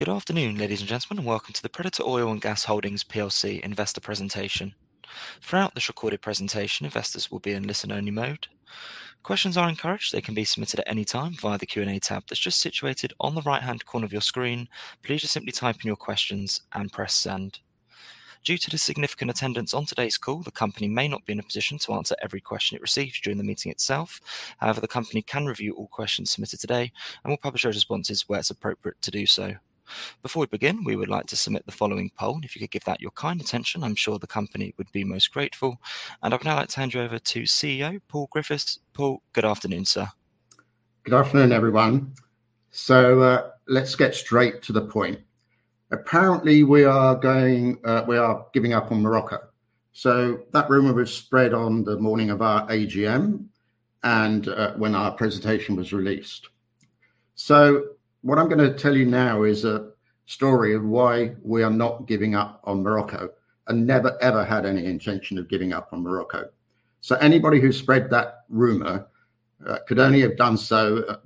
Good afternoon, ladies and gentlemen, and welcome to the Predator Oil & Gas Holdings PLC Investor Presentation. Throughout this recorded presentation, investors will be in listen-only mode. Questions are encouraged. They can be submitted at any time via the Q&A tab that's just situated on the right-hand corner of your screen. Please just simply type in your questions and press Send. Due to the significant attendance on today's call, the company may not be in a position to answer every question it receives during the meeting itself. However, the company can review all questions submitted today, and we'll publish those responses where it's appropriate to do so. Before we begin, we would like to submit the following poll, and if you could give that your kind attention, I'm sure the company would be most grateful. I'd now like to hand you over to CEO Paul Griffiths. Paul, good afternoon, sir. Good afternoon, everyone. Let's get straight to the point. Apparently, we are giving up on Morocco. That rumor was spread on the morning of our AGM and, when our presentation was released. What I'm gonna tell you now is a story of why we are not giving up on Morocco and never, ever had any intention of giving up on Morocco. Anybody who spread that rumor could only have done so,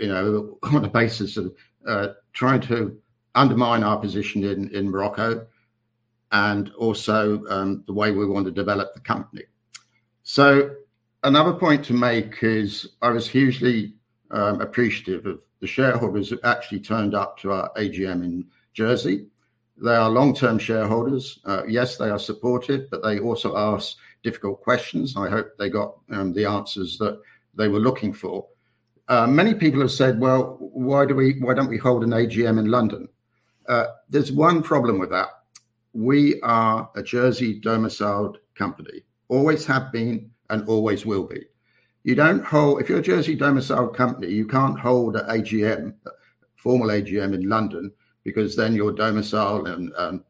you know, on the basis of trying to undermine our position in Morocco and also the way we want to develop the company. Another point to make is I was hugely appreciative of the shareholders that actually turned up to our AGM in Jersey. They are long-term shareholders. Yes, they are supportive, but they also ask difficult questions. I hope they got the answers that they were looking for. Many people have said, "Well, why don't we hold an AGM in London?" There's one problem with that. We are a Jersey-domiciled company. Always have been and always will be. If you're a Jersey-domiciled company, you can't hold an AGM, formal AGM in London because then your domicile and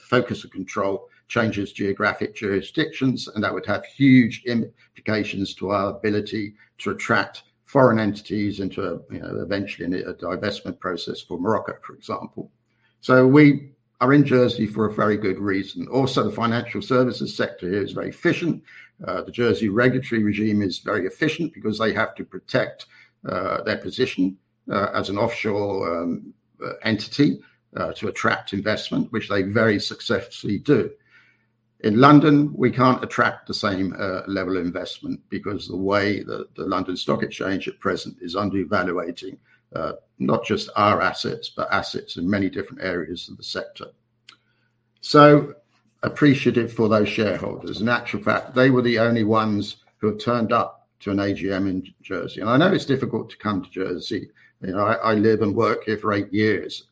focus of control changes geographic jurisdictions, and that would have huge implications to our ability to attract foreign entities into, you know, eventually in a divestment process for Morocco, for example. We are in Jersey for a very good reason. Also, the financial services sector here is very efficient. The Jersey regulatory regime is very efficient because they have to protect their position as an offshore entity to attract investment, which they very successfully do. In London, we can't attract the same level of investment because the way the London Stock Exchange at present is undervaluing not just our assets, but assets in many different areas of the sector. Appreciative for those shareholders. In actual fact, they were the only ones who had turned up to an AGM in Jersey. I know it's difficult to come to Jersey. You know, I live and work here for eight years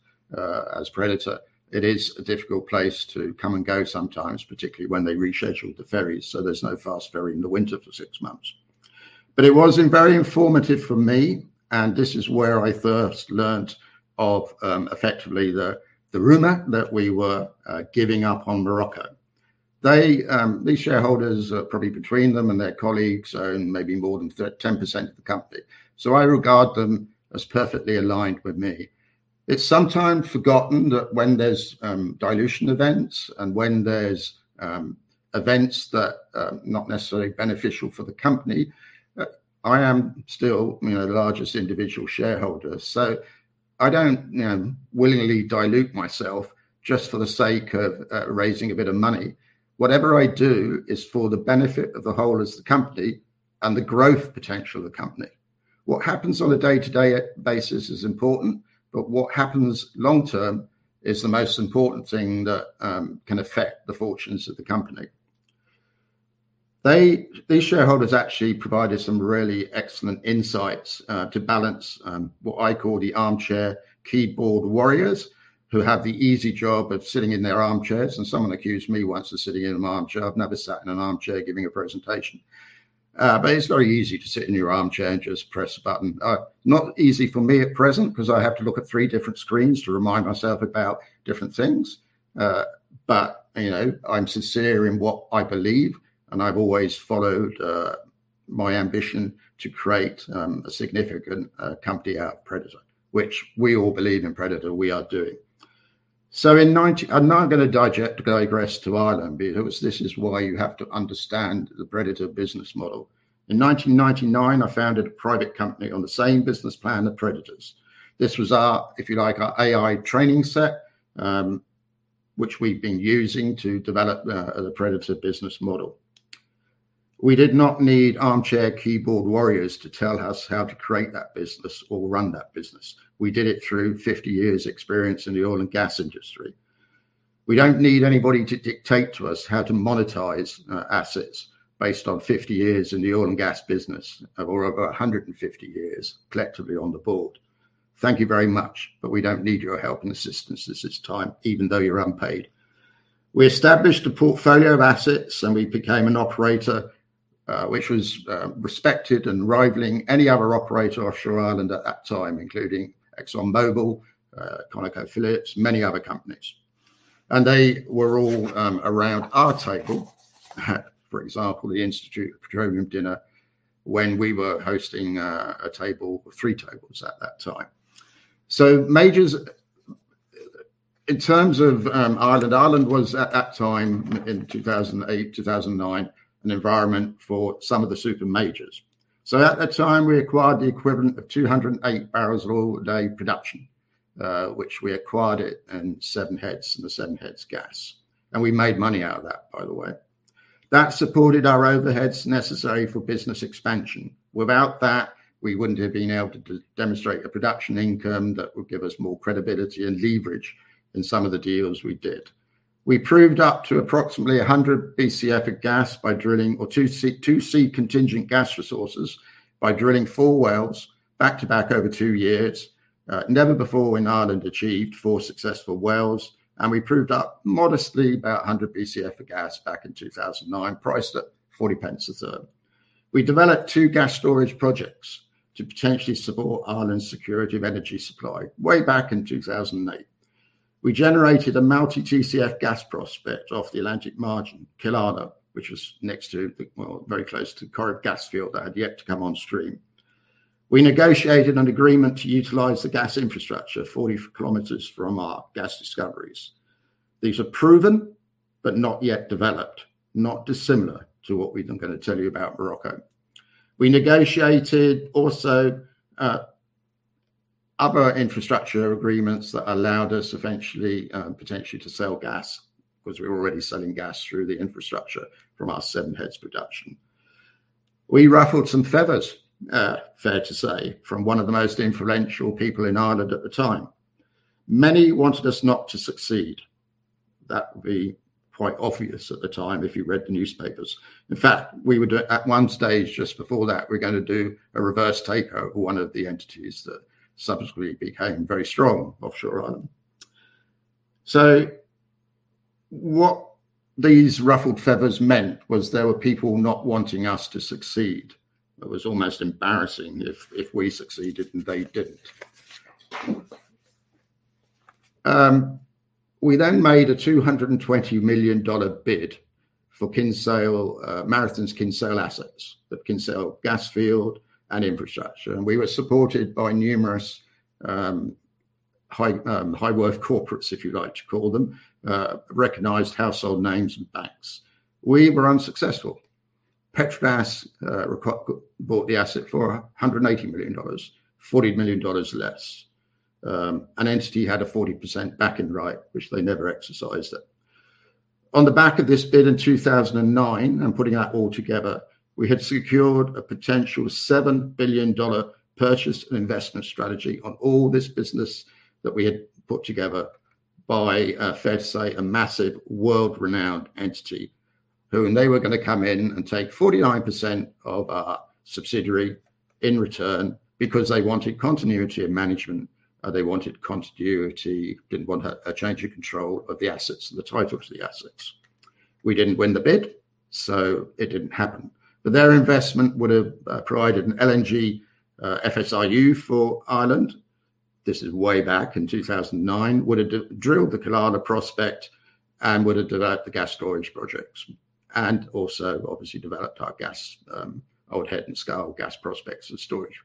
as Predator. It is a difficult place to come and go sometimes, particularly when they rescheduled the ferries, so there's no fast ferry in the winter for six months. It was very informative for me, and this is where I first learned of effectively the rumor that we were giving up on Morocco. They, these shareholders, probably between them and their colleagues own maybe more than 13% of the company. I regard them as perfectly aligned with me. It's sometimes forgotten that when there's dilution events and when there's events that not necessarily beneficial for the company, I am still, you know, the largest individual shareholder. I don't, you know, willingly dilute myself just for the sake of raising a bit of money. Whatever I do is for the benefit of the whole as the company and the growth potential of the company. What happens on a day-to-day basis is important, but what happens long-term is the most important thing that can affect the fortunes of the company. These shareholders actually provided some really excellent insights to balance what I call the armchair keyboard warriors, who have the easy job of sitting in their armchairs. Someone accused me once of sitting in an armchair. I've never sat in an armchair giving a presentation. It's very easy to sit in your armchair and just press a button. Not easy for me at present because I have to look at three different screens to remind myself about different things. You know, I'm sincere in what I believe, and I've always followed my ambition to create a significant company out of Predator, which we all believe in Predator we are doing. I'm now gonna digress to Ireland because this is why you have to understand the Predator business model. In 1999, I founded a private company on the same business plan of Predator's. This was our, if you like, our AI training set, which we've been using to develop the Predator business model. We did not need armchair keyboard warriors to tell us how to create that business or run that business. We did it through 50 years' experience in the oil and gas industry. We don't need anybody to dictate to us how to monetize assets based on 50 years in the oil and gas business or over 150 years collectively on the board. Thank you very much, but we don't need your help and assistance at this time, even though you're unpaid. We established a portfolio of assets, and we became an operator, which was respected and rivaling any other operator offshore Ireland at that time, including ExxonMobil, ConocoPhillips, many other companies. They were all around our table at, for example, the Institute of Petroleum dinner when we were hosting a table, three tables at that time. In terms of Ireland was at that time in 2008, 2009, an environment for some of the super majors. At that time, we acquired the equivalent of 208 barrels of oil a day production, which we acquired it in Seven Heads and the Seven Heads Gas. We made money out of that, by the way. That supported our overheads necessary for business expansion. Without that, we wouldn't have been able to demonstrate a production income that would give us more credibility and leverage in some of the deals we did. We proved up to approximately 100 BCF of gas by drilling our 2C contingent gas resources by drilling 4 wells back-to-back over 2 years. Never before in Ireland achieved 4 successful wells, and we proved up modestly about 100 BCF of gas back in 2009, priced at 40 pence a therm. We developed 2 gas storage projects to potentially support Ireland's security of energy supply way back in 2008. We generated a multi TCF gas prospect off the Atlantic margin, Killala, which was next to, well, very close to Corrib gas field that had yet to come on stream. We negotiated an agreement to utilize the gas infrastructure 40 kilometers from our gas discoveries. These are proven, but not yet developed, not dissimilar to what I'm gonna tell you about Morocco. We negotiated also, other infrastructure agreements that allowed us eventually, potentially to sell gas because we were already selling gas through the infrastructure from our Seven Heads production. We ruffled some feathers, fair to say, from one of the most influential people in Ireland at the time. Many wanted us not to succeed. That would be quite obvious at the time if you read the newspapers. In fact, at one stage just before that, we're gonna do a reverse takeover of one of the entities that subsequently became very strong offshore Ireland. What these ruffled feathers meant was there were people not wanting us to succeed. It was almost embarrassing if we succeeded, and they didn't. We made a $220 million bid for Kinsale, Marathon's Kinsale assets, the Kinsale gas field and infrastructure. We were supported by numerous high worth corporates, if you like to call them, recognized household names and banks. We were unsuccessful. Petrogas bought the asset for a $180 million, $40 million less. An entity had a 40% backend right, which they never exercised it. On the back of this bid in 2009 and putting that all together, we had secured a potential $7 billion purchase and investment strategy on all this business that we had put together by, fair to say, a massive world-renowned entity, and they were gonna come in and take 49% of our subsidiary in return because they wanted continuity of management, they wanted continuity, didn't want a change of control of the assets, the title to the assets. We didn't win the bid, so it didn't happen. Their investment would have provided an LNG FSRU for Ireland. This is way back in 2009. Would have drilled the Killala prospect and would have developed the gas storage projects, and also obviously developed our gas old head and scale gas prospects and storage.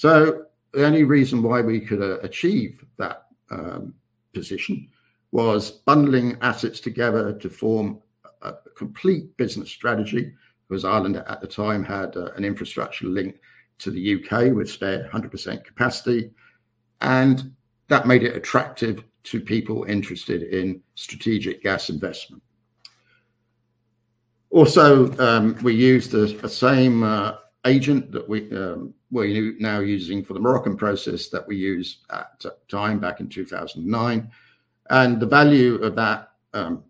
The only reason why we could achieve that position was bundling assets together to form a complete business strategy, because Ireland at the time had an infrastructure link to the U.K., which stayed at 100% capacity, and that made it attractive to people interested in strategic gas investment. We used the same agent that we're now using for the Moroccan process that we used at that time back in 2009. The value of that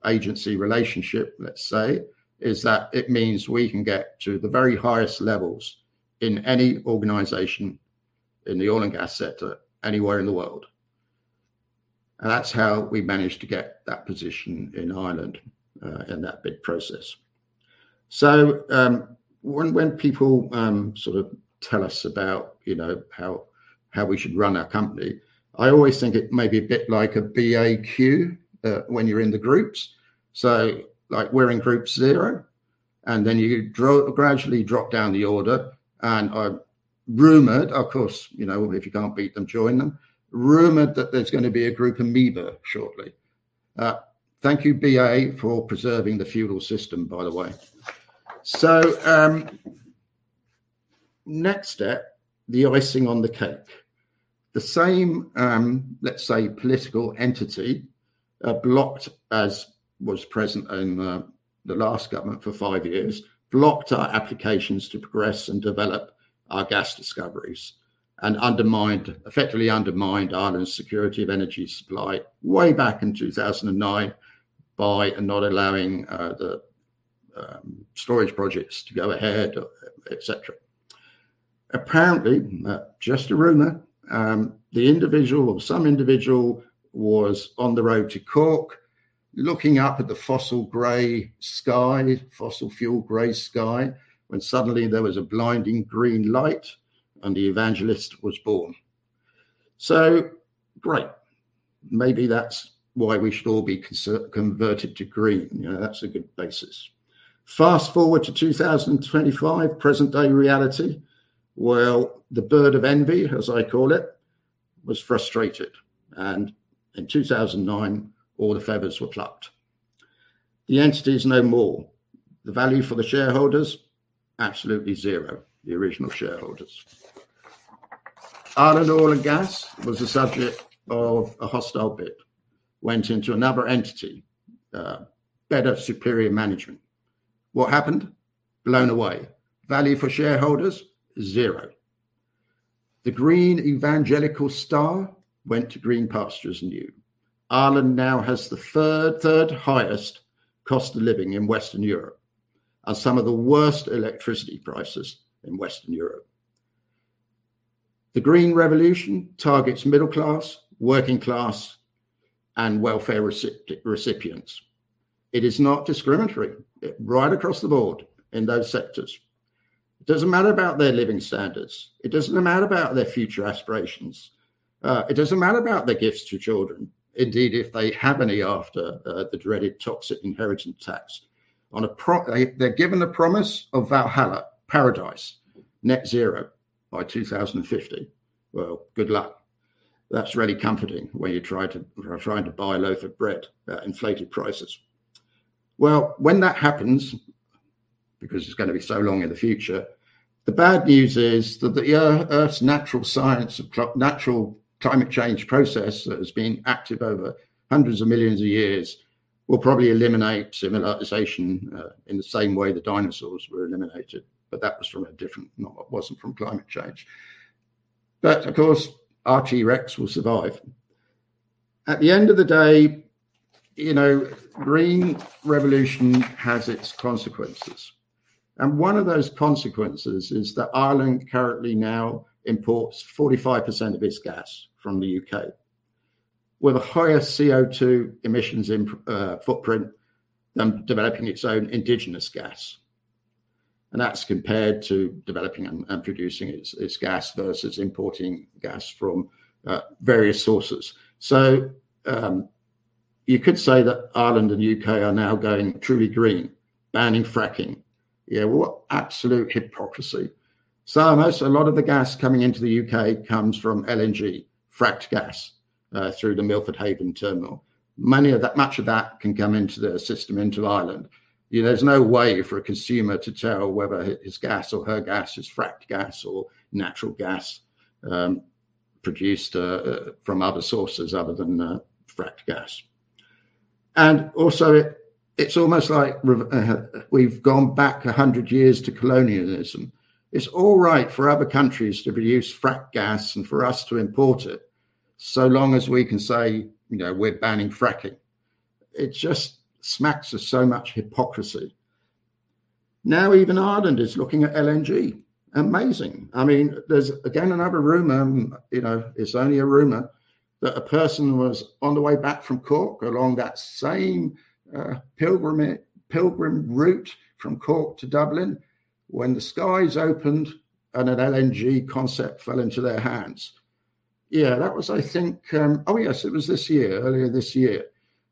agency relationship, let's say, is that it means we can get to the very highest levels in any organization in the oil and gas sector anywhere in the world. That's how we managed to get that position in Ireland in that bid process. When people sort of tell us about, you know, how we should run our company, I always think it may be a bit like a BA queue when you're in the groups. Like, we're in group zero, and then you gradually drop down the order. I rumored, of course, you know, if you can't beat them, join them. Rumored that there's gonna be a group amoeba shortly. Thank you, BA, for preserving the feudal system, by the way. Next step, the icing on the cake. The same, let's say, political entity, as was present in the last government for five years, blocked our applications to progress and develop our gas discoveries, and undermined Ireland's security of energy supply way back in 2009 by not allowing the storage projects to go ahead, etc. Apparently, just a rumor, the individual or some individual was on the road to Cork, looking up at the fossil gray sky, fossil fuel gray sky, when suddenly there was a blinding green light, and the evangelist was born. Great. Maybe that's why we should all be converted to green. You know, that's a good basis. Fast-forward to 2025, present-day reality. Well, the bird of envy, as I call it, was frustrated, and in 2009, all the feathers were plucked. The entity is no more. The value for the shareholders, absolutely zero, the original shareholders. Island Oil & Gas was the subject of a hostile bid. Went into another entity, better, superior management. What happened? Blown away. Value for shareholders, zero. The green evangelical star went to green pastures new. Ireland now has the third highest cost of living in Western Europe and some of the worst electricity prices in Western Europe. The Green Revolution targets middle class, working class, and welfare recipients. It is not discriminatory, right across the board in those sectors. It doesn't matter about their living standards. It doesn't matter about their future aspirations. It doesn't matter about their gifts to children. Indeed, if they have any after the dreaded toxic inheritance tax. They're given the promise of Valhalla, paradise, net zero by 2050. Well, good luck. That's really comforting when you are trying to buy a loaf of bread at inflated prices. Well, when that happens, because it's gonna be so long in the future, the bad news is that the Earth's natural climate change process that has been active over hundreds of millions of years will probably eliminate civilization in the same way the dinosaurs were eliminated. But that was from a different. Not, it wasn't from climate change. But of course, our T. Rex will survive. At the end of the day, you know, Green Revolution has its consequences. One of those consequences is that Ireland currently now imports 45% of its gas from the U.K., with a higher CO2 emissions footprint than developing its own indigenous gas. That's compared to developing and producing its gas versus importing gas from various sources. You could say that Ireland and U.K. are now going truly green, banning fracking. Yeah, what absolute hypocrisy. Most of the gas coming into the U.K. comes from LNG, fracked gas, through the Milford Haven terminal. Much of that can come into the system into Ireland. There's no way for a consumer to tell whether his gas or her gas is fracked gas or natural gas produced from other sources other than fracked gas. It's almost like we've gone back 100 years to colonialism. It's all right for other countries to produce fracked gas and for us to import it, so long as we can say we're banning fracking. It just smacks of so much hypocrisy. Now even Ireland is looking at LNG. Amazing. I mean, there's again another rumor, and you know, it's only a rumor, that a person was on the way back from Cork along that same pilgrimage, pilgrim route from Cork to Dublin, when the skies opened and an LNG concept fell into their hands. Yeah, that was I think, oh yes, it was this year, earlier this year.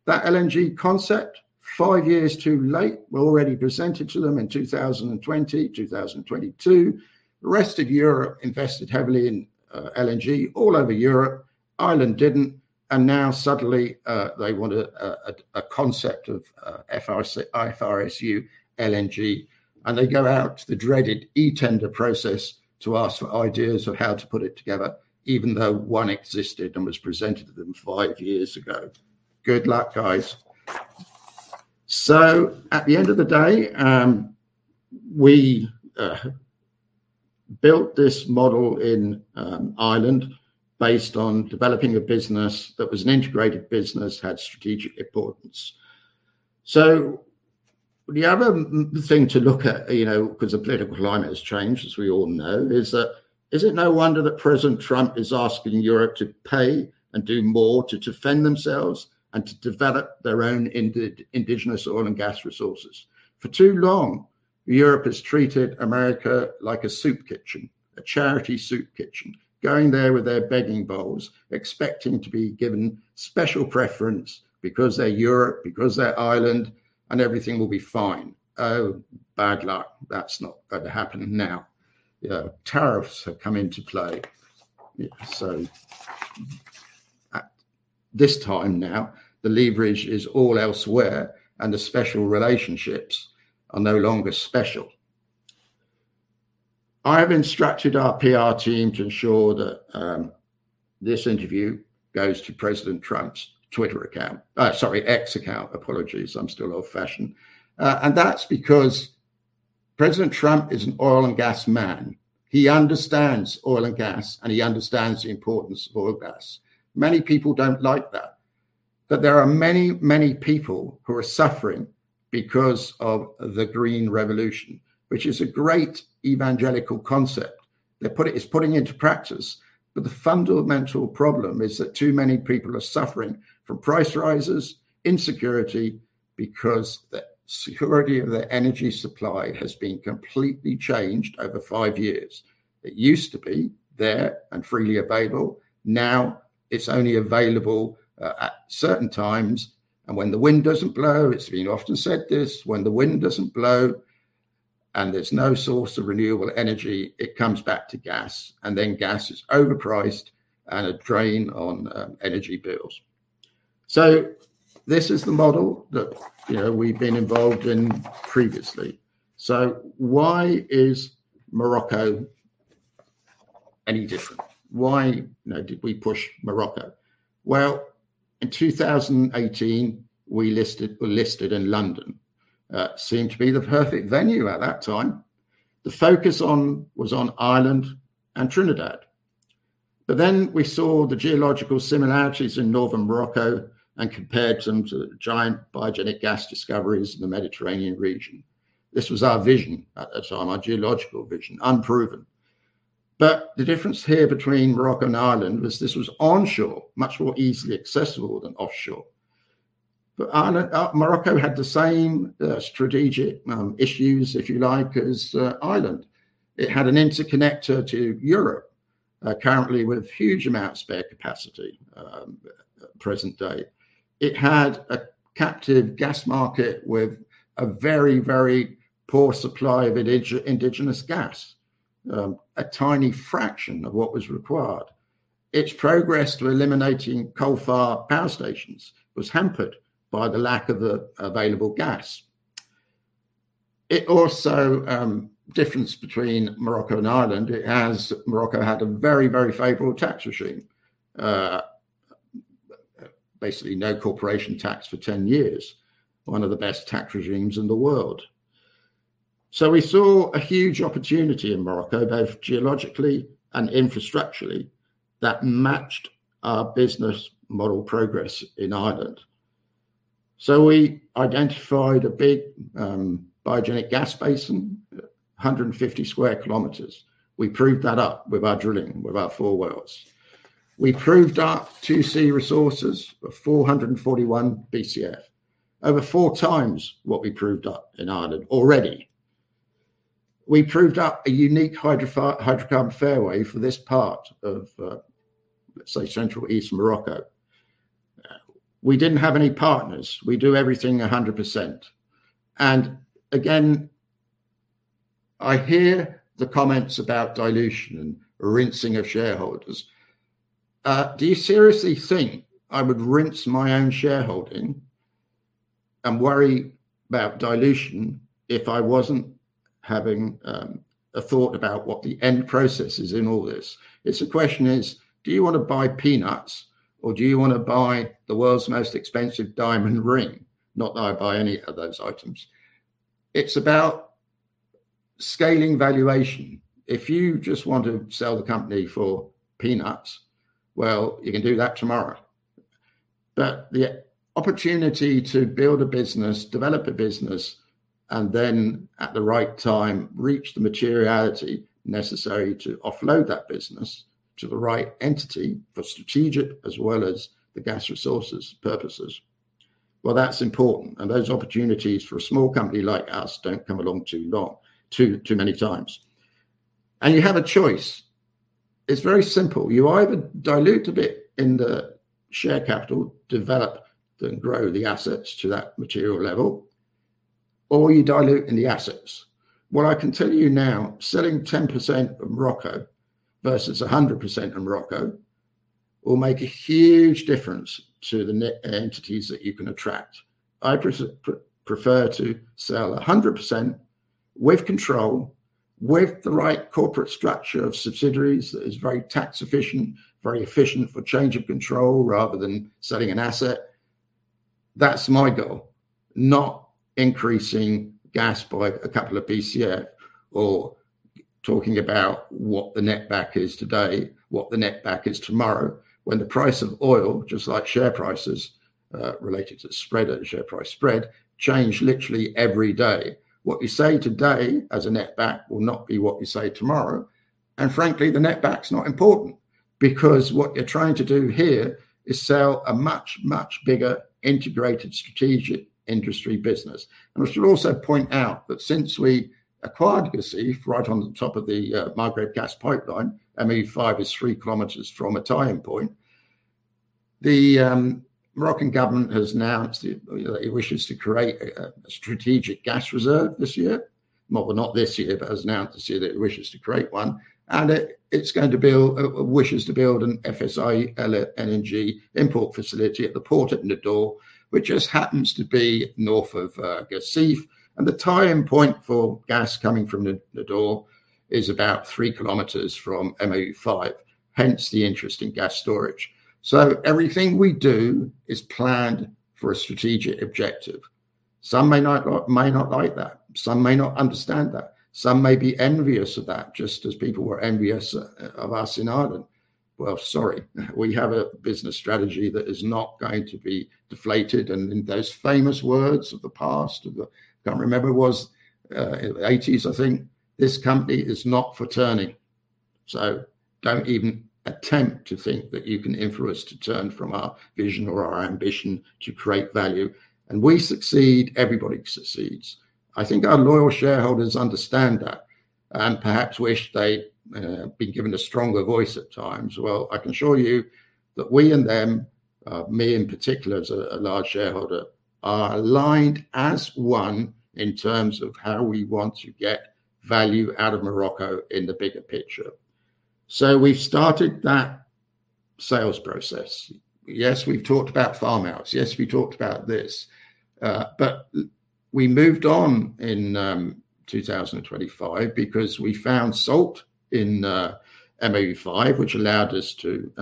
That LNG concept, five years too late, we already presented to them in 2020, 2022. The rest of Europe invested heavily in LNG all over Europe. Ireland didn't, and now suddenly, they want a concept of FRSU LNG, and they go out the dreaded e-tender process to ask for ideas of how to put it together, even though one existed and was presented to them five years ago. Good luck, guys. At the end of the day, we built this model in Ireland based on developing a business that was an integrated business, had strategic importance. The other thing to look at, you know, because the political climate has changed, as we all know, is that, is it no wonder that President Trump is asking Europe to pay and do more to defend themselves and to develop their own indigenous oil and gas resources? For too long, Europe has treated America like a soup kitchen, a charity soup kitchen, going there with their begging bowls, expecting to be given special preference because they're Europe, because they're Ireland, and everything will be fine. Oh, bad luck. That's not going to happen now. You know, tariffs have come into play. Yeah, so, at this time now, the leverage is all elsewhere, and the special relationships are no longer special. I have instructed our PR team to ensure that this interview goes to President Trump's Twitter account. Sorry, X account. Apologies. I'm still old-fashioned. That's because President Trump is an oil and gas man. He understands oil and gas, and he understands the importance of oil and gas. Many people don't like that, but there are many, many people who are suffering because of the Green Revolution, which is a great evangelical concept. It's putting into practice, but the fundamental problem is that too many people are suffering from price rises, insecurity because the security of their energy supply has been completely changed over five years. It used to be there and freely available. Now, it's only available at certain times. When the wind doesn't blow, it's been often said, when the wind doesn't blow, and there's no source of renewable energy, it comes back to gas. Then gas is overpriced and a drain on energy bills. This is the model that, you know, we've been involved in previously. Why is Morocco any different? Why, you know, did we push Morocco? Well, in 2018, we're listed in London. Seemed to be the perfect venue at that time. The focus was on Ireland and Trinidad. We saw the geological similarities in northern Morocco and compared them to the giant biogenic gas discoveries in the Mediterranean region. This was our vision at that time, our geological vision, unproven. The difference here between Morocco and Ireland was this was onshore, much more easily accessible than offshore. Ireland, Morocco had the same, strategic, issues, if you like, as, Ireland. It had an interconnector to Europe, currently with huge amounts of spare capacity, present day. It had a captive gas market with a very, very poor supply of indigenous gas, a tiny fraction of what was required. Its progress to eliminating coal-fired power stations was hampered by the lack of available gas. It also, difference between Morocco and Ireland, Morocco had a very, very favorable tax regime. Basically no corporation tax for 10 years. One of the best tax regimes in the world. We saw a huge opportunity in Morocco, both geologically and infrastructurally, that matched our business model progress in Ireland. We identified a big, biogenic gas basin, 150 sq km. We proved that up with our drilling, with our four wells. We proved up 2C resources of 441 BCF, over four times what we proved up in Ireland already. We proved up a unique hydrocarbon fairway for this part of, let's say, central east Morocco. We didn't have any partners. We do everything 100%. Again, I hear the comments about dilution and rinsing of shareholders. Do you seriously think I would rinse my own shareholding and worry about dilution if I wasn't having a thought about what the end process is in all this? The question is, do you wanna buy peanuts, or do you wanna buy the world's most expensive diamond ring? Not that I'd buy any of those items. It's about scaling valuation. If you just want to sell the company for peanuts, well, you can do that tomorrow. The opportunity to build a business, develop a business, and then at the right time, reach the materiality necessary to offload that business to the right entity for strategic as well as the gas resources purposes, well, that's important. Those opportunities for a small company like us don't come along too many times. You have a choice. It's very simple. You either dilute a bit in the share capital, develop, then grow the assets to that material level, or you dilute in the assets. What I can tell you now, selling 10% of Morocco versus 100% of Morocco will make a huge difference to the net entities that you can attract. I'd prefer to sell 100% with control, with the right corporate structure of subsidiaries that is very tax efficient, very efficient for change of control rather than selling an asset. That's my goal. Not increasing gas by a couple of BCF or talking about what the netback is today, what the netback is tomorrow. When the price of oil, just like share prices, related to spread, share price spread, change literally every day. What you say today as a netback will not be what you say tomorrow. Frankly, the net back's not important because what you're trying to do here is sell a much, much bigger integrated strategic industry business. I should also point out that since we acquired Guercif right on the top of the Maghreb Gas Pipeline, MOU-5 is three kilometers from a tie-in point. The Moroccan government has announced it wishes to create a strategic gas reserve this year. Well, not this year, but has announced this year that it wishes to create one. It wishes to build an FSRU LNG import facility at the port at Nador, which just happens to be north of Guercif. The tie-in point for gas coming from Nador is about three kilometers from MOU-5, hence the interest in gas storage. Everything we do is planned for a strategic objective. Some may not like that. Some may not understand that. Some may be envious of that, just as people were envious of us in Ireland. Well, sorry. We have a business strategy that is not going to be deflated. In those famous words of the past, I can't remember who it was in eighties, I think, "This company is not for turning." Don't even attempt to think that you can influence to turn from our vision or our ambition to create value. When we succeed, everybody succeeds. I think our loyal shareholders understand that and perhaps wish they'd been given a stronger voice at times. Well, I can assure you that we and them, me in particular as a large shareholder, are aligned as one in terms of how we want to get value out of Morocco in the bigger picture. We've started that sales process. Yes, we've talked about farmouts. Yes, we talked about this. We moved on in 2025 because we found salt in MOU-5, which allowed us to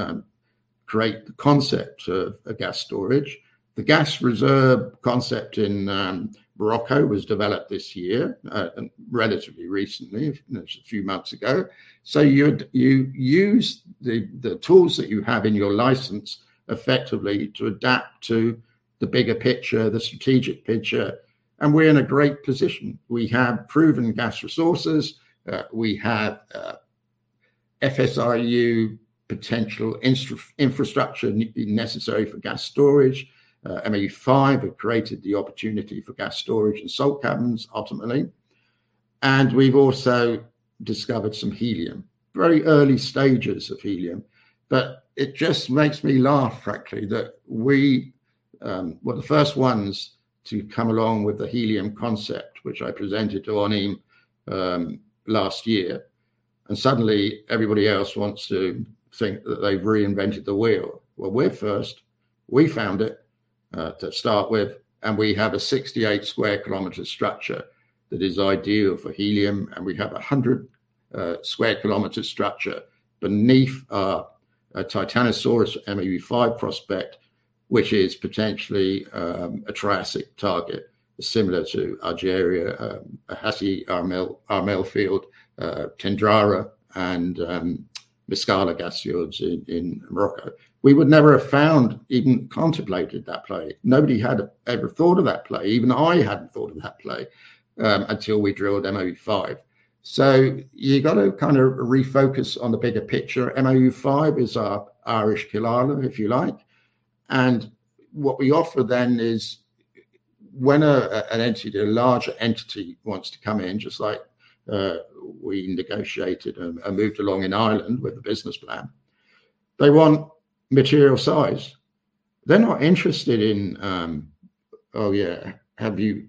create the concept of a gas storage. The gas reserve concept in Morocco was developed this year, relatively recently, a few months ago. You use the tools that you have in your license effectively to adapt to the bigger picture, the strategic picture. We're in a great position. We have proven gas resources. We have FSRU potential infrastructure necessary for gas storage. MOU-5 have created the opportunity for gas storage and salt caverns, ultimately. We've also discovered some helium, very early stages of helium. It just makes me laugh, frankly, that we were the first ones to come along with the helium concept, which I presented to ONHYM last year. Suddenly everybody else wants to think that they've reinvented the wheel. Well, we're first. We found it to start with. We have a 68 sq km structure that is ideal for helium. We have 100 sq km structure beneath our Eytan MOU-5 prospect, which is potentially a Triassic target similar to Algeria, Hassi R'Mel field, Tendrara and Meskala gas fields in Morocco. We would never have found, even contemplated that play. Nobody had ever thought of that play. Even I hadn't thought of that play until we drilled MOU-5. You've got to kind of refocus on the bigger picture. MOU-5 is our Irish Killala, if you like. What we offer then is when an entity, a larger entity wants to come in, just like we negotiated and moved along in Ireland with a business plan, they want material size. They're not interested in, oh yeah, have you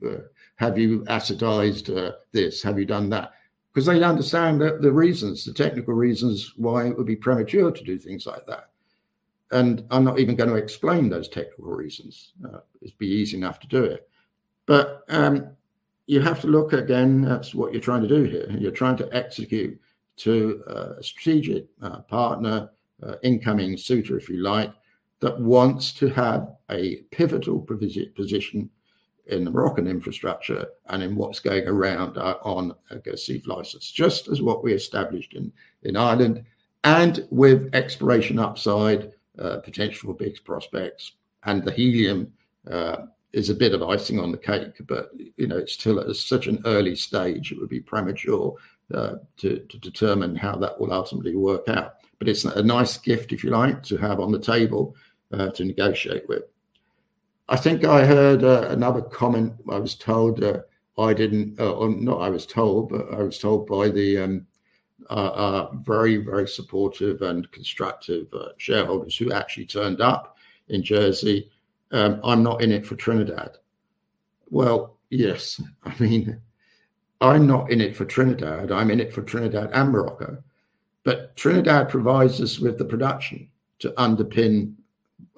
assetized this? Have you done that? Because they understand the reasons, the technical reasons why it would be premature to do things like that. I'm not even going to explain those technical reasons. It'd be easy enough to do it. You have to look again at what you're trying to do here. You're trying to execute to a strategic partner, incoming suitor, if you like, that wants to have a pivotal position in the Moroccan infrastructure and in what's going around on a Guercif license, just as what we established in Ireland. With exploration upside potential, big prospects, and the helium is a bit of icing on the cake. You know, it's still at such an early stage, it would be premature to determine how that will ultimately work out. It's a nice gift, if you like, to have on the table to negotiate with. I think I heard another comment. I was told by the very, very supportive and constructive shareholders who actually turned up in Jersey, I'm not in it for Trinidad. Well, yes. I mean, I'm not in it for Trinidad. I'm in it for Trinidad and Morocco. Trinidad provides us with the production to underpin,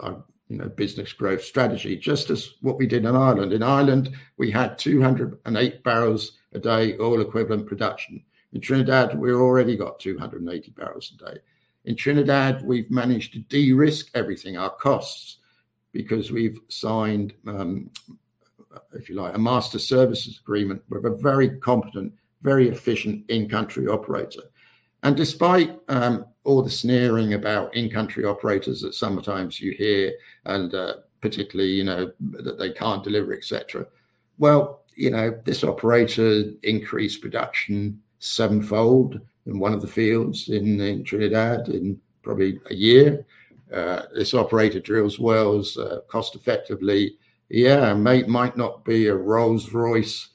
you know, business growth strategy, just as what we did in Ireland. In Ireland, we had 208 barrels a day, all equivalent production. In Trinidad, we've already got 280 barrels a day. In Trinidad, we've managed to de-risk everything, our costs, because we've signed, if you like, a master services agreement with a very competent, very efficient in-country operator. Despite all the sneering about in-country operators that sometimes you hear, and particularly, you know, that they can't deliver, et cetera. Well, you know, this operator increased production sevenfold in one of the fields in Trinidad in probably a year. This operator drills wells cost-effectively. Yeah, might not be a Rolls-Royce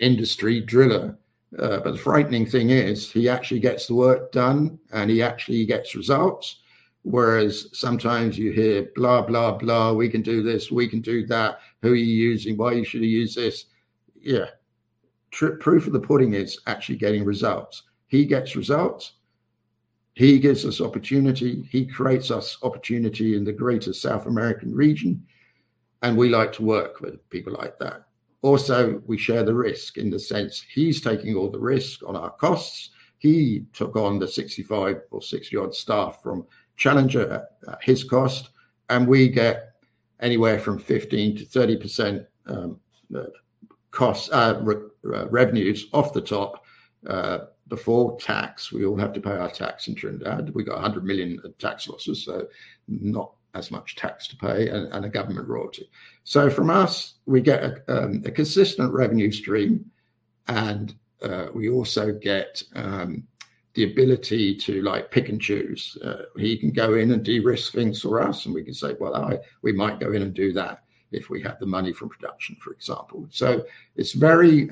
industry driller. The frightening thing is he actually gets the work done and he actually gets results. Whereas sometimes you hear, blah, blah, we can do this, we can do that. Who are you using? Why you should use this? Yeah. Proof of the pudding is actually getting results. He gets results. He gives us opportunity. He creates us opportunity in the greater South American region. We like to work with people like that. Also, we share the risk in the sense he's taking all the risk on our costs. He took on the 65- or 66-yard staff from Challenger Energy at his cost. We get anywhere from 15%-30% revenues off the top before tax. We all have to pay our tax in Trinidad. We got 100 million tax losses, so not as much tax to pay and a government royalty. From us, we get a consistent revenue stream and we also get the ability to like pick and choose. He can go in and de-risk things for us and we can say, well, we might go in and do that if we had the money from production, for example. It's very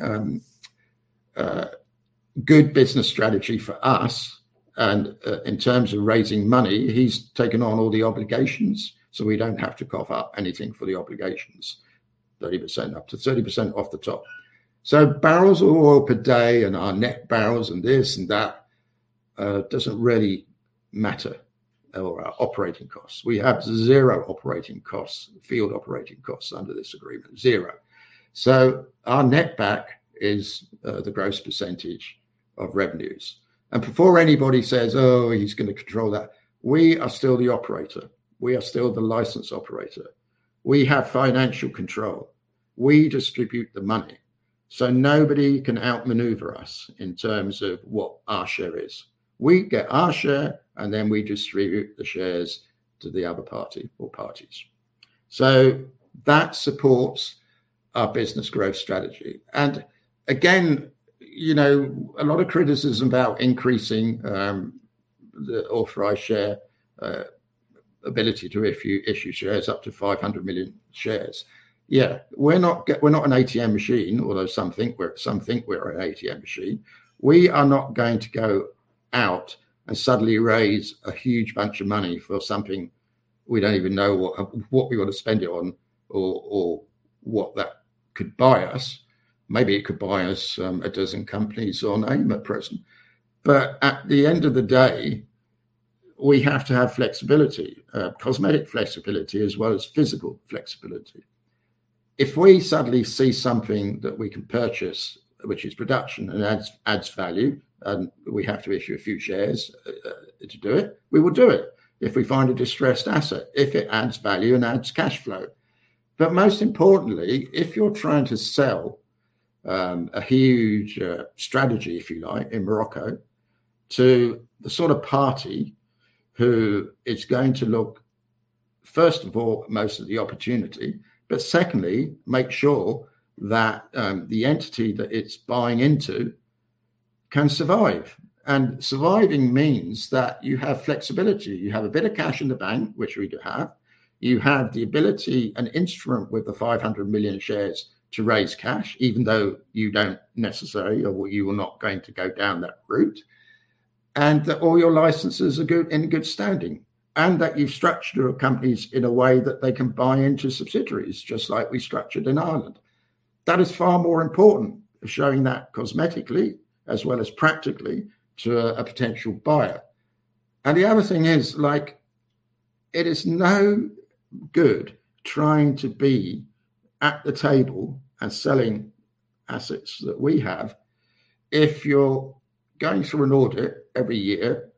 good business strategy for us. In terms of raising money, he's taken on all the obligations. We don't have to cough up anything for the obligations. 30% up to 30% off the top. Barrels of oil per day and our net barrels and this and that doesn't really matter or our operating costs. We have zero operating costs, field operating costs under this agreement, zero. Our net back is the gross percentage of revenues. Before anybody says, oh, he's going to control that. We are still the operator. We are still the license operator. We have financial control. We distribute the money so nobody can outmaneuver us in terms of what our share is. We get our share and then we distribute the shares to the other party or parties. That supports our business growth strategy. Again, you know, a lot of criticism about increasing the authorized share ability to issue shares up to 500 million shares. Yeah, we're not an ATM machine, although some think we're an ATM machine. We are not going to go out and suddenly raise a huge bunch of money for something we don't even know what we want to spend it on or what that could buy us. Maybe it could buy us a dozen companies on AIM at present. But at the end of the day, we have to have flexibility, cosmetic flexibility, as well as physical flexibility. If we suddenly see something that we can purchase, which is production and adds value, and we have to issue a few shares to do it, we will do it. If we find a distressed asset, if it adds value and adds cash flow. Most importantly, if you're trying to sell a huge strategy, if you like, in Morocco to the sort of party who is going to look, first of all, most of the opportunity, but secondly, make sure that the entity that it's buying into can survive. Surviving means that you have flexibility. You have a bit of cash in the bank, which we do have. You have the ability and instrument with the 500 million shares to raise cash, even though you don't necessarily or you are not going to go down that route. All your licenses are in good standing and that you've structured your companies in a way that they can buy into subsidiaries, just like we structured in Ireland. That is far more important, showing that cosmetically as well as practically to a potential buyer. The other thing is like, it is no good trying to be at the table and selling assets that we have if you're going through an audit every year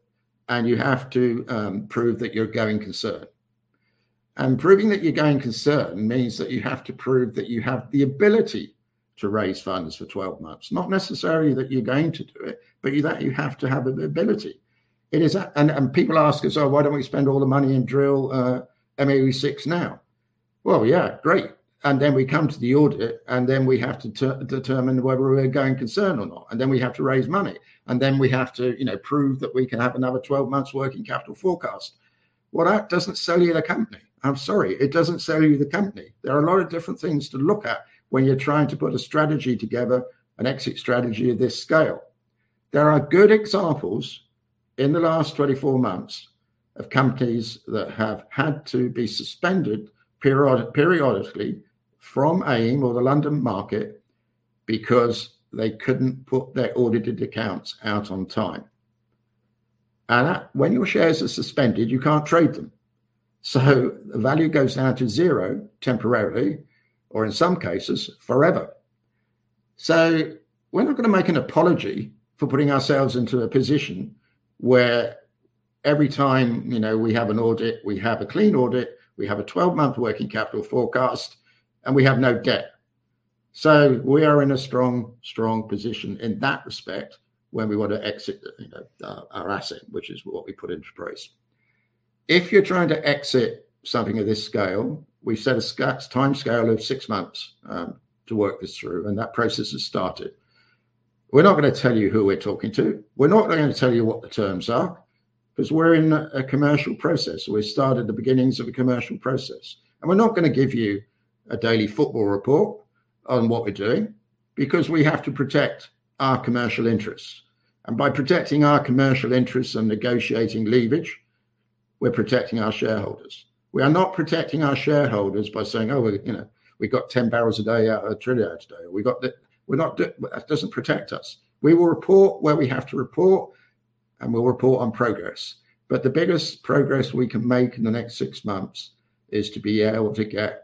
and you have to prove that you're going concern. Proving that you're going concern means that you have to prove that you have the ability to raise funds for 12 months, not necessarily that you're going to do it, but that you have to have the ability. People ask us, oh, why don't we spend all the money and drill MOU-6 now? Well, yeah, great. Then we come to the audit and then we have to determine whether we're going concern or not. Then we have to raise money. Then we have to prove that we can have another 12 months working capital forecast. Well, that doesn't sell you the company. I'm sorry. It doesn't sell you the company. There are a lot of different things to look at when you're trying to put a strategy together, an exit strategy of this scale. There are good examples in the last 24 months of companies that have had to be suspended periodically from AIM or the London market because they couldn't put their audited accounts out on time. When your shares are suspended, you can't trade them. The value goes down to zero temporarily or in some cases forever. We're not going to make an apology for putting ourselves into a position where every time we have an audit, we have a clean audit, we have a 12-month working capital forecast and we have no debt. We are in a strong position in that respect when we want to exit our asset, which is what we put into price. If you're trying to exit something of this scale, we've set a timescale of six months to work this through and that process has started. We're not going to tell you who we're talking to. We're not going to tell you what the terms are because we're in a commercial process. We started the beginnings of a commercial process and we're not going to give you a daily football report on what we're doing because we have to protect our commercial interests. By protecting our commercial interests and negotiating leverage, we're protecting our shareholders. We are not protecting our shareholders by saying, oh, you know, we got 10 barrels a day out of Trinidad today. That doesn't protect us. We will report where we have to report and we'll report on progress. The biggest progress we can make in the next 6 months is to be able to get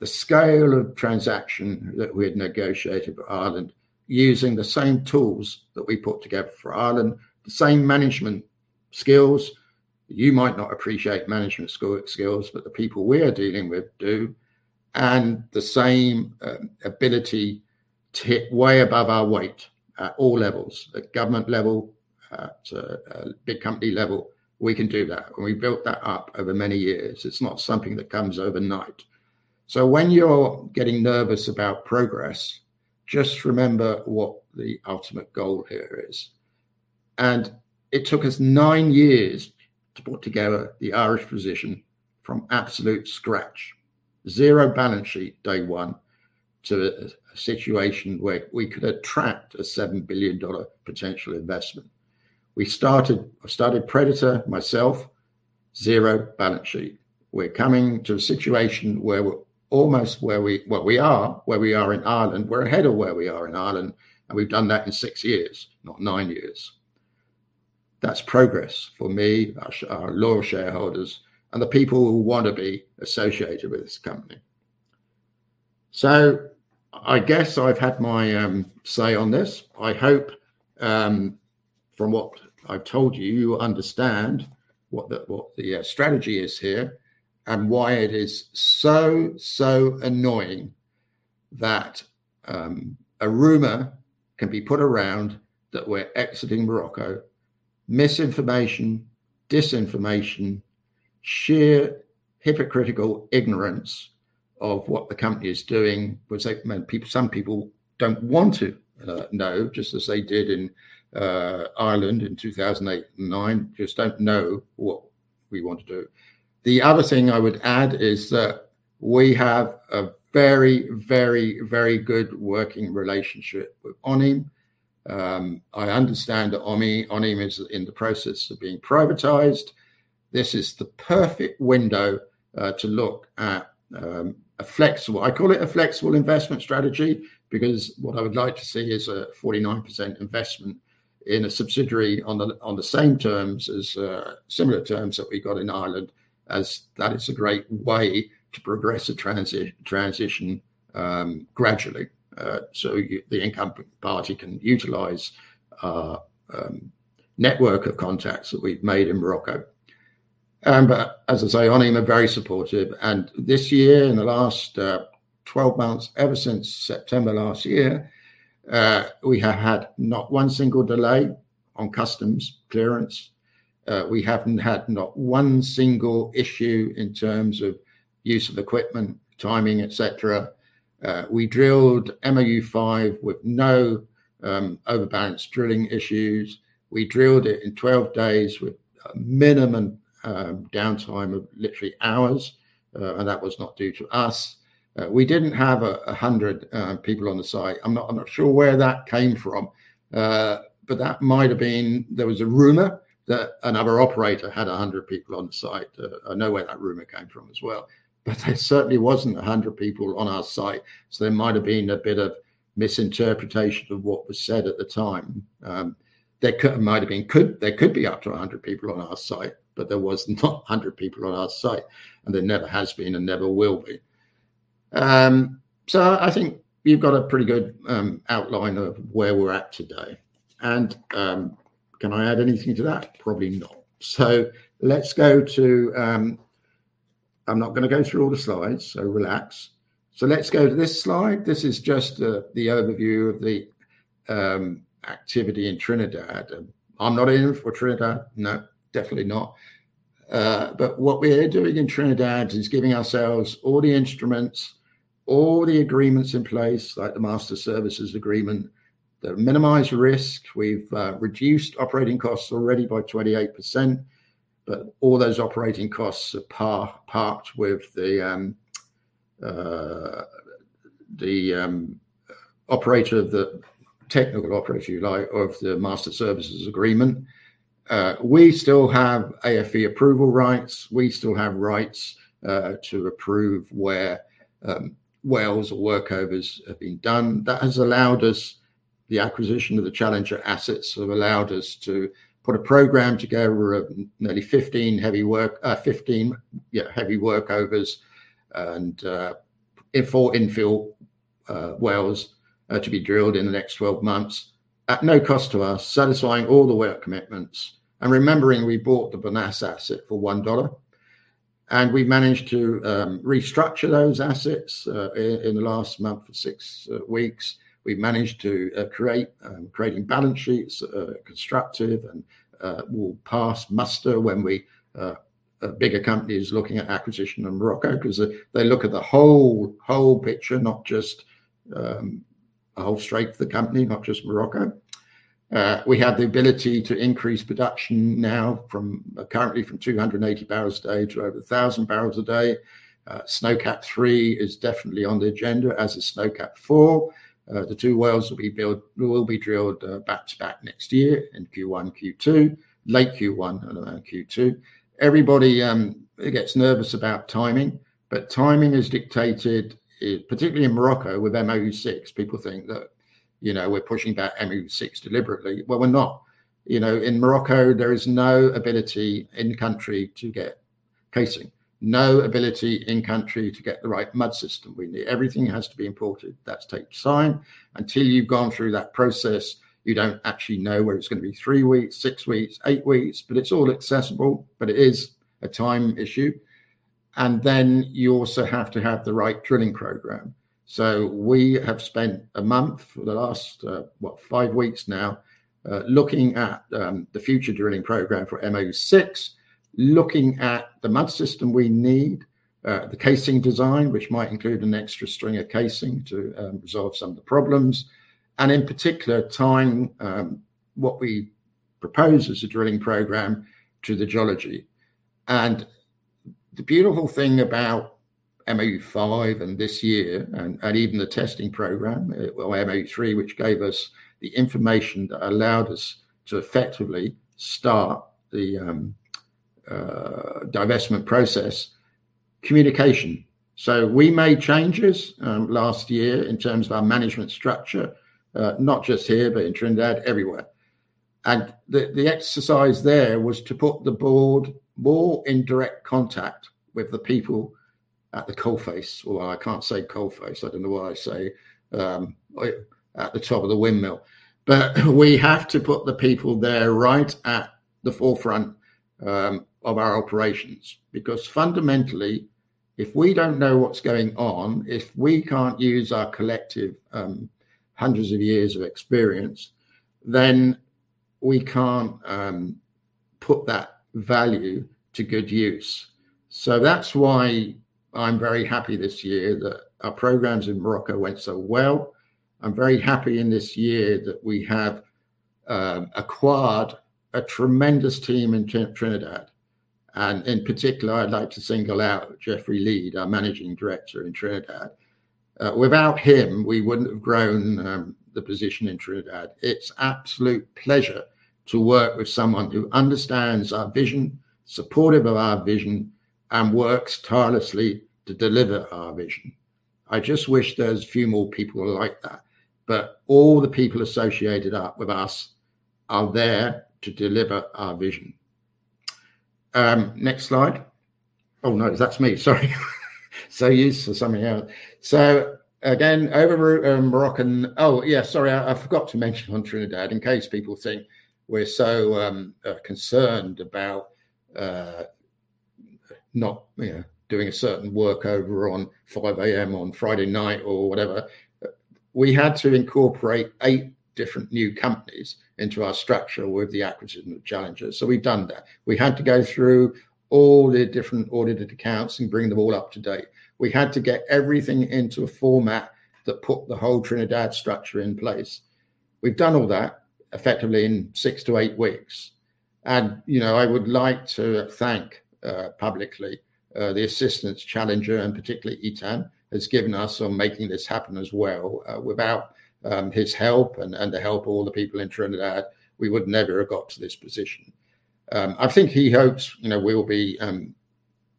the scale of transaction that we had negotiated for Ireland using the same tools that we put together for Ireland, the same management skills. You might not appreciate management skills, but the people we are dealing with do. The same ability to hit way above our weight at all levels, at government level, at big company level. We can do that. We've built that up over many years. It's not something that comes overnight. When you're getting nervous about progress, just remember what the ultimate goal here is. It took us 9 years to put together the Irish position from absolute scratch. Zero balance sheet day one to a situation where we could attract a $7 billion potential investment. I started Predator myself zero balance sheet. We're coming to a situation where we're almost where we are in Ireland. Well, we are where we are in Ireland. We're ahead of where we are in Ireland, and we've done that in six years, not nine years. That's progress for me, our loyal shareholders, and the people who want to be associated with this company. I guess I've had my say on this. I hope from what I've told you understand what the strategy is here and why it is so annoying that a rumor can be put around that we're exiting Morocco. Misinformation, disinformation, sheer hypocritical ignorance of what the company is doing. I mean, some people don't want to know just as they did in Ireland in 2008 and 2009. Just don't know what we want to do. The other thing I would add is that we have a very good working relationship with ONEE. I understand that ONEE is in the process of being privatized. This is the perfect window to look at a flexible investment strategy because what I would like to see is a 49% investment in a subsidiary on the same terms as similar terms that we've got in Ireland, as that is a great way to progress a transition gradually. The incumbent party can utilize our network of contacts that we've made in Morocco. As I say, ONEE are very supportive, and this year, in the last 12 months, ever since September last year, we have had not one single delay on customs clearance. We haven't had not one single issue in terms of use of equipment, timing, et cetera. We drilled MOU-5 with no overbalanced drilling issues. We drilled it in 12 days with a minimum downtime of literally hours, and that was not due to us. We didn't have 100 people on the site. I'm not sure where that came from, but that might have been there was a rumor that another operator had 100 people on site. I know where that rumor came from as well. There certainly wasn't 100 people on our site, so there might have been a bit of misinterpretation of what was said at the time. There could be up to 100 people on our site, but there was not 100 people on our site, and there never has been and never will be. I think you've got a pretty good outline of where we're at today and can I add anything to that? Probably not. Let's go to. I'm not gonna go through all the slides, so relax. Let's go to this slide. This is just the overview of the activity in Trinidad. I'm not in for Trinidad. No, definitely not. What we're doing in Trinidad is giving ourselves all the instruments, all the agreements in place, like the master services agreement that minimize risk. We've reduced operating costs already by 28%. All those operating costs are parked with the operator, the technical operator if you like, of the master services agreement. We still have AFV approval rights. We still have rights to approve where wells or workovers have been done. That has allowed us. The acquisition of the Challenger assets have allowed us to put a program together of nearly 15 heavy workovers and infill wells to be drilled in the next 12 months at no cost to us, satisfying all the well commitments. Remembering we bought the Benas asset for $1, we managed to restructure those assets in the last six weeks. We managed to create constructive balance sheets and will pass muster when a bigger company is looking at acquisition in Morocco 'cause they look at the whole picture, not just the whole strength of the company, not just Morocco. We have the ability to increase production currently from 280 barrels a day to over 1,000 barrels a day. Snowcap-3 is definitely on the agenda as is Snowcap-4. The two wells will be built, will be drilled back-to-back next year in Q1, Q2. Late Q1 and Q2. Everybody gets nervous about timing, but timing is dictated particularly in Morocco with MOU-6. People think that, you know, we're pushing back MOU-6 deliberately. Well, we're not. You know, in Morocco, there is no ability in country to get casing. No ability in country to get the right mud system we need. Everything has to be imported. That's time-consuming. Until you've gone through that process, you don't actually know whether it's gonna be 3 weeks, 6 weeks, 8 weeks, but it's all accessible, but it is a time issue. Then you also have to have the right drilling program. We have spent a month for the last 5 weeks now looking at the future drilling program for MOU-6, looking at the mud system we need, the casing design, which might include an extra string of casing to resolve some of the problems, and in particular tying what we propose as a drilling program to the geology. The beautiful thing about MOU-5 and this year and even the testing program, MOU-3, which gave us the information that allowed us to effectively start the divestment process. Communication. We made changes last year in terms of our management structure, not just here, but in Trinidad, everywhere. The exercise there was to put the board more in direct contact with the people at the coal face. I can't say coal face. I don't know what I say at the top of the windmill. We have to put the people there right at the forefront of our operations. Because fundamentally, if we don't know what's going on, if we can't use our collective hundreds of years of experience, then we can't put that value to good use. That's why I'm very happy this year that our programs in Morocco went so well. I'm very happy in this year that we have acquired a tremendous team in Trinidad. In particular, I'd like to single out Jeffrey Leed, our Managing Director in Trinidad. Without him, we wouldn't have grown the position in Trinidad. It's absolute pleasure to work with someone who understands our vision, supportive of our vision, and works tirelessly to deliver our vision. I just wish there's a few more people like that, but all the people associated with us are there to deliver our vision. Next slide. Oh, no, that's me. Sorry. Yes, so something happened. Again, over Moroccan... Oh, yeah, sorry, I forgot to mention on Trinidad in case people think we're so concerned about not, you know, doing a certain work over on 5 A.M. on Friday night or whatever. We had to incorporate 8 different new companies into our structure with the acquisition of Challenger Energy, so we've done that. We had to go through all the different audited accounts and bring them all up to date. We had to get everything into a format that put the whole Trinidad structure in place. We've done all that effectively in 6 to 8 weeks, and, you know, I would like to thank publicly the assistance Challenger Energy, and particularly Itan, has given us on making this happen as well. Without his help and the help of all the people in Trinidad, we would never have got to this position. I think he hopes, you know, we will be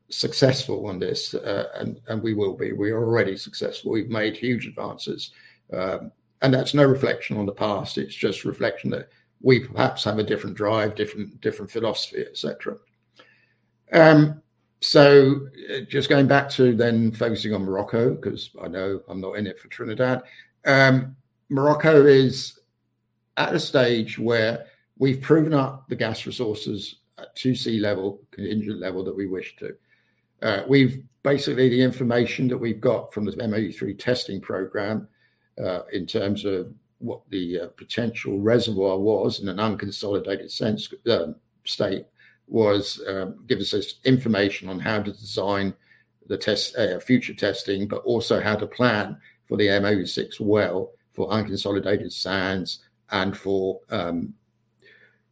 successful on this, and we will be. We're already successful. We've made huge advances. That's no reflection on the past. It's just reflection that we perhaps have a different drive, different philosophy, et cetera. Just going back to then focusing on Morocco, 'cause I know I'm not in it for Trinidad. Morocco is at a stage where we've proven up the gas resources at 2C level, contingent level that we wish to. We've... Basically, the information that we've got from the MOU-3 testing program, in terms of what the potential reservoir was in an unconsolidated state, gave us this information on how to design future testing, but also how to plan for the MOU-6 well for unconsolidated sands, and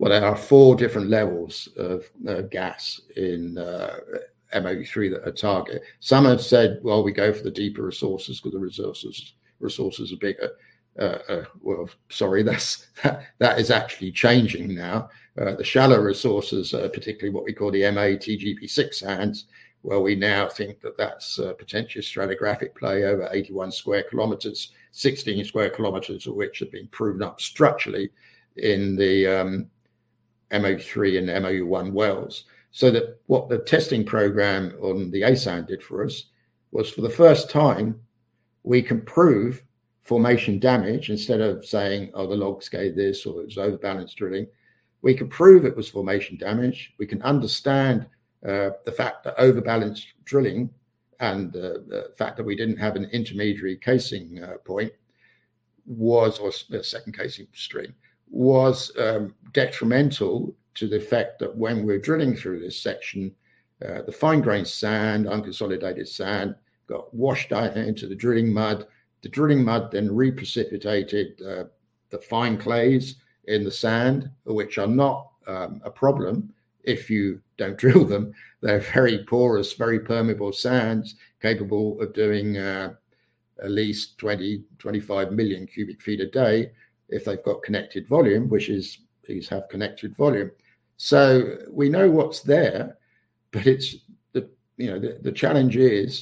there are four different levels of gas in MOU-3 that are targets. Some have said, "Well, we go for the deeper resources 'cause the resources are bigger." That is actually changing now. The shallow resources are particularly what we call the Ma/TGB-6 sands, where we now think that that's a potential stratigraphic play over 81 square kilometers. Sixteen square kilometers of which have been proven up structurally in the MOU-3 and MOU-1 wells. What the testing program on the A-sand did for us was, for the first time, we can prove formation damage instead of saying, "Oh, the logs gave this," or "It was overbalanced drilling." We can prove it was formation damage. We can understand the fact that overbalanced drilling and the fact that we didn't have an intermediary casing point was, or a second casing string, was detrimental to the effect that when we're drilling through this section, the fine-grained sand, unconsolidated sand, got washed out into the drilling mud. The drilling mud then reprecipitated the fine clays in the sand, which are not a problem if you don't drill them. They're very porous, very permeable sands, capable of doing at least 20, 25 million cubic feet a day if they've got connected volume, which is these have connected volume. We know what's there, but it's the challenge,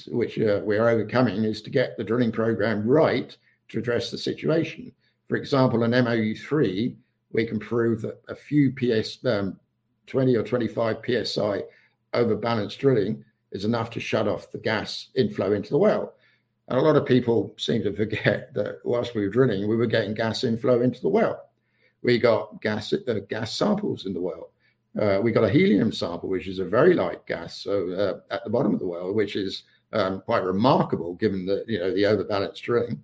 which we are overcoming, is to get the drilling program right to address the situation. For example, in MOU-3, we can prove that a few PSI, 20 or 25 PSI overbalanced drilling is enough to shut off the gas inflow into the well. A lot of people seem to forget that while we were drilling, we were getting gas inflow into the well. We got gas samples in the well. We got a helium sample, which is a very light gas, at the bottom of the well, which is quite remarkable given that the overbalanced drilling.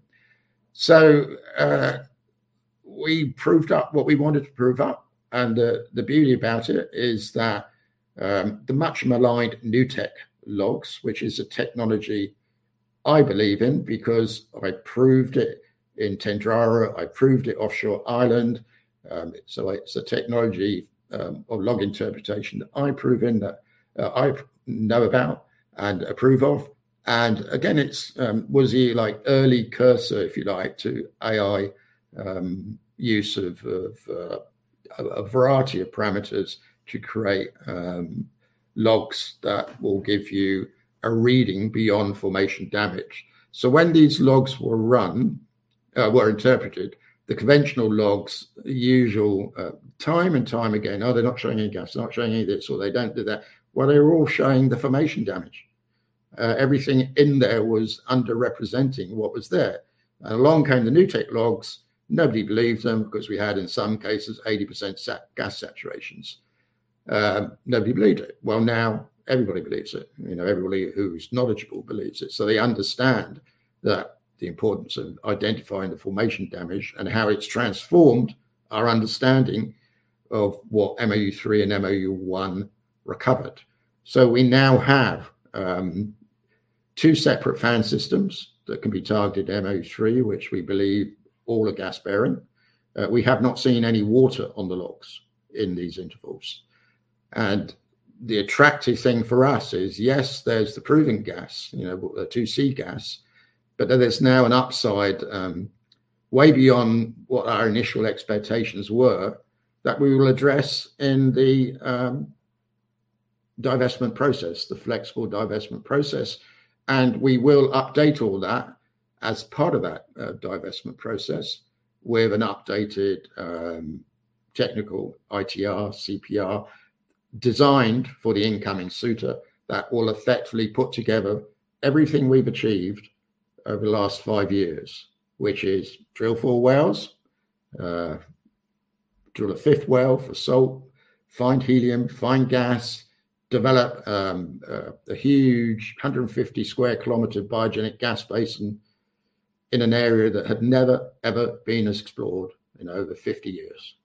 We proved up what we wanted to prove up, and the beauty about it is that the much-maligned NuTech logs, which is a technology I believe in because I proved it in Tendrera, I proved it offshore Ireland. It's a technology of log interpretation that I've proven that I know about and approve of. Again, it was the, like, early precursor, if you like, to AI use of a variety of parameters to create logs that will give you a reading beyond formation damage. When these logs were run were interpreted, the conventional logs usually time and time again, "Oh, they're not showing any gas, they're not showing any of this," or, "They don't do that." Well, they were all showing the formation damage. Everything in there was underrepresenting what was there. Along came the new NuTech logs. Nobody believed them because we had, in some cases, 80% gas saturations. Nobody believed it. Well, now everybody believe it. You know, everybody who's knowledgeable believes it. They understand that the importance of identifying the formation damage and how it's transformed our understanding of what MOU-3 and MOU-1 recovered. We now have two separate fan systems that can be targeted, MOU-3, which we believe all are gas-bearing. We have not seen any water on the logs in these intervals. The attractive thing for us is, yes, there's the proven gas, you know, the 2C gas. There's now an upside way beyond what our initial expectations were that we will address in the divestment process, the flexible divestment process. We will update all that as part of that, divestment process with an updated, technical ITR, CPR designed for the incoming suitor that will effectively put together everything we've achieved over the last 5 years, which is drill 4 wells, drill a 5th well for salt, find helium, find gas, develop a huge 150 sq km biogenic gas basin in an area that had never, ever been explored in over 50 years.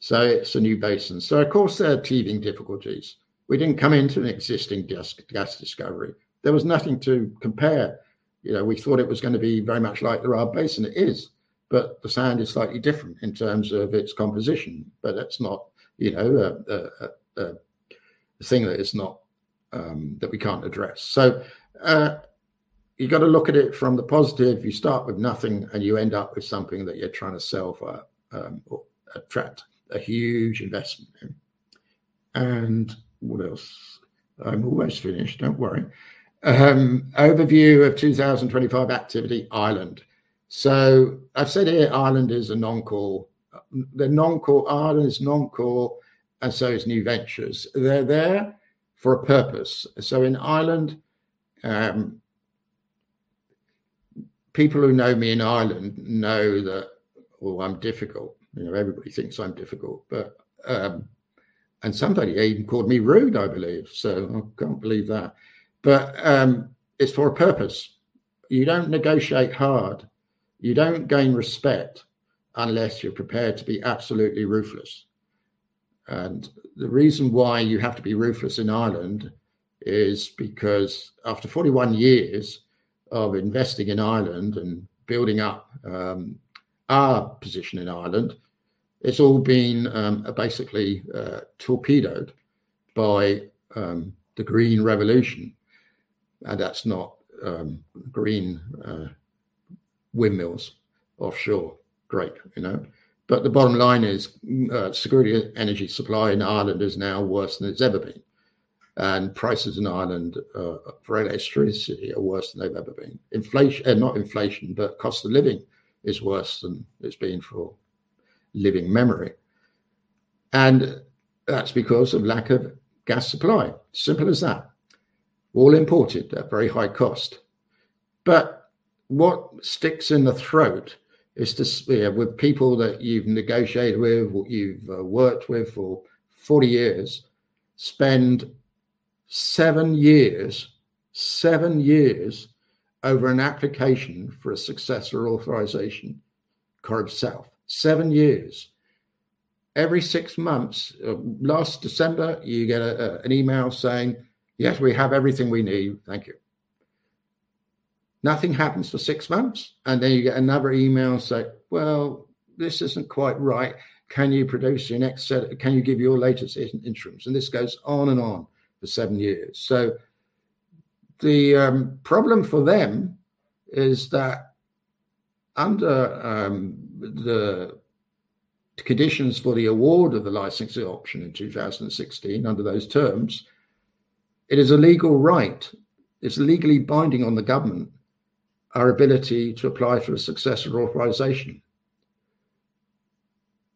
It's a new basin. Of course, there are teething difficulties. We didn't come into an existing gas discovery. There was nothing to compare. You know, we thought it was gonna be very much like the Rharb Basin. It is, but the sand is slightly different in terms of its composition. That's not, you know, a thing that we can't address. You gotta look at it from the positive. You start with nothing, and you end up with something that you're trying to sell for or attract a huge investment in. What else? I'm almost finished. Don't worry. Overview of 2025 activity, Ireland. I've said here Ireland is non-core, and so is new ventures. They're there for a purpose. In Ireland, people who know me in Ireland know that, oh, I'm difficult. You know, everybody thinks I'm difficult, but... Somebody even called me rude, I believe, so I can't believe that. It's for a purpose. You don't negotiate hard, you don't gain respect unless you're prepared to be absolutely ruthless. The reason why you have to be ruthless in Ireland is because after 41 years of investing in Ireland and building up our position in Ireland, it's all been basically torpedoed by the green revolution, and that's not green windmills offshore. Great, you know? The bottom line is security of energy supply in Ireland is now worse than it's ever been. Prices in Ireland for electricity are worse than they've ever been. Not inflation, but cost of living is worse than it's been for living memory. That's because of lack of gas supply. Simple as that. All imported at very high cost. What sticks in the throat is to see with people that you've negotiated with, what you've worked with for 40 years, spend 7 years over an application for a successor authorization Corrib South. 7 years. Every 6 months, last December, you get an email saying, "Yes, we have everything we need. Thank you." Nothing happens for 6 months, and then you get another email saying, "Well, this isn't quite right. Can you produce your next set? Can you give your latest interims?" This goes on and on for 7 years. The problem for them is that under the conditions for the award of the licensing option in 2016, under those terms, it is a legal right. It's legally binding on the government, our ability to apply for a successor authorization.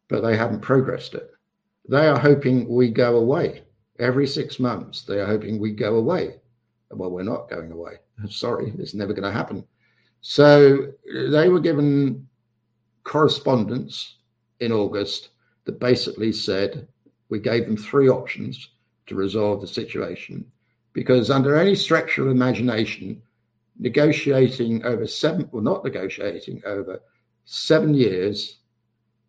They haven't progressed it. They are hoping we go away. Every six months, they are hoping we go away. Well, we're not going away. Sorry, it's never gonna happen. They were given correspondence in August that basically said, we gave them three options to resolve the situation because under any stretch of imagination, not negotiating over seven years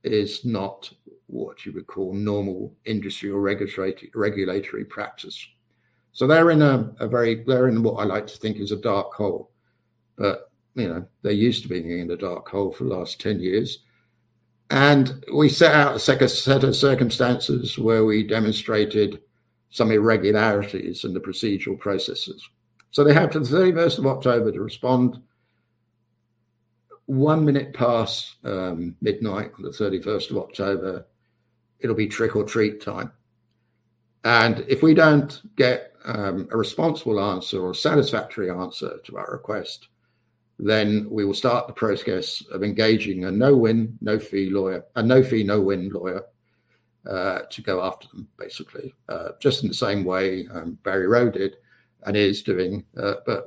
is not what you would call normal industry or regulatory practice. They're in what I like to think is a dark hole. You know, they're used to being in a dark hole for the last 10 years. We set out a set of circumstances where we demonstrated some irregularities in the procedural processes. They have till the thirty-first of October to respond. One minute past midnight on the thirty-first of October, it'll be trick or treat time. If we don't get a responsible answer or a satisfactory answer to our request, then we will start the process of engaging a no win, no fee lawyer to go after them, basically. Just in the same way Barryroe did and is doing.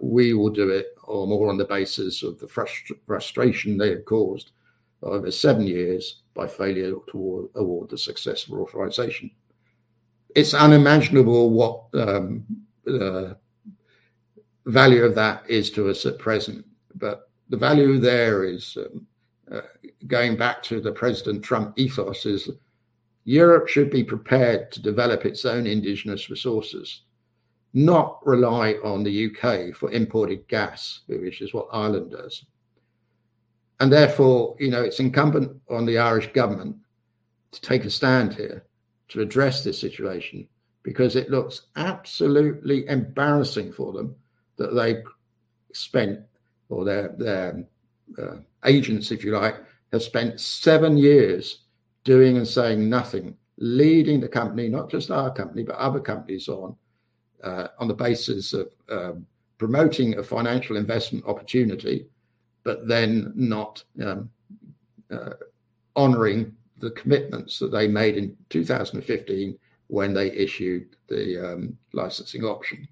We will do it more on the basis of the frustration they have caused over seven years by failure to award the successful authorization. It's unimaginable what value of that is to us at present. The value there is, going back to the President Trump ethos, is Europe should be prepared to develop its own indigenous resources, not rely on the U.K. for imported gas, which is what Ireland does. Therefore, you know, it's incumbent on the Irish government to take a stand here to address this situation because it looks absolutely embarrassing for them that they spent, or their agents, if you like, have spent 7 years doing and saying nothing. Leading the company, not just our company, but other companies on the basis of promoting a financial investment opportunity, but then not honoring the commitments that they made in 2015 when they issued the licensing option.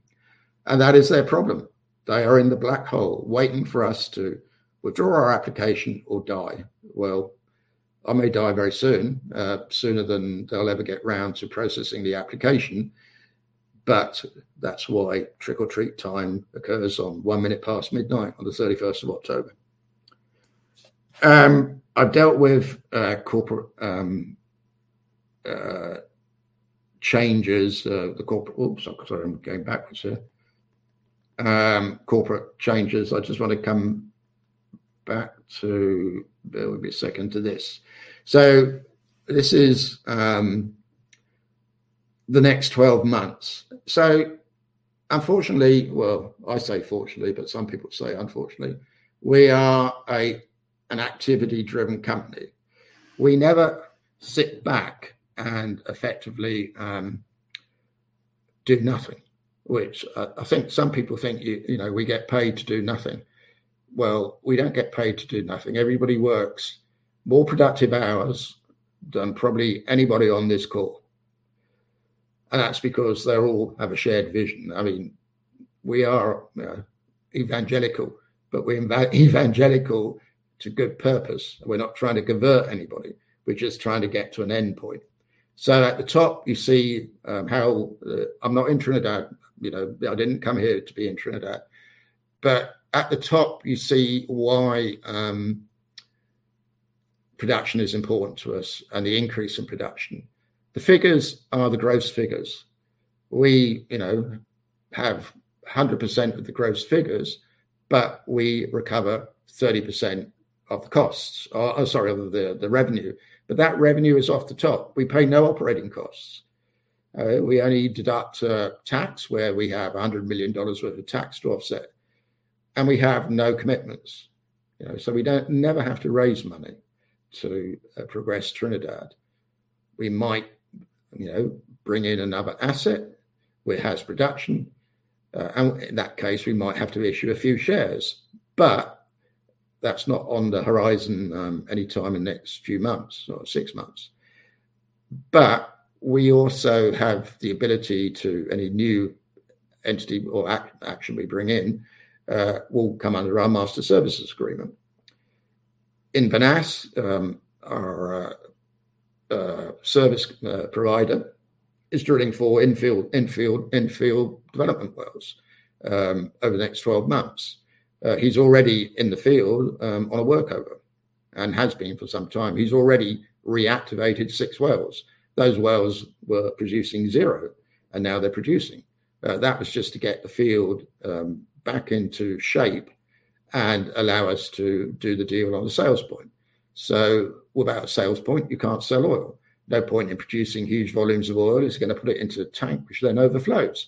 That is their problem. They are in the black hole waiting for us to withdraw our application or die. Well, I may die very soon, sooner than they'll ever get around to processing the application, but that's why trick or treat time occurs on 1 minute past midnight on the 31st of October. I've dealt with corporate changes. I just wanna come back to, bear with me a second, to this. This is the next 12 months. Unfortunately, well, I say fortunately, but some people say unfortunately, we are an activity-driven company. We never sit back and effectively do nothing, which I think some people think, you know, we get paid to do nothing. Well, we don't get paid to do nothing. Everybody works more productive hours than probably anybody on this call. That's because they all have a shared vision. I mean, we are, you know, evangelical, but we're evangelical to good purpose. We're not trying to convert anybody. We're just trying to get to an endpoint. At the top, you see, how... I'm not in Trinidad. You know, I didn't come here to be in Trinidad. At the top, you see why production is important to us and the increase in production. The figures are the gross figures. We, you know, have 100% of the gross figures, but we recover 30% of the revenue. That revenue is off the top. We pay no operating costs. We only deduct tax where we have $100 million worth of tax to offset. We have no commitments. You know, we never have to raise money to progress Trinidad. We might, you know, bring in another asset which has production. In that case, we might have to issue a few shares. That's not on the horizon any time in next few months or six months. We also have the ability to any new entity or action we bring in will come under our master services agreement. Invenas our service provider is drilling for infield development wells over the next 12 months. He's already in the field on a workover and has been for some time. He's already reactivated six wells. Those wells were producing zero, and now they're producing. That was just to get the field back into shape and allow us to do the deal on the sales point. Without a sales point, you can't sell oil. No point in producing huge volumes of oil if it's gonna put it into a tank which then overflows.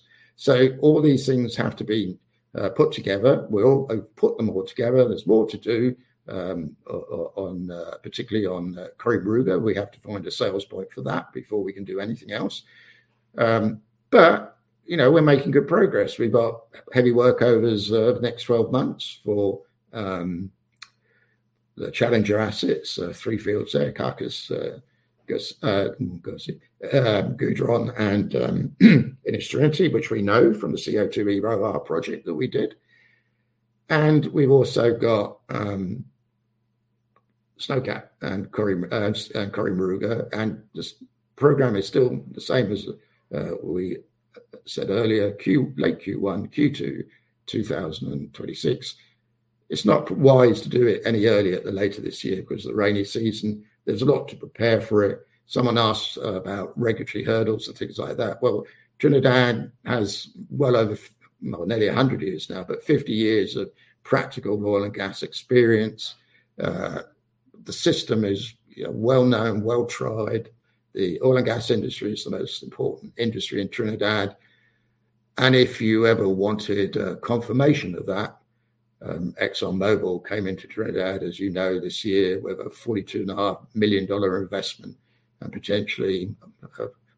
All these things have to be put together. We put them all together. There's more to do particularly on Cory-Moruga. We have to find a sales point for that before we can do anything else. You know, we're making good progress. We've got heavy workovers over the next 12 months for the Challenger assets. Three fields there, Carcus, Gusi, Guapo-D'or, and Inniss-Trinity, which we know from the CO2 EOR project that we did. We've also got Snowcap and Cory Moruga. This program is still the same as we said earlier, late Q1, Q2, 2026. It's not wise to do it any earlier than later this year because of the rainy season. There's a lot to prepare for it. Someone asked about regulatory hurdles and things like that. Well, Trinidad has well over well, nearly 100 years now, but 50 years of practical oil and gas experience. The system is, you know, well-known, well-tried. The oil and gas industry is the most important industry in Trinidad. If you ever wanted confirmation of that, ExxonMobil came into Trinidad, as you know, this year with a $42.5 million investment and potentially,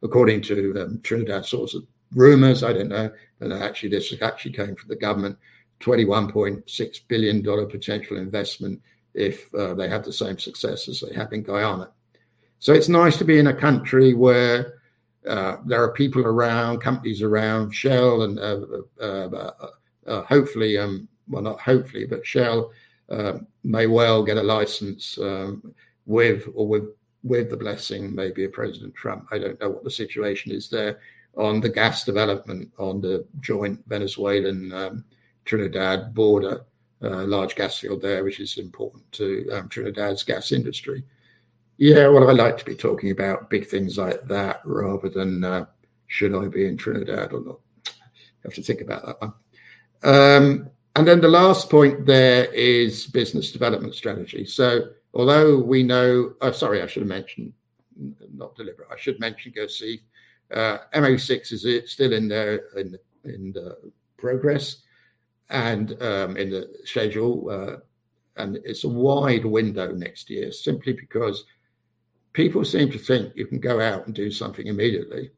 according to Trinidad sort of rumors, I don't know, but actually this came from the government, $21.6 billion potential investment if they have the same success as they have in Guyana. It's nice to be in a country where there are people around, companies around, Shell and hopefully. Well, not hopefully, but Shell may well get a license, with or without the blessing maybe of President Trump. I don't know what the situation is there, on the gas development on the joint Venezuela-Trinidad border, large gas field there, which is important to Trinidad's gas industry. Yeah, well, I like to be talking about big things like that rather than should I be in Trinidad or not? Have to think about that one. Then the last point there is business development strategy. Although we know. Oh, sorry, I should have mentioned Guercif. MOU-6 is still in progress and in the schedule, and it's a wide window next year simply because people seem to think you can go out and do something immediately.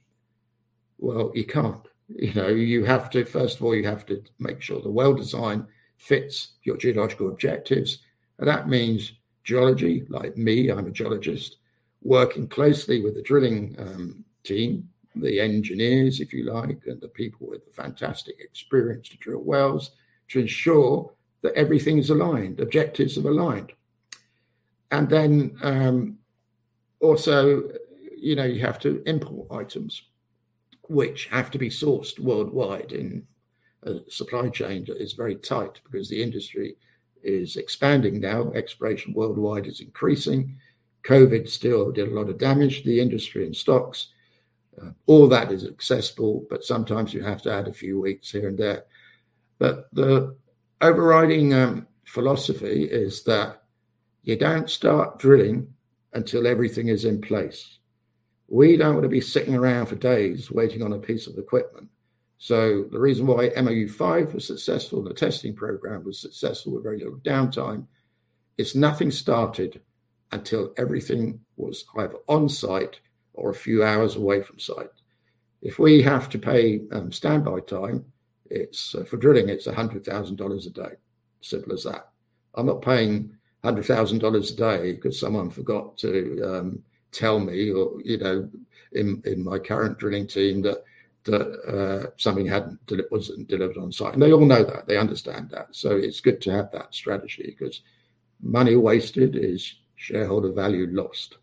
Well, you can't. You know, you have to first of all, you have to make sure the well design fits your geological objectives. That means geology, like me, I'm a geologist, working closely with the drilling team, the engineers, if you like, and the people with the fantastic experience to drill wells to ensure that everything is aligned, objectives are aligned. Also, you know, you have to import items which have to be sourced worldwide, and supply chain is very tight because the industry is expanding now. Exploration worldwide is increasing. COVID still did a lot of damage to the industry and stocks. All that is accessible, but sometimes you have to add a few weeks here and there. The overriding philosophy is that you don't start drilling until everything is in place. We don't want to be sitting around for days waiting on a piece of equipment. The reason why MOU five was successful, the testing program was successful with very little downtime, is nothing started until everything was either on-site or a few hours away from site. If we have to pay standby time, it's for drilling, it's $100,000 a day. Simple as that. I'm not paying $100,000 a day because someone forgot to tell me or, you know, in my current drilling team that something wasn't delivered on site. They all know that. They understand that. It's good to have that strategy because money wasted is shareholder value lost.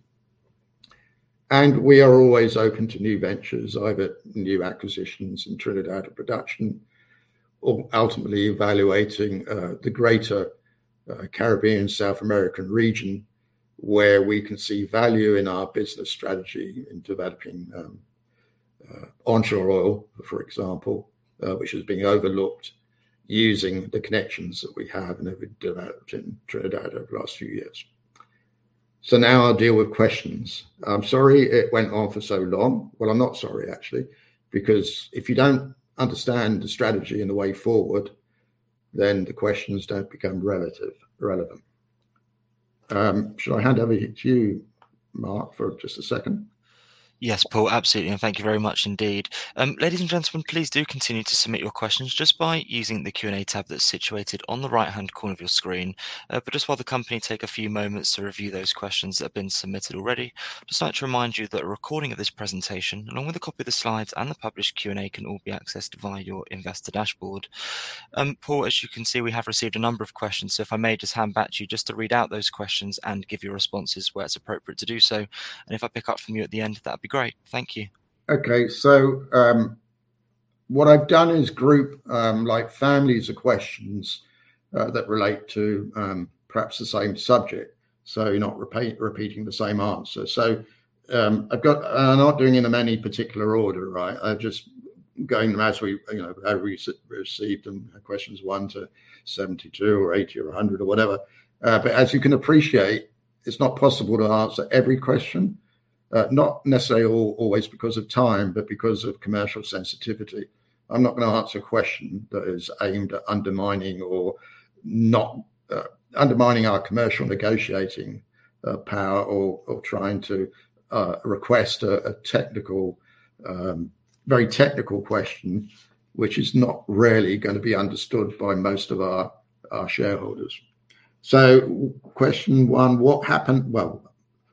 We are always open to new ventures, either new acquisitions in Trinidad or production or ultimately evaluating the greater Caribbean, South American region, where we can see value in our business strategy in developing onshore oil, for example, which is being overlooked using the connections that we have and that we've developed in Trinidad over the last few years. Now I'll deal with questions. I'm sorry it went on for so long. Well, I'm not sorry actually, because if you don't understand the strategy and the way forward, then the questions don't become relevant. Should I hand over to you, Mark, for just a second? Yes, Paul, absolutely. Thank you very much indeed. Ladies and gentlemen, please do continue to submit your questions just by using the Q&A tab that's situated on the right-hand corner of your screen. Just while the company take a few moments to review those questions that have been submitted already, I'd just like to remind you that a recording of this presentation, along with a copy of the slides and the published Q&A, can all be accessed via your investor dashboard. Paul, as you can see, we have received a number of questions. If I may just hand back to you just to read out those questions and give your responses where it's appropriate to do so. If I pick up from you at the end, that'd be great. Thank you. Okay. What I've done is grouped like families of questions that relate to perhaps the same subject, so you're not repeating the same answer. I've got and I'm not doing them in any particular order, right? I'm just going through them as we, you know, received them, questions 1 to 72 or 80 or 100 or whatever. As you can appreciate, it's not possible to answer every question, not necessarily or always because of time, but because of commercial sensitivity. I'm not gonna answer a question that is aimed at undermining or not undermining our commercial negotiating power or trying to request a technical very technical question, which is not really gonna be understood by most of our shareholders. Question one: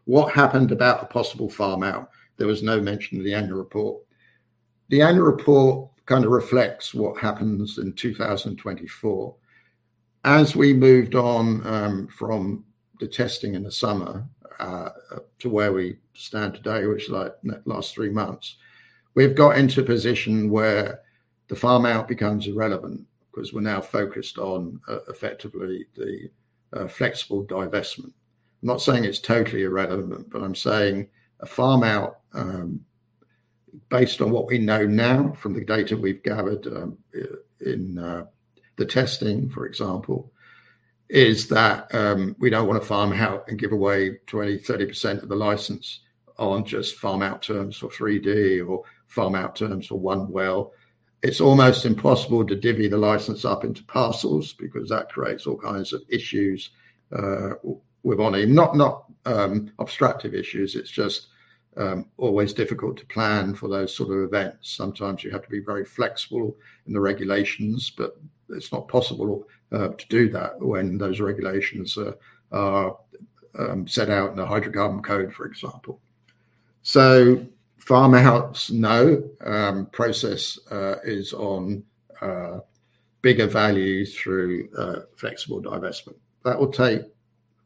What happened about the possible farm-out? There was no mention in the annual report. The annual report kind of reflects what happens in 2024. As we moved on from the testing in the summer to where we stand today, which like last 3 months, we've got into a position where the farm-out becomes irrelevant because we're now focused on effectively the flexible divestment. I'm not saying it's totally irrelevant, but I'm saying a farm-out based on what we know now from the data we've gathered in the testing, for example, is that we don't want to farm out and give away 20%, 30% of the license on just farm-out terms for 3D or farm-out terms for 1 well. It's almost impossible to divvy the license up into parcels because that creates all kinds of issues with ONHYM. No, not obstructive issues, it's just always difficult to plan for those sort of events. Sometimes you have to be very flexible in the regulations, but it's not possible to do that when those regulations are set out in the hydrocarbon code, for example. Farm-outs, no. The process is ongoing for bigger value through flexible divestment. That will take.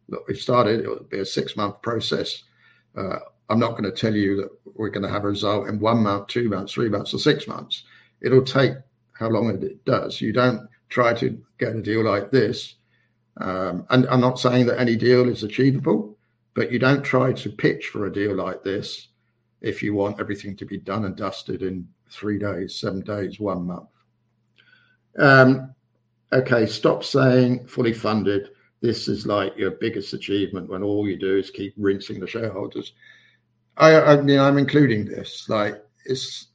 Look, we've started, it will be a 6-month process. I'm not gonna tell you that we're gonna have a result in 1 month, 2 months, 3 months or 6 months. It'll take how long it does. You don't try to get a deal like this. I'm not saying that any deal is achievable, but you don't try to pitch for a deal like this if you want everything to be done and dusted in 3 days, 7 days, 1 month. Okay. Stop saying fully funded. This is like your biggest achievement when all you do is keep rinsing the shareholders. I, you know, I'm including this. Like it's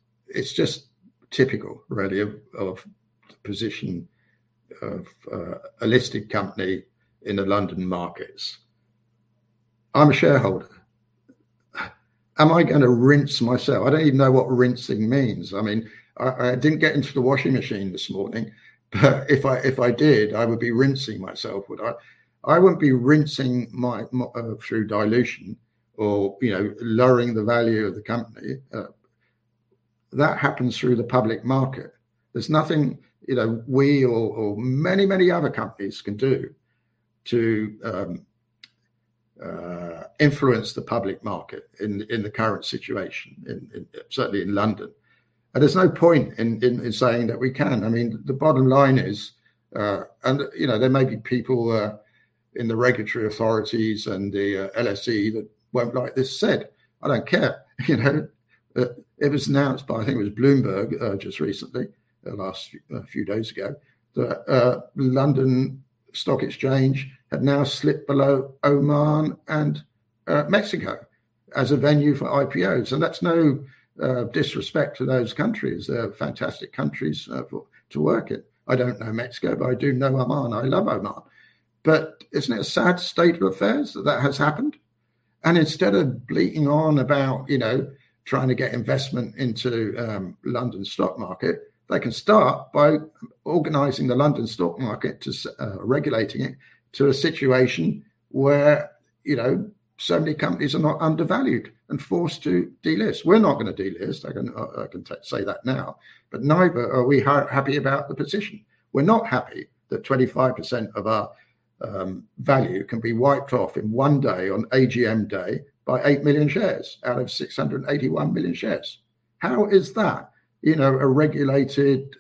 just typical really of the position of a listed company in the London markets. I'm a shareholder. Am I gonna rinse myself? I don't even know what rinsing means. I mean, I didn't get into the washing machine this morning. If I did, I would be rinsing myself, would I? I wouldn't be rinsing myself through dilution or, you know, lowering the value of the company. That happens through the public market. There's nothing, you know, we or many other companies can do to influence the public market in the current situation in, certainly, in London. There's no point in saying that we can. I mean, the bottom line is. You know, there may be people in the regulatory authorities and the LSE that won't like this said. I don't care. You know? It was announced by, I think it was Bloomberg, just recently, last few days ago, that London Stock Exchange had now slipped below Oman and Mexico as a venue for IPOs. That's no disrespect to those countries. They're fantastic countries for to work in. I don't know Mexico, but I do know Oman. I love Oman. Isn't it a sad state of affairs that has happened? Instead of bleating on about, you know, trying to get investment into London stock market, they can start by organizing the London stock market, regulating it to a situation where, you know, so many companies are not undervalued and forced to delist. We're not gonna delist. I can say that now. Neither are we happy about the position. We're not happy that 25% of our value can be wiped off in one day on AGM day by 8 million shares out of 681 million shares. How is that, you know, a regulated,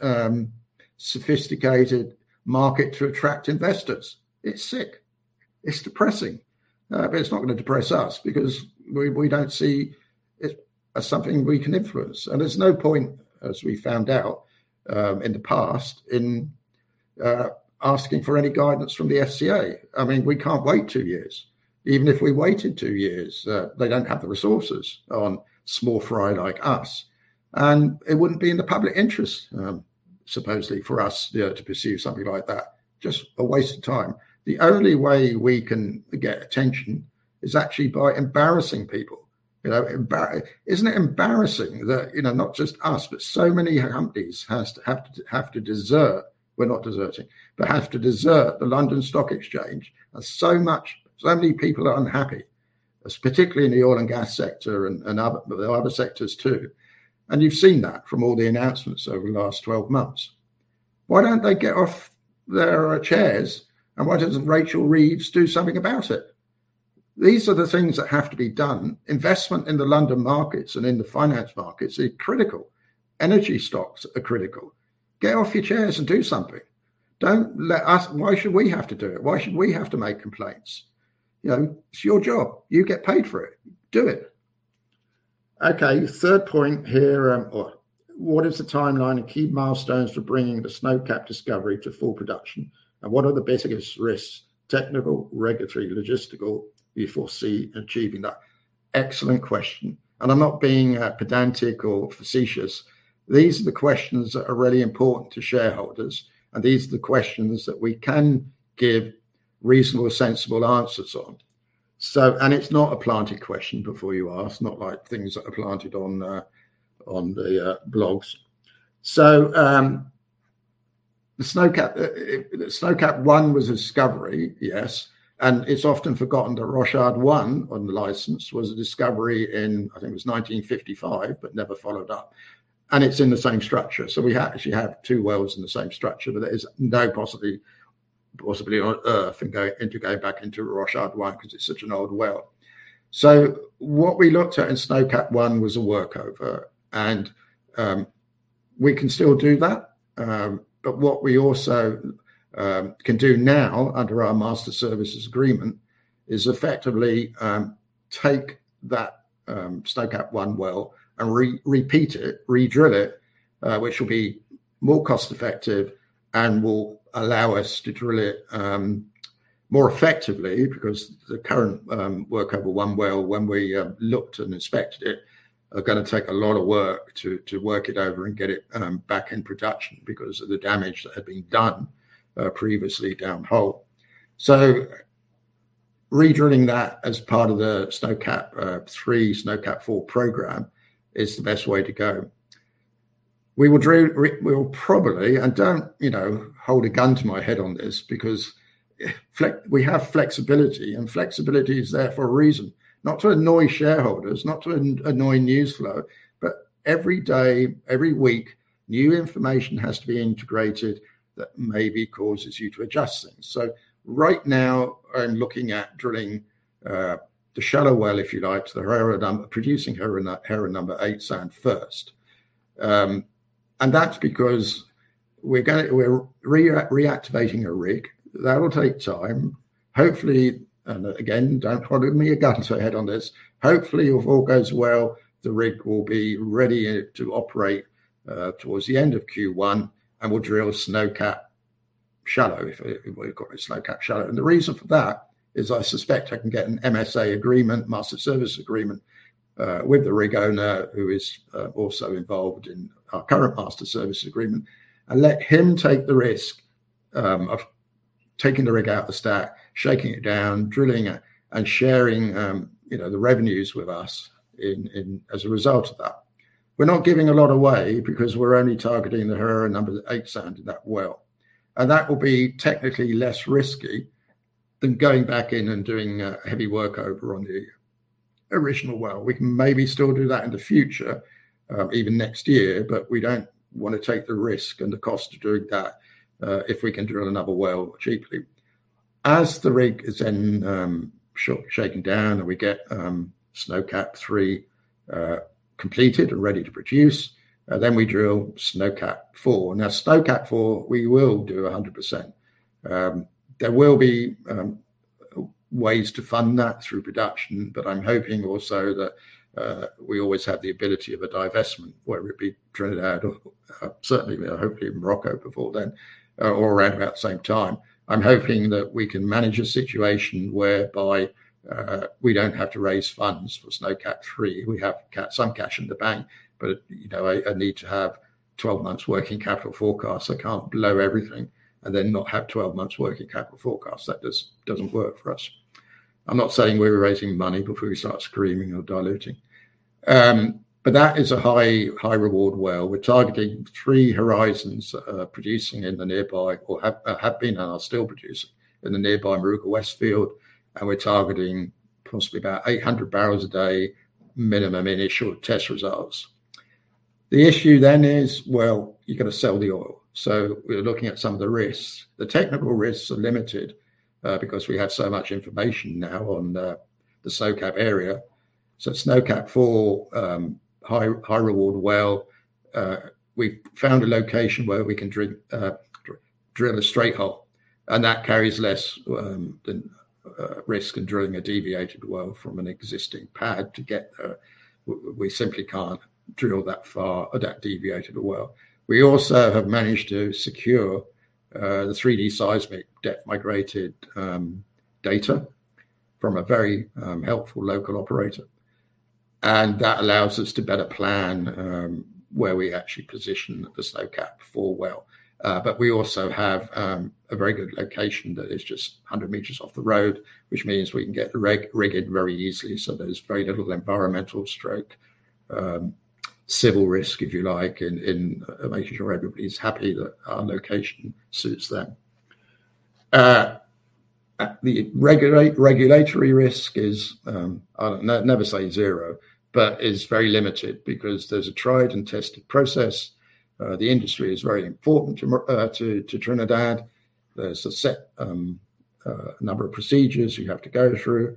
sophisticated market to attract investors? It's sick. It's depressing. It's not gonna depress us because we don't see it as something we can influence. There's no point, as we found out in the past in asking for any guidance from the FCA. I mean, we can't wait two years. Even if we waited two years, they don't have the resources on small fry like us, and it wouldn't be in the public interest, supposedly for us, you know, to pursue something like that. Just a waste of time. The only way we can get attention is actually by embarrassing people, you know. Isn't it embarrassing that, you know, not just us, but so many companies have to desert the London Stock Exchange? We're not deserting, but have to desert the London Stock Exchange. So many people are unhappy, especially in the oil and gas sector, but there are other sectors too. You've seen that from all the announcements over the last 12 months. Why don't they get off their chairs, and why doesn't Rachel Reeves do something about it? These are the things that have to be done. Investment in the London markets and in the finance markets are critical. Energy stocks are critical. Get off your chairs and do something. Don't let us- Why should we have to do it? Why should we have to make complaints? You know, it's your job. You get paid for it. Do it. Okay. Third point here. What is the timeline and key milestones for bringing the Snowcap discovery to full production? And what are the biggest risks, technical, regulatory, logistical, you foresee achieving that? Excellent question. I'm not being pedantic or facetious. These are the questions that are really important to shareholders, and these are the questions that we can give reasonable or sensible answers on. It's not a planted question before you ask, not like things that are planted on the blogs. The Snowcap-1 was a discovery, yes, and it's often forgotten that Rochard-1 on the license was a discovery in, I think it was 1955, but never followed up, and it's in the same structure. We actually have two wells in the same structure, but there is no possibility on Earth to go back into Rochard-1 because it's such an old well. What we looked at in Snowcap-1 was a workover, and we can still do that. What we also can do now under our master services agreement is effectively take that Snowcap-1 well and repeat it, redrill it, which will be more cost-effective and will allow us to drill it more effectively because the current workover one well, when we looked and inspected it, is gonna take a lot of work to work it over and get it back in production because of the damage that had been done previously downhole. Redrilling that as part of the Snowcap-3, Snowcap-4 program is the best way to go. We will probably, and don't, you know, hold a gun to my head on this because we have flexibility, and flexibility is there for a reason. Not to annoy shareholders, not to annoy news flow, but every day, every week, new information has to be integrated that maybe causes you to adjust things. Right now, I'm looking at drilling the shallow well, if you like, the producing Herrera #8 Sand first. That's because we're gonna reactivate a rig. That will take time. Hopefully, and again, don't hold me a gun to the head on this, hopefully, if all goes well, the rig will be ready to operate towards the end of Q1, and we'll drill a Snowcap shallow if we've got a Snowcap shallow. The reason for that is I suspect I can get an MSA agreement, master service agreement, with the rig owner who is also involved in our current master service agreement and let him take the risk of taking the rig out the stack, shaking it down, drilling it, and sharing you know the revenues with us in as a result of that. We're not giving a lot away because we're only targeting the Herrera #8 Sand in that well, and that will be technically less risky than going back in and doing a heavy workover on the original well. We can maybe still do that in the future even next year, but we don't wanna take the risk and the cost of doing that if we can drill another well cheaply. As the rig is then shaken down and we get Snowcap-3 completed and ready to produce, then we drill Snowcap-4. Now, Snowcap-4, we will do 100%. There will be ways to fund that through production, but I'm hoping also that we always have the ability of a divestment, whether it be Trinidad or certainly, you know, hopefully Morocco before then or around about the same time. I'm hoping that we can manage a situation whereby we don't have to raise funds for Snowcap-3. We have some cash in the bank, but you know, I need to have 12 months working capital forecast. I can't blow everything and then not have 12 months working capital forecast. That doesn't work for us. I'm not saying we're raising money before we start screaming or diluting. That is a high reward well. We're targeting three horizons producing in the nearby or have been and are still producing in the nearby Moruga West field, and we're targeting possibly about 800 barrels a day minimum in initial test results. The issue then is, well, you've got to sell the oil. We're looking at some of the risks. The technical risks are limited because we have so much information now on the Snowcap area. Snowcap-4, high reward well. We've found a location where we can drill a straight hole, and that carries less risk in drilling a deviated well from an existing pad. We simply can't drill that far or that deviated a well. We also have managed to secure the 3D seismic depth migrated data from a very helpful local operator, and that allows us to better plan where we actually position the Snowcap-4 well. We also have a very good location that is just 100 meters off the road, which means we can get the rig rigged very easily. There's very little environmental or civil risk, if you like, in making sure everybody's happy that our location suits them. The regulatory risk is, I'll never say zero, but it is very limited because there's a tried and tested process. The industry is very important to Trinidad. There's a set number of procedures you have to go through.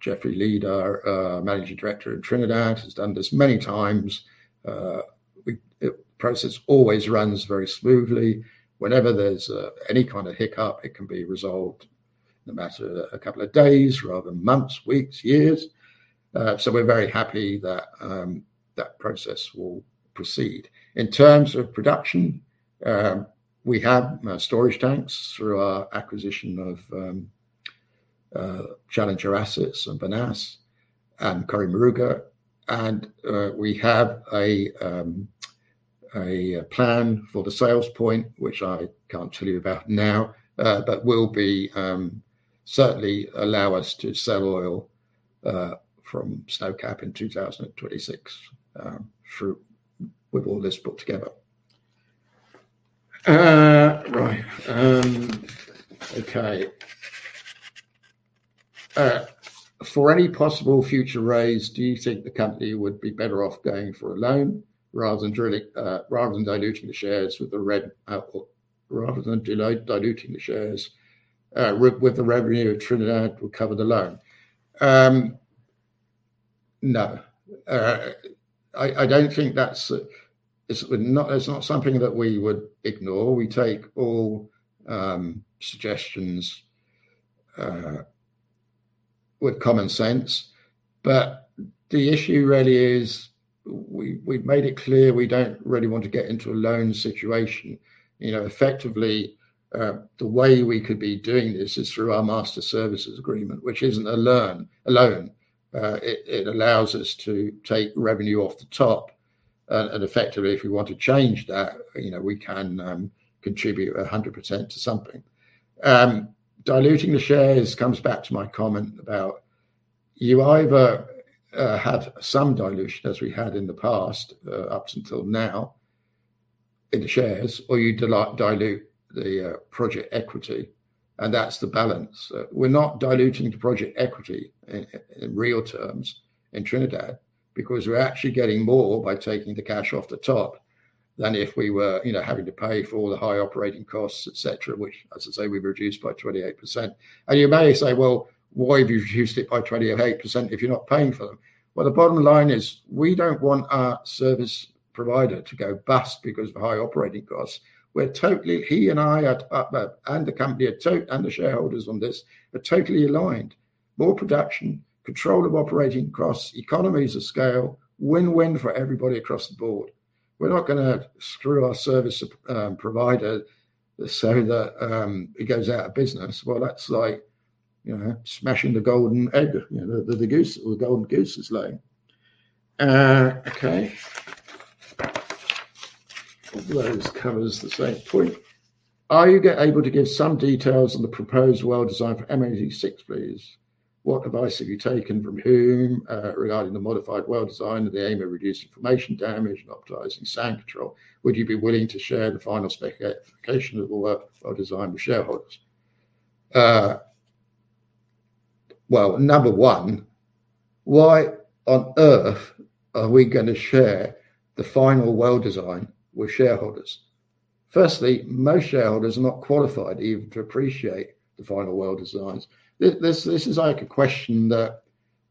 Jeffrey Leed, our Managing Director in Trinidad, has done this many times. The process always runs very smoothly. Whenever there's any kind of hiccup, it can be resolved in a matter of a couple of days rather than months, weeks, years. We're very happy that process will proceed. In terms of production, we have storage tanks through our acquisition of Challenger assets and Bonasse and Cory Moruga. We have a plan for the sales point, which I can't tell you about now, but will certainly allow us to sell oil from Snowcap in 2026 through with all this put together. Right. Okay. For any possible future raise, do you think the company would be better off going for a loan rather than diluting the shares or rather than delay diluting the shares with the revenue Trinidad would cover the loan? No. I don't think that's it. It's not something that we would ignore. We take all suggestions with common sense. The issue really is we've made it clear we don't really want to get into a loan situation. You know, effectively, the way we could be doing this is through our master services agreement, which isn't a loan. It allows us to take revenue off the top, and effectively if we want to change that, you know, we can contribute 100% to something. Diluting the shares comes back to my comment about you either have some dilution as we had in the past up until now in the shares, or you dilute the project equity, and that's the balance. We're not diluting the project equity in real terms in Trinidad because we're actually getting more by taking the cash off the top than if we were, you know, having to pay for the high operating costs, et cetera, which as I say, we've reduced by 28%. You may say, "Well, why have you reduced it by 28% if you're not paying for them?" Well, the bottom line is, we don't want our service provider to go bust because of high operating costs. He and I at the company and the shareholders on this are totally aligned. More production, control of operating costs, economies of scale, win-win for everybody across the board. We're not gonna screw our service provider so that it goes out of business. Well, that's like, you know, smashing the golden egg, you know, the goose- the golden goose is laying. Okay. That covers the same point. Are you able to give some details on the proposed well design for MOU-6, please? What advice have you taken from whom regarding the modified well design and the aim of reducing formation damage and optimizing sand control? Would you be willing to share the final specification of the well design with shareholders? Well, number one, why on earth are we gonna share the final well design with shareholders? Firstly, most shareholders are not qualified even to appreciate the final well designs. This is like a question that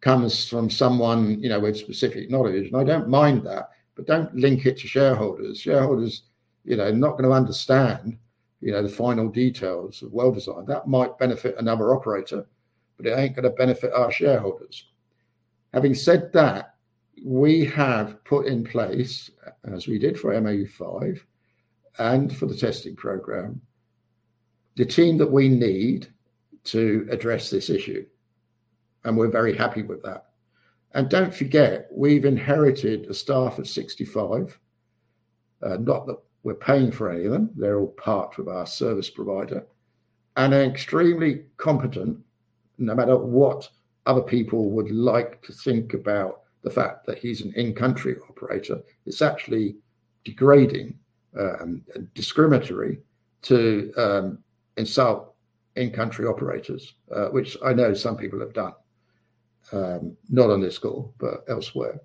comes from someone, you know, with specific knowledge, and I don't mind that, but don't link it to shareholders. Shareholders, you know, are not gonna understand, you know, the final details of well design. That might benefit another operator, but it ain't gonna benefit our shareholders. Having said that, we have put in place, as we did for MOU-5 and for the testing program, the team that we need to address this issue, and we're very happy with that. Don't forget, we've inherited a staff of 65, not that we're paying for any of them. They're all part of our service provider and are extremely competent, no matter what other people would like to think about the fact that he's an in-country operator. It's actually degrading and discriminatory to insult in-country operators, which I know some people have done, not on this call, but elsewhere.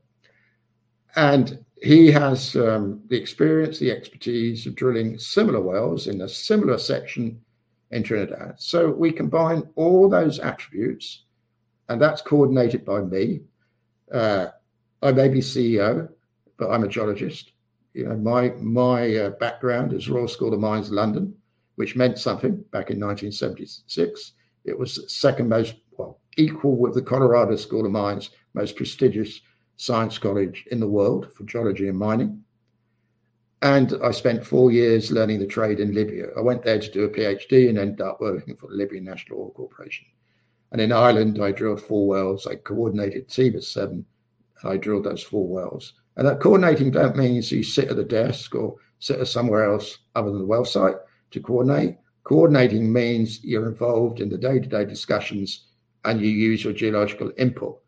He has the experience, the expertise of drilling similar wells in a similar section in Trinidad. We combine all those attributes, and that's coordinated by me. I may be CEO, but I'm a geologist. You know, my background is Royal School of Mines, London, which meant something back in 1976. Well, equal with the Colorado School of Mines, most prestigious science college in the world for geology and mining, and I spent four years learning the trade in Libya. I went there to do a PhD and ended up working for the Libyan National Oil Corporation. In Ireland, I drilled four wells. I coordinated TV 7, and I drilled those four wells. That coordinating don't mean you sit at a desk or sit somewhere else other than the well site to coordinate. Coordinating means you're involved in the day-to-day discussions, and you use your geological input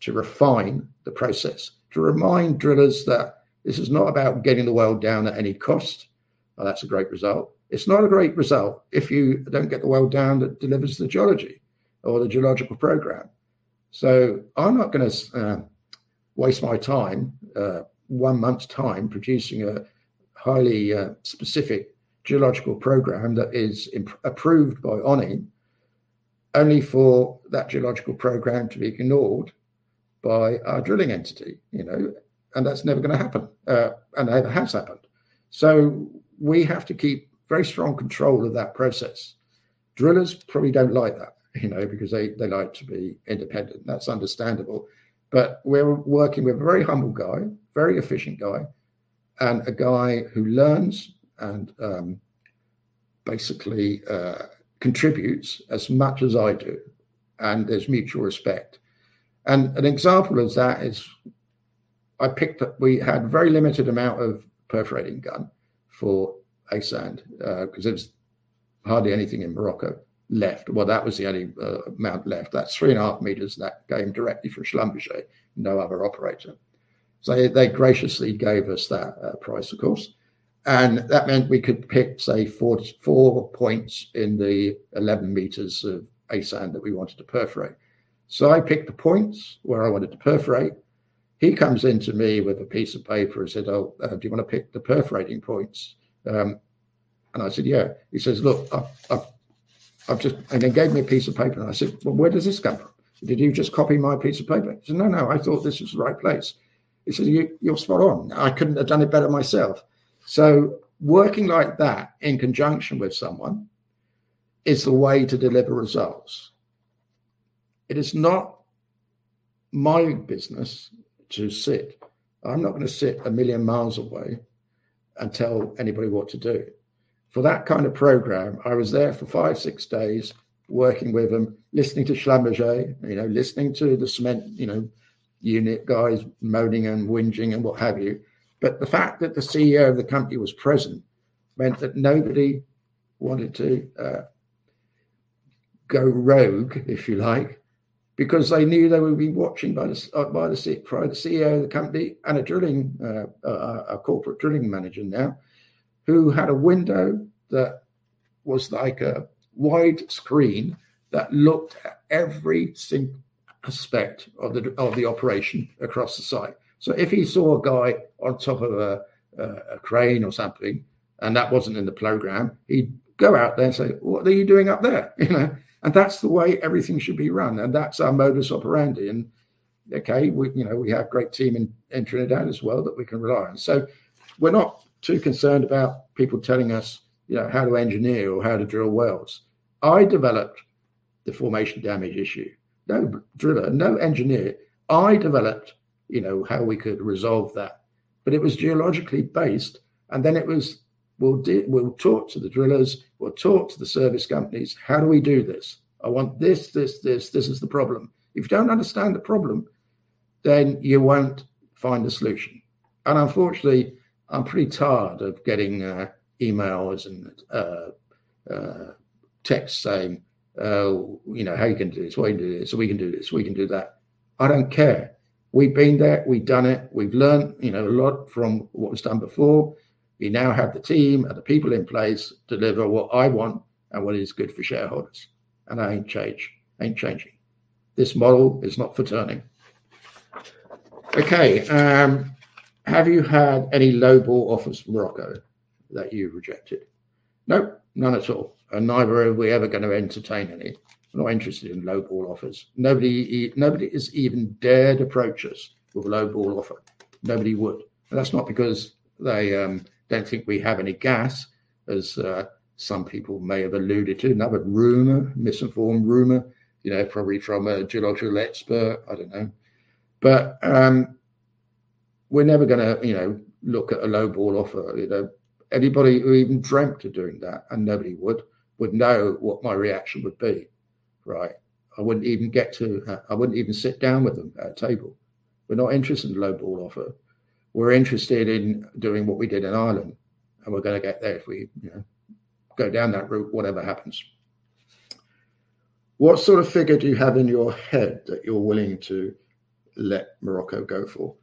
to refine the process, to remind drillers that this is not about getting the well down at any cost. Well, that's a great result. It's not a great result if you don't get the well down that delivers the geology or the geological program. I'm not gonna waste my time, one month's time producing a highly, specific geological program that is approved by ONHYM only for that geological program to be ignored by our drilling entity, you know. That's never gonna happen, and it has happened. We have to keep very strong control of that process. Drillers probably don't like that, you know, because they like to be independent. That's understandable. We're working with a very humble guy, very efficient guy, and a guy who learns and basically contributes as much as I do, and there's mutual respect. An example of that is. I picked up, we had very limited amount of perforating gun for A-sand, 'cause it was hardly anything in Morocco left. Well, that was the only amount left. That's 3.5 meters, and that came directly from Schlumberger, no other operator. They graciously gave us that price, of course, and that meant we could pick, say, four points in the 11 meters of A-sand that we wanted to perforate. I picked the points where I wanted to perforate. He comes in to me with a piece of paper and said, "Oh, do you wanna pick the perforating points?" I said, "Yeah." He says, "Look, I've just..." and then gave me a piece of paper, and I said, "Well, where does this come from? Did you just copy my piece of paper?" He said, "No, I thought this was the right place." He said, "You're spot on. I couldn't have done it better myself." Working like that in conjunction with someone is the way to deliver results. It is not my business to sit. I'm not gonna sit a million miles away and tell anybody what to do. For that kind of program, I was there for five, six days working with them, listening to Schlumberger, you know, listening to the cement, you know, unit guys moaning and whining and what have you. The fact that the CEO of the company was present meant that nobody wanted to go rogue, if you like, because they knew they would be watched by the CEO of the company and a corporate drilling manager, who had a window that was like a wide screen that looked at every single aspect of the drilling operation across the site. If he saw a guy on top of a crane or something, and that wasn't in the program, he'd go out there and say, "What are you doing up there?" You know. That's the way everything should be run, and that's our modus operandi. Okay, you know, we have great team in Trinidad as well that we can rely on. We're not too concerned about people telling us, you know, how to engineer or how to drill wells. I developed the formation damage issue. No driller, no engineer. I developed, you know, how we could resolve that, but it was geologically based, and then it was, we'll talk to the drillers, we'll talk to the service companies. How do we do this? I want this, this. This is the problem. If you don't understand the problem, then you won't find a solution. Unfortunately, I'm pretty tired of getting emails and texts saying, you know, "How are you gonna do this? Why are you doing this? We can do this. We can do that." I don't care. We've been there. We've done it. We've learned, you know, a lot from what was done before. We now have the team and the people in place deliver what I want and what is good for shareholders, and I ain't change, ain't changing. This model is not for turning. Okay, have you had any low-ball offers from Morocco that you rejected? Nope, none at all, and neither are we ever gonna entertain any. Not interested in low-ball offers. Nobody has even dared approach us with a low-ball offer. Nobody would, and that's not because they don't think we have any gas, as some people may have alluded to. Nothing but rumor, misinformed rumor, you know, probably from a geological expert. I don't know. We're never gonna, you know, look at a low-ball offer. You know, anybody who even dreamt of doing that, and nobody would know what my reaction would be, right? I wouldn't even get to, I wouldn't even sit down with them at a table. We're not interested in a low-ball offer. We're interested in doing what we did in Ireland, and we're gonna get there if we, you know, go down that route, whatever happens. What sort of figure do you have in your head that you're willing to let Morocco go for?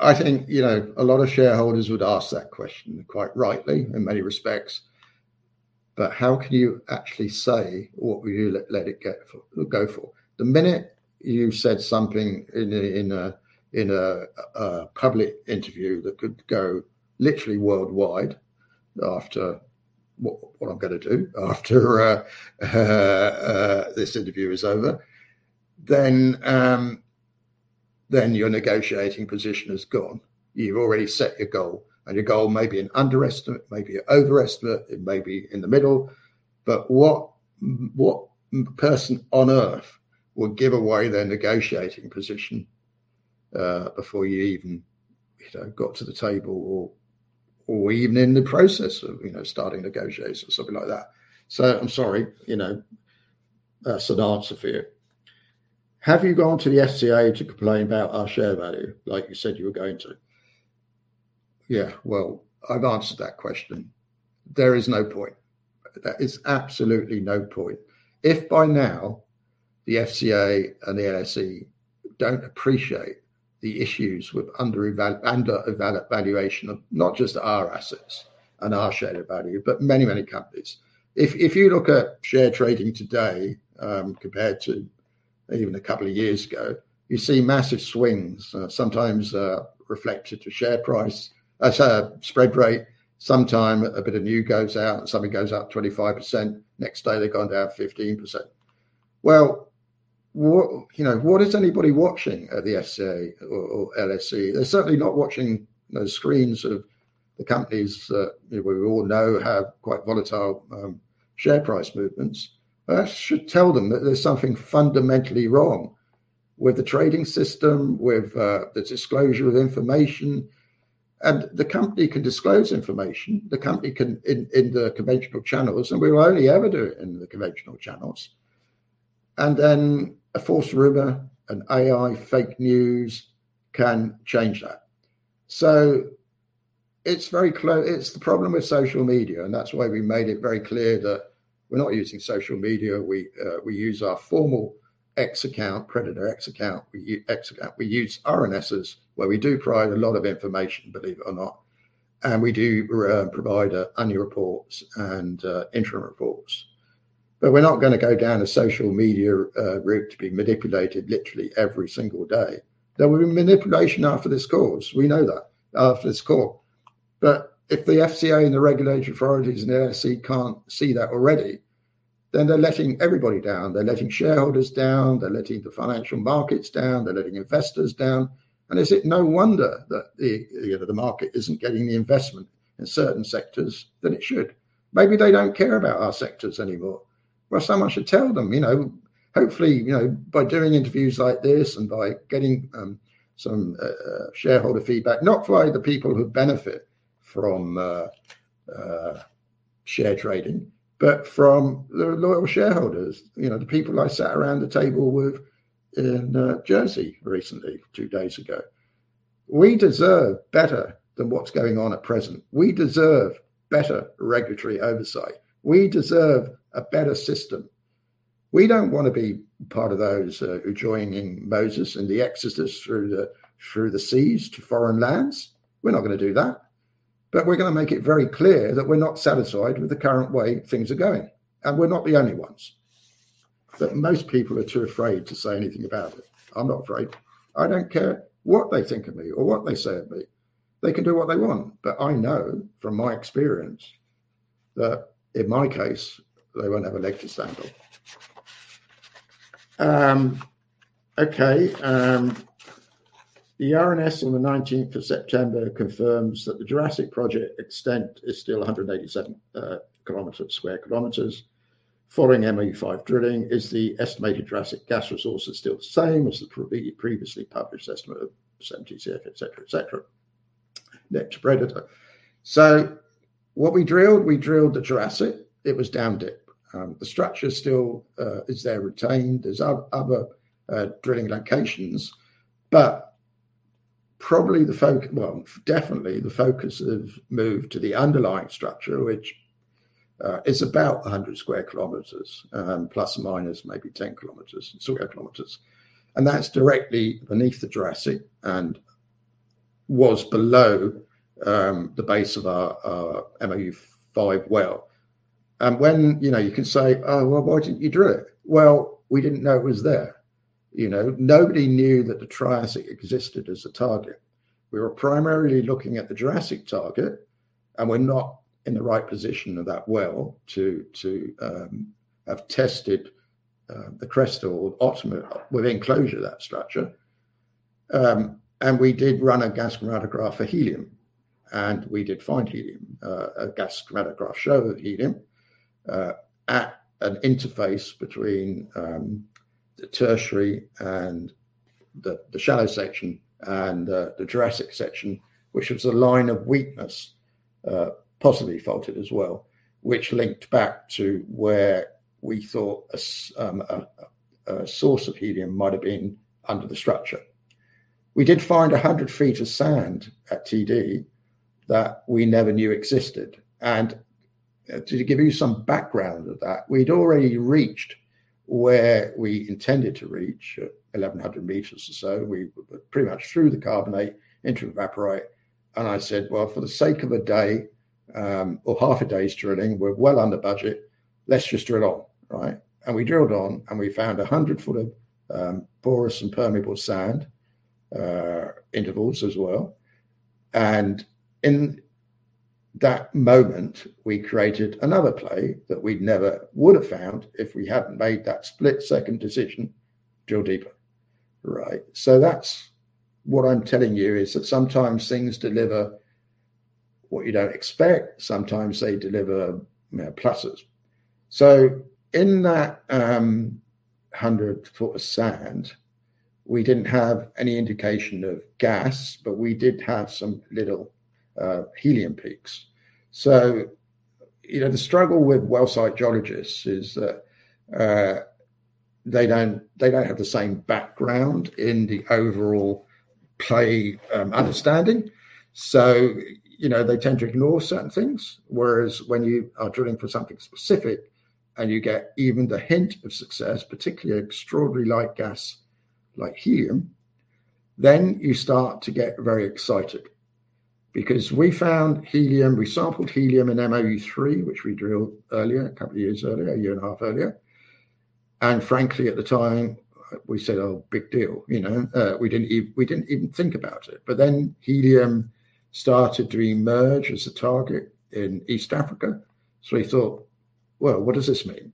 I think, you know, a lot of shareholders would ask that question, quite rightly in many respects. But how can you actually say what will you let it get for, go for? The minute you've said something in a public interview that could go literally worldwide after what I'm gonna do, after this interview is over, then your negotiating position is gone. You've already set your goal, and your goal may be an underestimate, may be an overestimate, it may be in the middle. But what person on Earth would give away their negotiating position before you even, you know, got to the table or even in the process of, you know, starting negotiations, something like that? I'm sorry, you know, that's an answer for you. Have you gone to the FCA to complain about our share value like you said you were going to? Yeah, well, I've answered that question. There is no point. There is absolutely no point. If by now the FCA and the LSE don't appreciate the issues with undervaluation of not just our assets and our share value, but many, many companies. If you look at share trading today, compared to even a couple of years ago, you see massive swings, sometimes reflected in share price. I say spread rate. Sometimes a bit of news goes out and something goes up 25%. Next day they've gone down 15%. Well, you know, what is anybody watching at the FCA or LSE? They're certainly not watching those screens of the companies, you know, we all know have quite volatile share price movements. That should tell them that there's something fundamentally wrong with the trading system, with the disclosure of information. The company can disclose information in the conventional channels, and we will only ever do it in the conventional channels. A false rumor, an AI fake news can change that. It's the problem with social media, and that's why we made it very clear that we're not using social media. We use our formal X account, the Predator X account. We use RNSs where we do provide a lot of information, believe it or not, and we provide annual reports and interim reports. We're not gonna go down a social media route to be manipulated literally every single day. There will be manipulation after this call, we know that. If the FCA and the regulatory authorities and the ASC can't see that already, then they're letting everybody down. They're letting shareholders down, they're letting the financial markets down, they're letting investors down, and is it no wonder that the, you know, the market isn't getting the investment in certain sectors that it should? Maybe they don't care about our sectors anymore. Well, someone should tell them, you know? Hopefully, you know, by doing interviews like this and by getting some shareholder feedback, not via the people who benefit from share trading, but from the loyal shareholders. You know, the people I sat around the table with in Jersey recently, two days ago. We deserve better than what's going on at present. We deserve better regulatory oversight. We deserve a better system. We don't wanna be part of those who're joining Moses and the Exodus through the seas to foreign lands. We're not gonna do that. We're gonna make it very clear that we're not satisfied with the current way things are going, and we're not the only ones. Most people are too afraid to say anything about it. I'm not afraid. I don't care what they think of me or what they say of me. They can do what they want, but I know from my experience that in my case, they won't have a leg to stand on. Okay. The RNS on the 19th of September confirms that the Jurassic project extent is still 187 sq km. Following MOU-5 drilling, the estimated Jurassic gas resource is still the same as the previously published estimate of 70 TCF, etc., etc. Next, Predator. What we drilled, we drilled the Jurassic. It was down dip. The structure still is retained. There's other drilling locations. Well, definitely the focus is to move to the underlying structure, which is about 100 square kilometers, plus or minus maybe 10 square kilometers, and that's directly beneath the Jurassic and was below the base of our MOU-5 well. You know, you can say, "Oh, well, why didn't you drill it?" Well, we didn't know it was there, you know? Nobody knew that the Triassic existed as a target. We were primarily looking at the Jurassic target, and we're not in the right position of that well to have tested the crest or ultimate with enclosure that structure. We did run a gas chromatograph for helium, and we did find helium. A gas chromatograph showed the helium at an interface between the Tertiary and the shallow section and the Jurassic section, which was a line of weakness, possibly faulted as well, which linked back to where we thought a source of helium might have been under the structure. We did find 100 feet of sand at TD that we never knew existed. To give you some background of that, we'd already reached where we intended to reach at 1,100 meters or so. We were pretty much through the carbonate into evaporite. I said, "Well, for the sake of a day, or half a day's drilling, we're well under budget, let's just drill on." Right? We drilled on, and we found 100 feet of porous and permeable sand intervals as well. In that moment, we created another play that we never would have found if we hadn't made that split-second decision, "Drill deeper." Right? That's what I'm telling you, is that sometimes things deliver what you don't expect. Sometimes they deliver, you know, pluses. In that 100 feet of sand, we didn't have any indication of gas, but we did have some little helium peaks. You know, the struggle with well site geologists is that they don't have the same background in the overall play understanding. You know, they tend to ignore certain things. Whereas when you are drilling for something specific and you get even the hint of success, particularly extraordinary light gas like helium, then you start to get very excited. Because we found helium, we sampled helium in MOU-3, which we drilled earlier, a couple of years earlier, a year and a half earlier. Frankly, at the time we said, "Oh, big deal," you know? We didn't even think about it. Helium started to emerge as a target in East Africa. We thought, "Well, what does this mean?"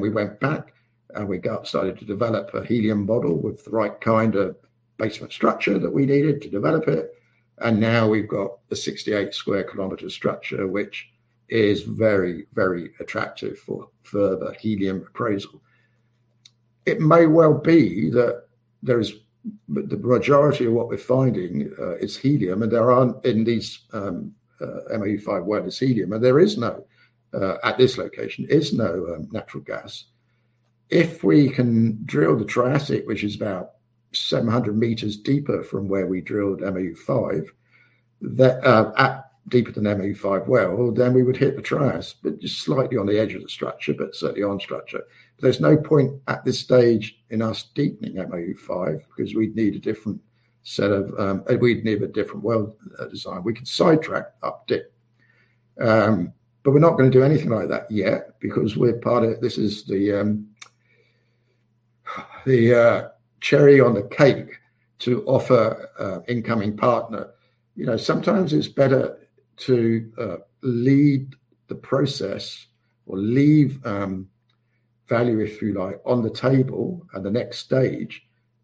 We went back and we got started to develop a helium model with the right kind of basement structure that we needed to develop it. Now we've got the 68 sq km structure, which is very, very attractive for further helium appraisal. There is, but the majority of what we're finding is helium, and the MOU-5 well is helium, and there is no natural gas at this location. If we can drill the Triassic, which is about 700 meters deeper from where we drilled MOU-5, deeper than MOU-5 well, then we would hit the Triassic, but just slightly on the edge of the structure, but certainly on structure. There's no point at this stage in us deepening MOU-5 because we'd need a different well design. We could sidetrack it. But we're not gonna do anything like that yet because we're part of this. This is the cherry on the cake to offer an incoming partner. You know, sometimes it's better to lead the process or leave value, if you like, on the table at the next stage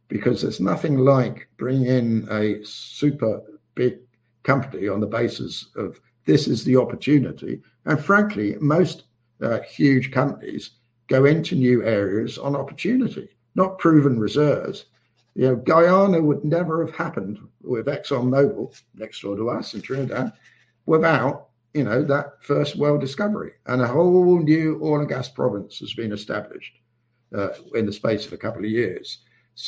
because there's nothing like bringing in a super big company on the basis of this is the opportunity. Frankly, most huge companies go into new areas on opportunity, not proven reserves. You know, Guyana would never have happened with ExxonMobil next door to us in Trinidad without, you know, that first well discovery, and a whole new oil and gas province has been established in the space of a couple of years.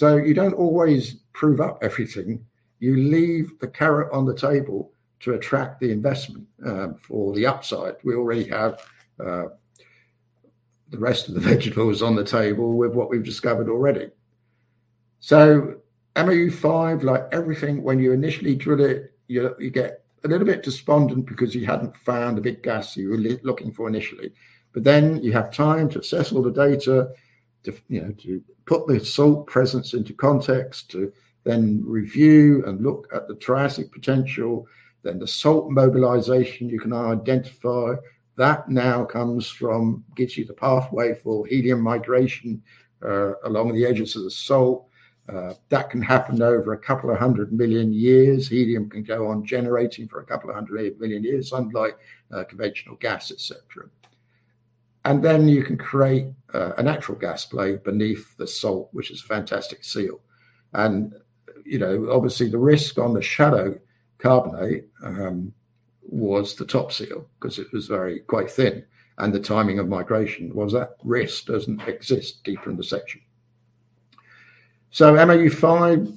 You don't always prove up everything. You leave the carrot on the table to attract the investment for the upside. We already have the rest of the vegetables on the table with what we've discovered already. MOU-5, like everything when you initially drill it, you get a little bit despondent because you hadn't found the big gas you were looking for initially. You have time to assess all the data to, you know, to put the salt presence into context, to then review and look at the Triassic potential, then the salt mobilization you can now identify. That now comes from, gets you the pathway for helium migration along the edges of the salt. That can happen over a couple of hundred million years. Helium can go on generating for a couple of hundred million years, unlike conventional gas, et cetera. Then you can create a natural gas play beneath the salt, which is fantastic seal. You know, obviously the risk on the shallow carbonate was the top seal because it was very quite thin, and the timing of migration was that risk doesn't exist deeper in the section. MOU-5,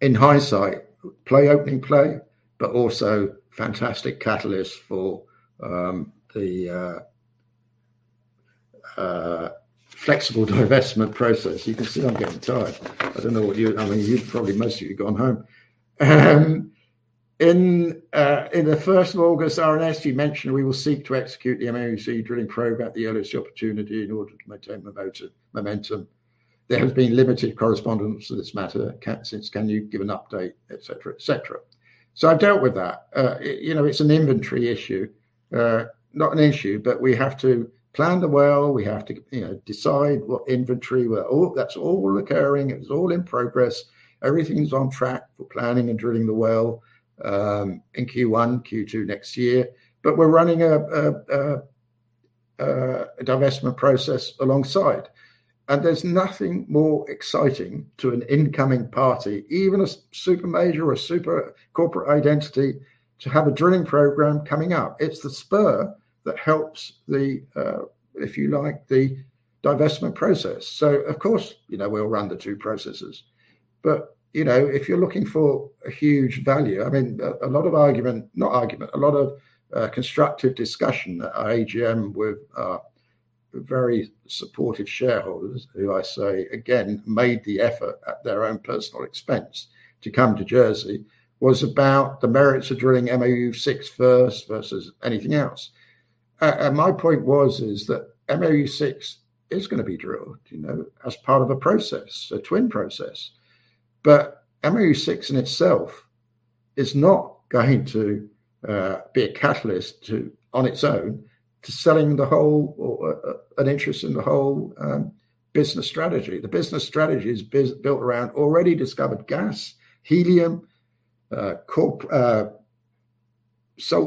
in hindsight, play opening play, but also fantastic catalyst for the flexible divestment process. You can see I'm getting tired. I don't know what you I mean, you've probably, most of you have gone home. In the first of August RNS you mentioned we will seek to execute the MOU-6 drilling program at the earliest opportunity in order to maintain momentum. There has been limited correspondence to this matter since. Can you give an update, et cetera, et cetera. I've dealt with that. You know, it's an inventory issue. Not an issue, but we have to plan the well. That's all occurring. It's all in progress. Everything's on track for planning and drilling the well in Q1, Q2 next year. We're running a divestment process alongside. There's nothing more exciting to an incoming party, even a super major or super corporate identity, to have a drilling program coming up. It's the spur that helps the, if you like, the divestment process. Of course, you know, we'll run the two processes. You know, if you're looking for a huge value, I mean, a lot of constructive discussion at our AGM with very supportive shareholders, who I say again made the effort at their own personal expense to come to Jersey, was about the merits of drilling MOU-6 first versus anything else. My point was, is that MOU-6 is gonna be drilled, you know, as part of a process, a twin process. MOU-6 in itself is not going to be a catalyst to, on its own, to selling the whole or an interest in the whole business strategy. The business strategy is built around already discovered gas, helium, salt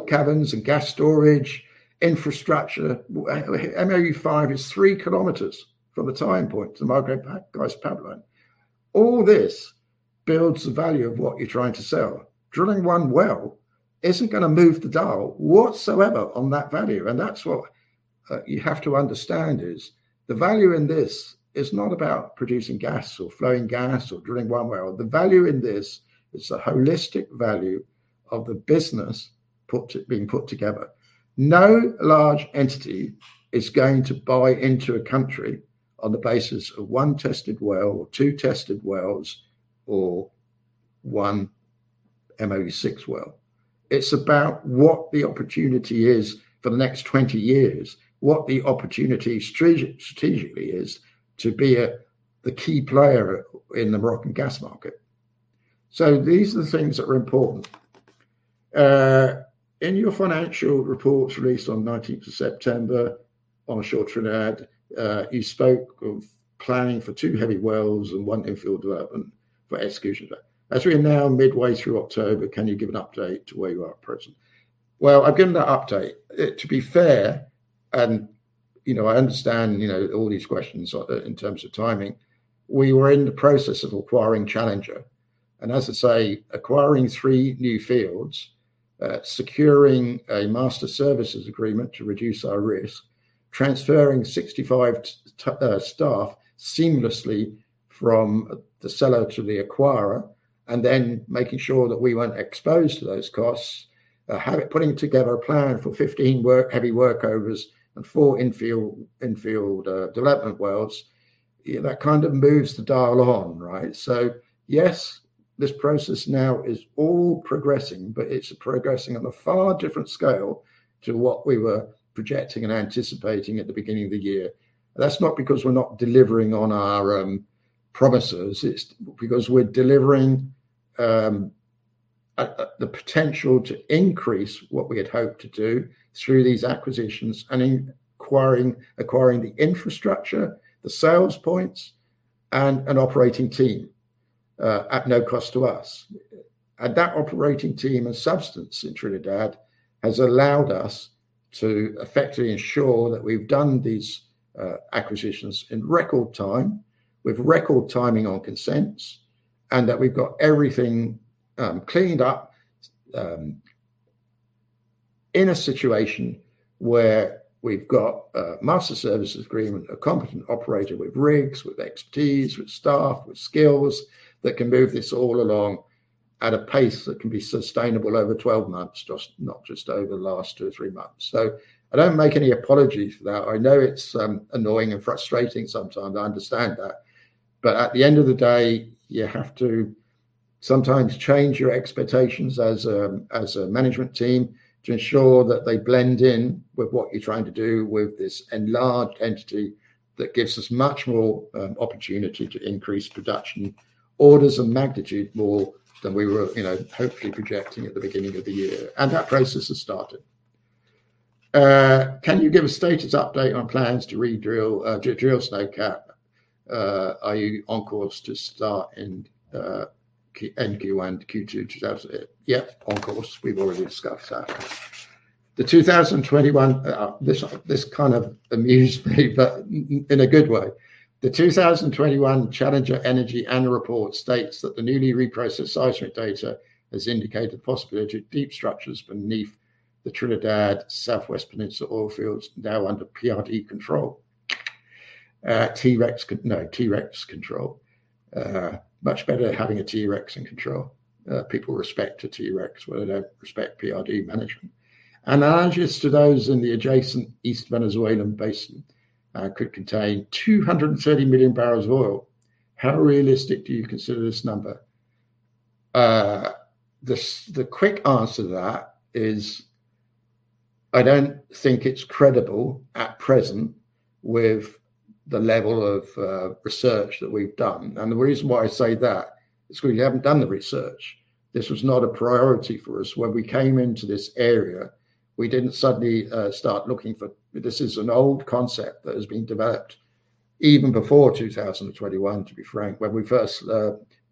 caverns and gas storage infrastructure. Actually, MOU-5 is three kilometers from the tying point to the Maghreb-Europe Gas Pipeline. All this builds the value of what you're trying to sell. Drilling one well isn't gonna move the dial whatsoever on that value, and that's what you have to understand is the value in this is not about producing gas or flowing gas or drilling one well. The value in this is the holistic value of the business being put together. No large entity is going to buy into a country on the basis of 1 tested well or 2 tested wells or 1 MOU-6 well. It's about what the opportunity is for the next 20 years, what the opportunity strategically is to be the key player in the Moroccan gas market. These are the things that are important. In your financial reports released on nineteenth of September onshore Trinidad, you spoke of planning for 2 heavy wells and 1 infill development for execution. As we are now midway through October, can you give an update to where you are at present? I've given that update. To be fair, you know, I understand, you know, all these questions so in terms of timing. We were in the process of acquiring Challenger. As I say, acquiring three new fields, securing a master services agreement to reduce our risk, transferring 65 staff seamlessly from the seller to the acquirer, and then making sure that we weren't exposed to those costs, putting together a plan for 15 heavy workovers and four in-field development wells, yeah, that kind of moves the dial on, right? Yes, this process now is all progressing, but it's progressing on a far different scale to what we were projecting and anticipating at the beginning of the year. That's not because we're not delivering on our promises, it's because we're delivering a... The potential to increase what we had hoped to do through these acquisitions and acquiring the infrastructure, the sales points, and an operating team at no cost to us. That operating team and substance in Trinidad has allowed us to effectively ensure that we've done these acquisitions in record time with record timing on consents, and that we've got everything cleaned up in a situation where we've got a master services agreement, a competent operator with rigs, with expertise, with staff, with skills that can move this all along at a pace that can be sustainable over 12 months, not just over the last 2 or 3 months. I don't make any apologies for that. I know it's annoying and frustrating sometimes. I understand that. At the end of the day, you have to sometimes change your expectations as a management team to ensure that they blend in with what you're trying to do with this enlarged entity that gives us much more opportunity to increase production orders of magnitude more than we were, you know, hopefully projecting at the beginning of the year. That process has started. Can you give a status update on plans to re-drill, drill Snowcap? Are you on course to start in Q1, Q2 twenty...? Yep, on course. We've already discussed that. The 2021... This kind of amuses me, but in a good way. The 2021 Challenger Energy annual report states that the newly reprocessed seismic data has indicated possibility of deep structures beneath the Trinidad Southwest Peninsula oil fields now under PRD control. T. rex control. Much better having a T. rex in control. People respect a T. rex where they don't respect PRD management. Analogous to those in the adjacent East Venezuelan Basin could contain 230 million barrels of oil. How realistic do you consider this number? The quick answer to that is I don't think it's credible at present with the level of research that we've done. The reason why I say that is because we haven't done the research. This was not a priority for us. When we came into this area, we didn't suddenly start looking for This is an old concept that has been developed even before 2021, to be frank, when we first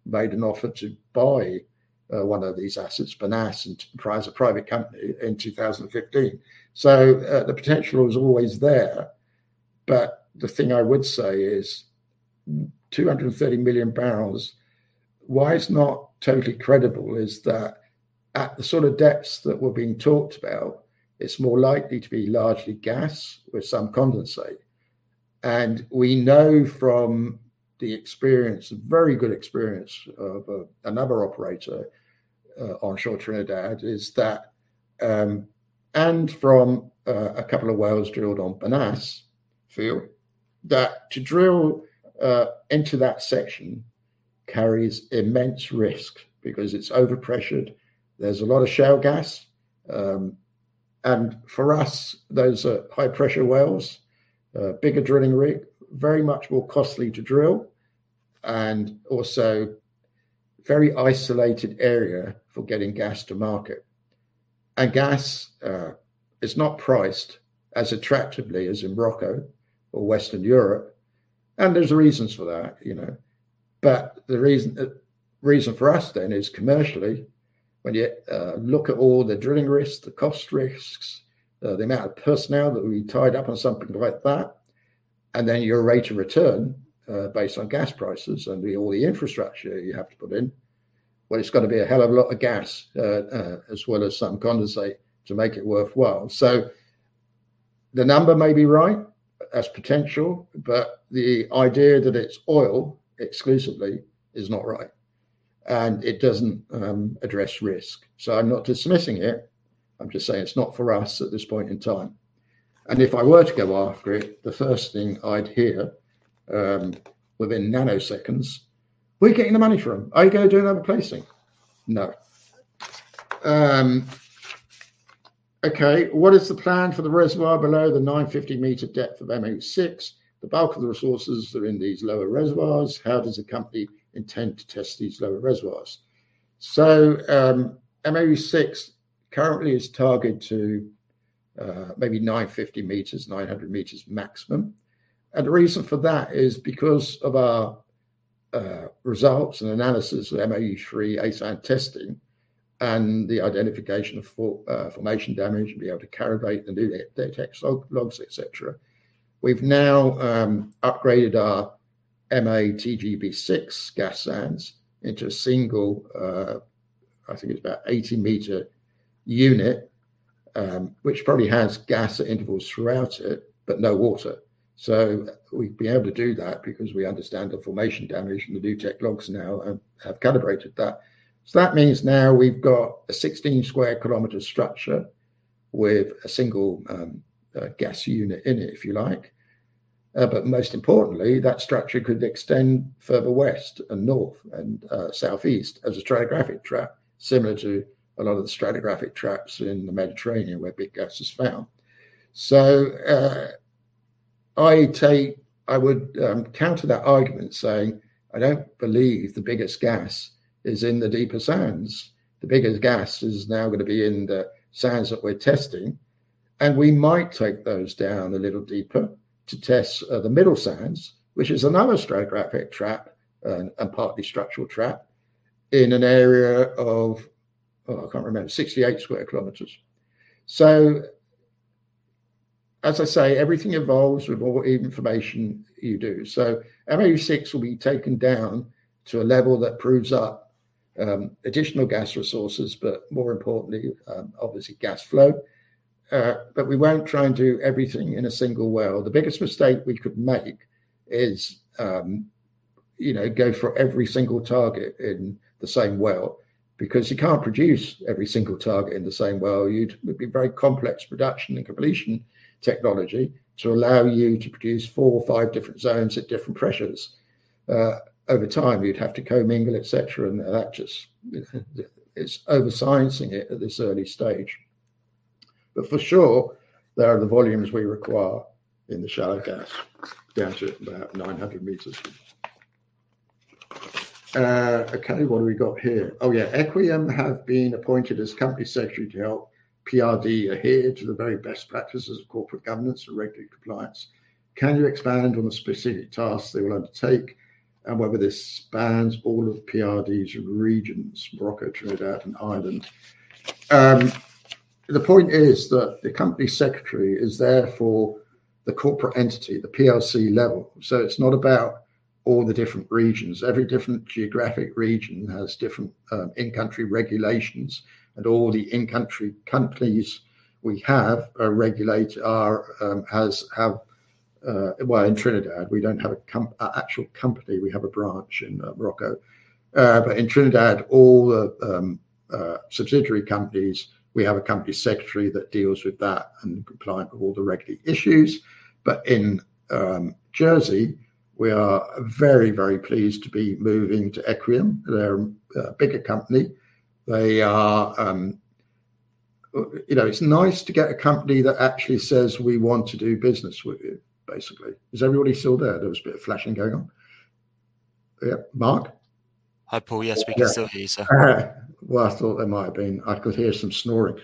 made an offer to buy one of these assets, Bonasse, and to acquire as a private company in 2015. The potential was always there. The thing I would say is 230 million barrels, why it's not totally credible is that at the sort of depths that we're being talked about, it's more likely to be largely gas with some condensate. We know from the experience, very good experience of another operator onshore Trinidad, that and from a couple of wells drilled on Bonasse field, that to drill into that section carries immense risk because it's overpressured. There's a lot of shale gas. For us, those are high-pressure wells, bigger drilling rig, very much more costly to drill, and also very isolated area for getting gas to market. Gas is not priced as attractively as in Morocco or Western Europe, and there's reasons for that, you know. The reason for us then is commercially, when you look at all the drilling risks, the cost risks, the amount of personnel that will be tied up on something like that, and then your rate of return based on gas prices and all the infrastructure you have to put in. Well, it's got to be a hell of a lot of gas, as well as some condensate to make it worthwhile. The number may be right as potential, but the idea that it's oil exclusively is not right, and it doesn't address risk. I'm not dismissing it. I'm just saying it's not for us at this point in time. If I were to go after it, the first thing I'd hear within nanoseconds, "Where are you getting the money from? Are you gonna do another placing?" No. What is the plan for the reservoir below the 950-meter depth of MOU-6? The bulk of the resources are in these lower reservoirs. How does the company intend to test these lower reservoirs? MOU-6 currently is targeted to maybe 950 meters, 900 meters maximum. The reason for that is because of our results and analysis of MOU-3 sand testing and the identification of formation damage and be able to calibrate the new NuTech logs, etc. We've now upgraded our Ma/TGB-6 gas sands into a single, I think it's about 80-meter unit, which probably has gas at intervals throughout it, but no water. We've been able to do that because we understand the formation damage from the NuTech logs now and have calibrated that. That means now we've got a 16 sq km structure with a single gas unit in it, if you like. But most importantly, that structure could extend further west and north and southeast as a stratigraphic trap, similar to a lot of the stratigraphic traps in the Mediterranean where big gas is found. I would counter that argument saying, I don't believe the biggest gas is in the deeper sands. The biggest gas is now gonna be in the sands that we're testing, and we might take those down a little deeper to test the middle sands, which is another stratigraphic trap and partly structural trap in an area of, I can't remember, 68 sq km. As I say, everything evolves with what information you have. MOU-6 will be taken down to a level that proves up additional gas resources, but more importantly, obviously gas flow. We won't try and do everything in a single well. The biggest mistake we could make is, you know, go for every single target in the same well because you can't produce every single target in the same well. It would be very complex production and completion technology to allow you to produce four or five different zones at different pressures. Over time, you'd have to co-mingle, et cetera, and that just is over-sciencing it at this early stage. For sure, there are the volumes we require in the shallow gas, down to about 900 meters. Okay, what have we got here? "Equiom have been appointed as company secretary to help PRD adhere to the very best practices of corporate governance and regulatory compliance. Can you expand on the specific tasks they will undertake and whether this spans all of PRD's regions, Morocco, Trinidad, and Ireland?" The point is that the company secretary is there for the corporate entity, the PLC level. It's not about all the different regions. Every different geographic region has different in-country regulations, and all the in-country companies we have have. Well, in Trinidad, we don't have an actual company, we have a branch in Morocco. In Trinidad, all the subsidiary companies, we have a company secretary that deals with that and compliant with all the regulatory issues. In Jersey, we are very, very pleased to be moving to Equiom. They're a bigger company. They are. You know, it's nice to get a company that actually says, "We want to do business with you," basically. Is everybody still there? There was a bit of flashing going on. Yeah. Mark? Hi, Paul. Yes. Yeah. We can still hear you, sir. All right. Well, I thought there might have been some snoring. I could hear some snoring.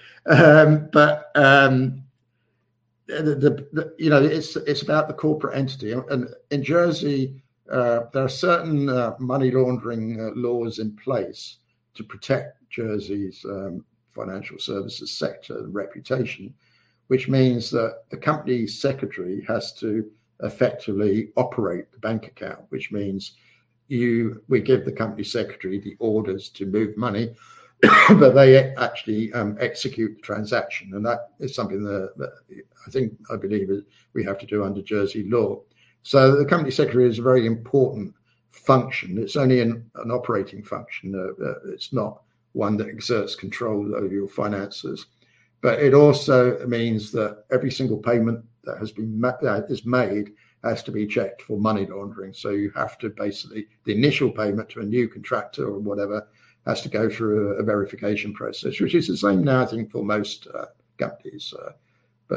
The you know it's about the corporate entity. In Jersey there are certain money laundering laws in place to protect Jersey's financial services sector and reputation, which means that the company secretary has to effectively operate the bank account, which means we give the company secretary the orders to move money, but they actually execute the transaction, and that is something that I think I believe we have to do under Jersey law. The company secretary is a very important function. It's only an operating function. It's not one that exerts control over your finances. It also means that every single payment that is made has to be checked for money laundering. You have to basically, the initial payment to a new contractor or whatever, has to go through a verification process, which is the same now, I think, for most companies.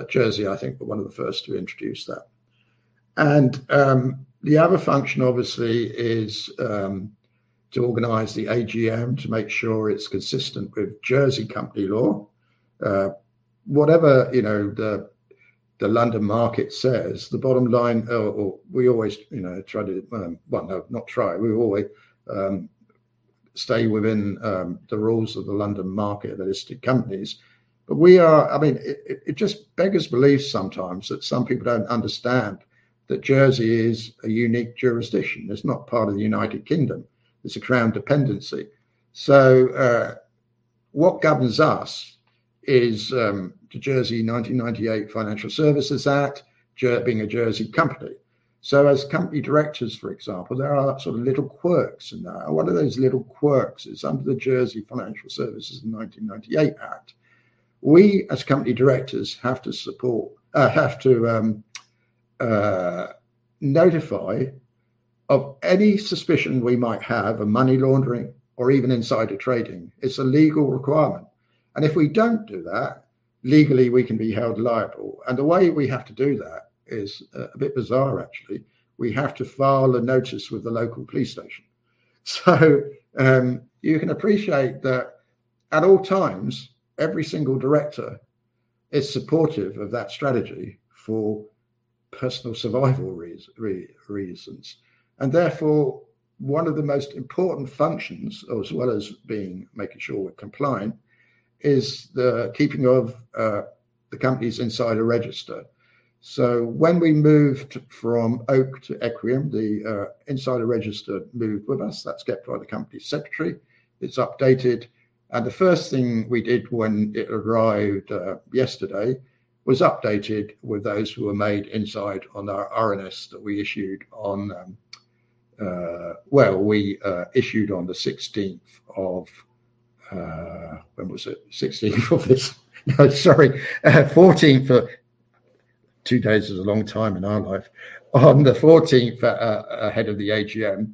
Jersey, I think, were one of the first to introduce that. The other function obviously is to organize the AGM to make sure it's consistent with Jersey company law. Whatever the London market says, the bottom line, or we always stay within the rules of the London market that apply to companies. I mean, it just beggars belief sometimes that some people don't understand that Jersey is a unique jurisdiction. It's not part of the United Kingdom. It's a Crown dependency. So, what governs us is the Financial Services (Jersey) Law 1998, being a Jersey company. So as company directors, for example, there are sort of little quirks in there. One of those little quirks is under the Financial Services (Jersey) Law 1998, as company directors, have to notify of any suspicion we might have of money laundering or even insider trading. It's a legal requirement. If we don't do that, legally, we can be held liable. The way we have to do that is a bit bizarre actually. We have to file a notice with the local police station. You can appreciate that at all times every single director is supportive of that strategy for personal survival reasons. Therefore, one of the most important functions, as well as making sure we're compliant, is the keeping of the company's insider register. When we moved from Oak to Equiom, the insider register moved with us. That's kept by the company secretary. It's updated, and the first thing we did when it arrived yesterday was update it with those who were made insiders on our RNS that we issued on the 14th. Two days is a long time in our life. On the 14th, ahead of the AGM,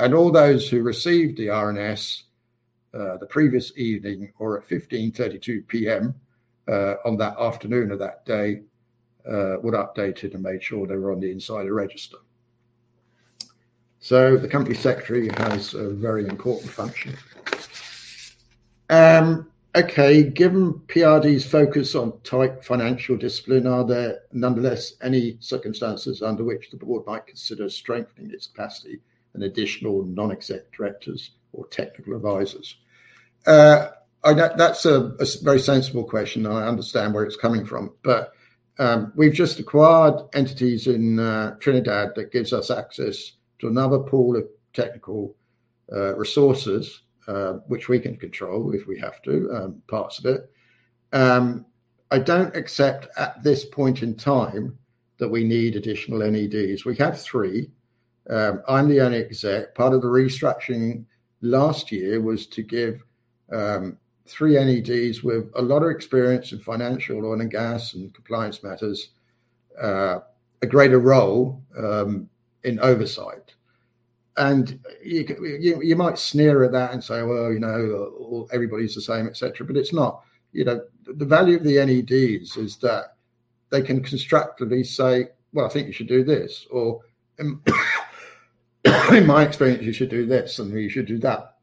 and all those who received the RNS the previous evening or at 3:32 P.M. on that afternoon of that day were updated and made sure they were on the insider register. The company secretary has a very important function. Okay. Given PRD's focus on tight financial discipline, are there nonetheless any circumstances under which the board might consider strengthening its capacity and additional non-exec directors or technical advisors? That's a very sensible question, and I understand where it's coming from. We've just acquired entities in Trinidad that gives us access to another pool of technical resources which we can control if we have to parts of it. I don't accept at this point in time that we need additional NEDs. We have three. I'm the only exec. Part of the restructuring last year was to give three NEDs with a lot of experience in financial oil and gas and compliance matters a greater role in oversight. You might sneer at that and say, "Well, you know, everybody's the same," et cetera. It's not. You know, the value of the NEDs is that they can constructively say, "Well, I think you should do this," or "In my experience, you should do this," and "You should do that."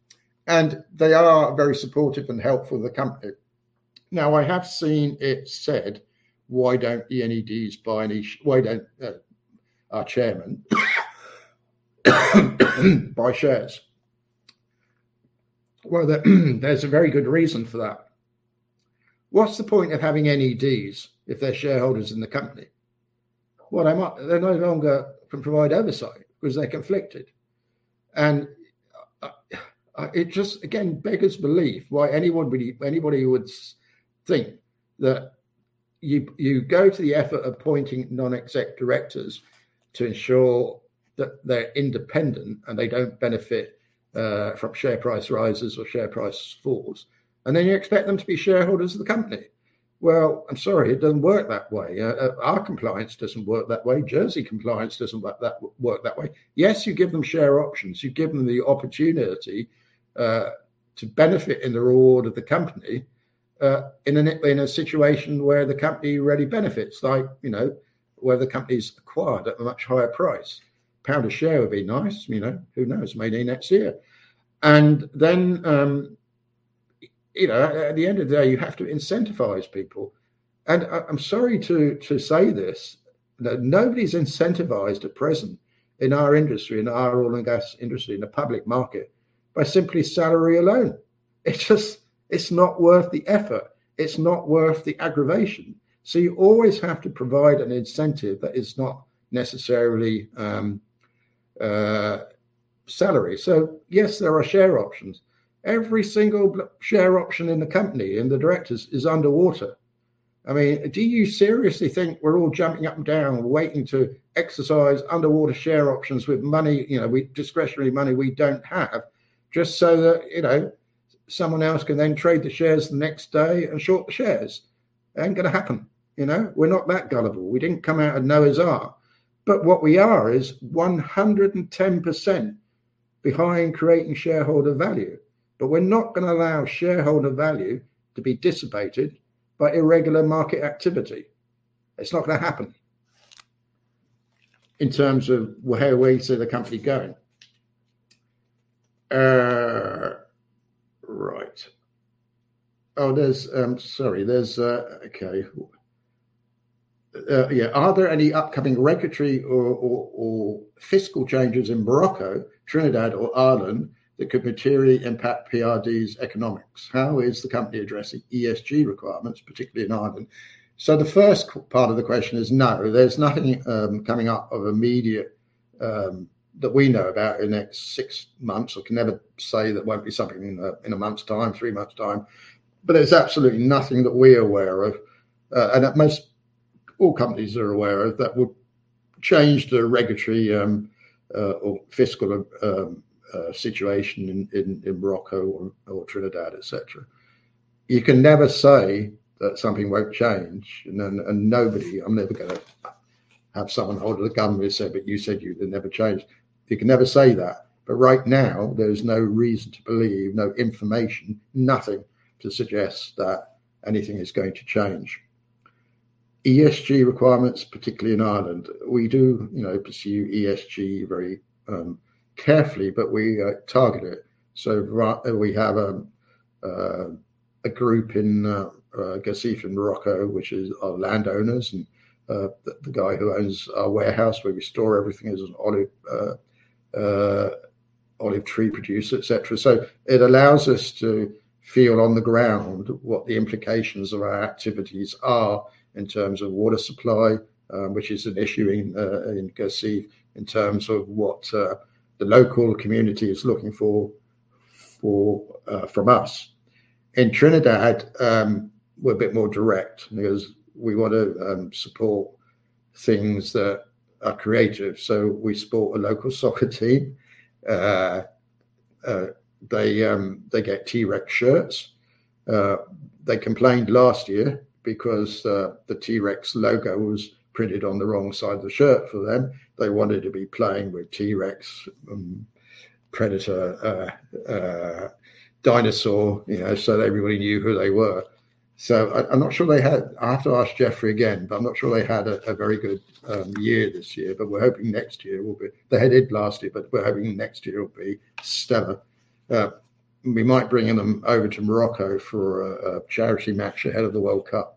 They are very supportive and helpful to the company. Now, I have seen it said, "Why don't the NEDs buy any shares? Why don't our chairman buy shares?" Well, there's a very good reason for that. What's the point of having NEDs if they're shareholders in the company? Well, they no longer can provide oversight because they're conflicted. It just, again, beggars belief why anyone would think that you go to the effort of appointing non-exec directors to ensure that they're independent and they don't benefit from share price rises or share price falls, and then you expect them to be shareholders of the company. Well, I'm sorry. It doesn't work that way. Our compliance doesn't work that way. Jersey compliance doesn't work that way. Yes, you give them share options. You give them the opportunity to benefit in the reward of the company in a situation where the company already benefits, like, you know, where the company's acquired at a much higher price. GBP 1 a share would be nice. You know? Maybe next year. You know, at the end of the day, you have to incentivize people. I'm sorry to say this, that nobody's incentivized at present in our industry, in our oil and gas industry, in the public market, by simply salary alone. It's just, it's not worth the effort. It's not worth the aggravation. You always have to provide an incentive that is not necessarily salary. Yes, there are share options. Every single share option in the company, in the directors, is underwater. I mean, do you seriously think we're all jumping up and down waiting to exercise underwater share options with money, you know, with discretionary money we don't have, just so that, you know, someone else can then trade the shares the next day and short the shares? Ain't gonna happen. You know? We're not that gullible. We didn't come out of nowhere as are. What we are is 110% behind creating shareholder value. We're not gonna allow shareholder value to be dissipated by irregular market activity. It's not gonna happen. In terms of where we see the company going. Are there any upcoming regulatory or fiscal changes in Morocco, Trinidad, or Ireland that could materially impact PRD's economics? How is the company addressing ESG requirements, particularly in Ireland? The first part of the question is no, there's nothing coming up of immediate that we know about in the next six months. We can never say there won't be something in a month's time, three months' time. There's absolutely nothing that we're aware of, and that most all companies are aware of, that would change the regulatory or fiscal situation in Morocco or Trinidad, et cetera. You can never say that something won't change. I'm never gonna have someone hold a gun to me and say, "But you said it would never change." You can never say that. Right now, there is no reason to believe, no information, nothing to suggest that anything is going to change. ESG requirements, particularly in Ireland. We do, you know, pursue ESG very carefully, but we target it. We have a group in Guercif in Morocco, which is our landowners and the guy who owns our warehouse where we store everything is an olive tree producer, et cetera. It allows us to feel on the ground what the implications of our activities are in terms of water supply, which is an issue in Guercif in terms of what the local community is looking for from us. In Trinidad, we're a bit more direct because we want to support things that are creative. We support a local soccer team. They get T. Rex shirts. They complained last year because the T. Rex logo was printed on the wrong side of the shirt for them. They wanted to be playing with T. Rex, predator, dinosaur, you know, so everybody knew who they were. I'm not sure they had. I'll have to ask Jeffrey Leed again, but I'm not sure they had a very good year this year. We're hoping next year will be. They had it last year, but we're hoping next year will be stellar. We might bring them over to Morocco for a charity match ahead of the World Cup.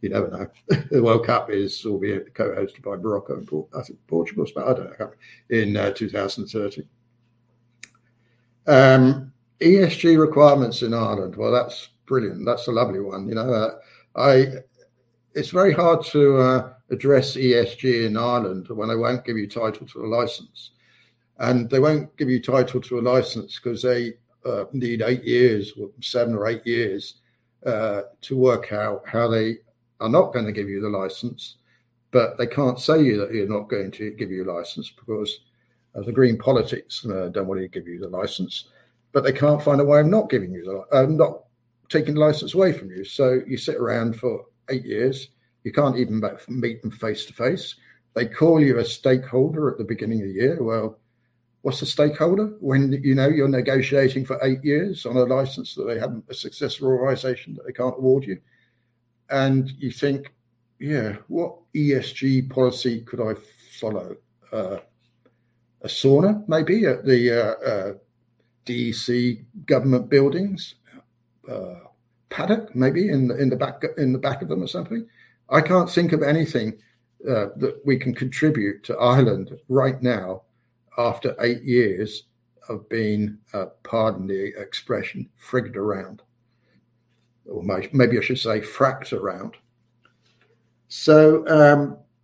You never know. The World Cup will be co-hosted by Morocco and I think Portugal. I don't know. In 2030. ESG requirements in Ireland. Well, that's brilliant. That's a lovely one. You know, it's very hard to address ESG in Ireland when they won't give you title to a license. They won't give you title to a license 'cause they need eight years, or seven or eight years, to work out how they are not gonna give you the license. They can't say that they're not going to give you a license because the green politics don't want to give you the license. They can't find a way of not giving you the license, not taking the license away from you. You sit around for eight years. You can't even go meet them face-to-face. They call you a stakeholder at the beginning of the year. Well, what's a stakeholder when you know you're negotiating for eight years on a license that they haven't a successor authorization that they can't award you? You think, "Yeah, what ESG policy could I follow?" A sauna maybe at the D.C. government buildings? Paddock maybe in the back of them or something. I can't think of anything that we can contribute to Ireland right now after eight years of being, pardon the expression, frigged around. Or maybe I should say fracked around.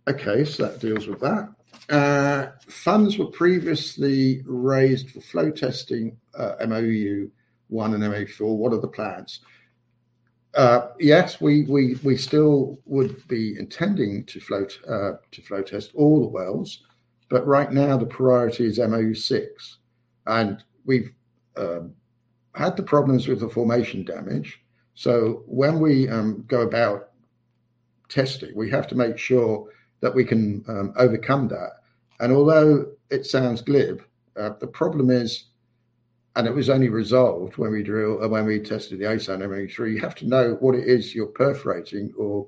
Okay. That deals with that. Funds were previously raised for flow testing MOU-1 and MOU-4. What are the plans? Yes, we still would be intending to flow test all the wells. But right now the priority is MOU-6. We've had the problems with the formation damage, so when we go about testing, we have to make sure that we can overcome that. Although it sounds glib, the problem is, and it was only resolved when we tested the A-sand in MOU-3, you have to know what it is you're perforating or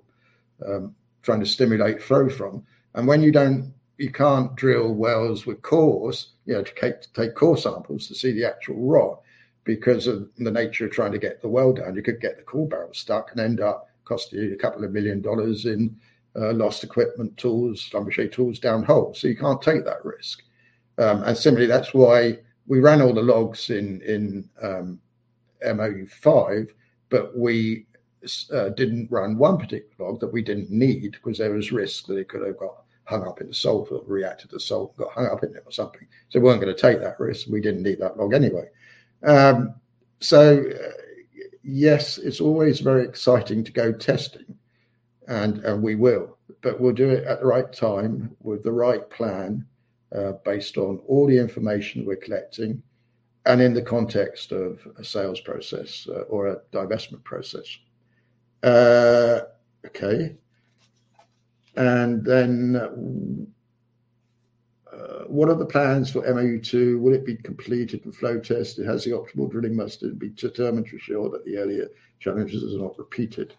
trying to stimulate flow from. When you don't, you can't drill wells with cores, you know, to take core samples to see the actual rock because of the nature of trying to get the well down. You could get the core barrel stuck and end up costing you $2 million in lost equipment, tools down hole. You can't take that risk. Similarly, that's why we ran all the logs in MOU-5, but we didn't run one particular log that we didn't need because there was risk that it could have got hung up in the sulfur, reacted to the sulfur and got hung up in it or something. We weren't gonna take that risk, and we didn't need that log anyway. Yes, it's always very exciting to go testing, and we will. We'll do it at the right time with the right plan, based on all the information we're collecting and in the context of a sales process or a divestment process. Okay. What are the plans for MOU-2? Will it be completed and flow tested? Has the optimal drilling method been determined to ensure that the earlier challenges are not repeated?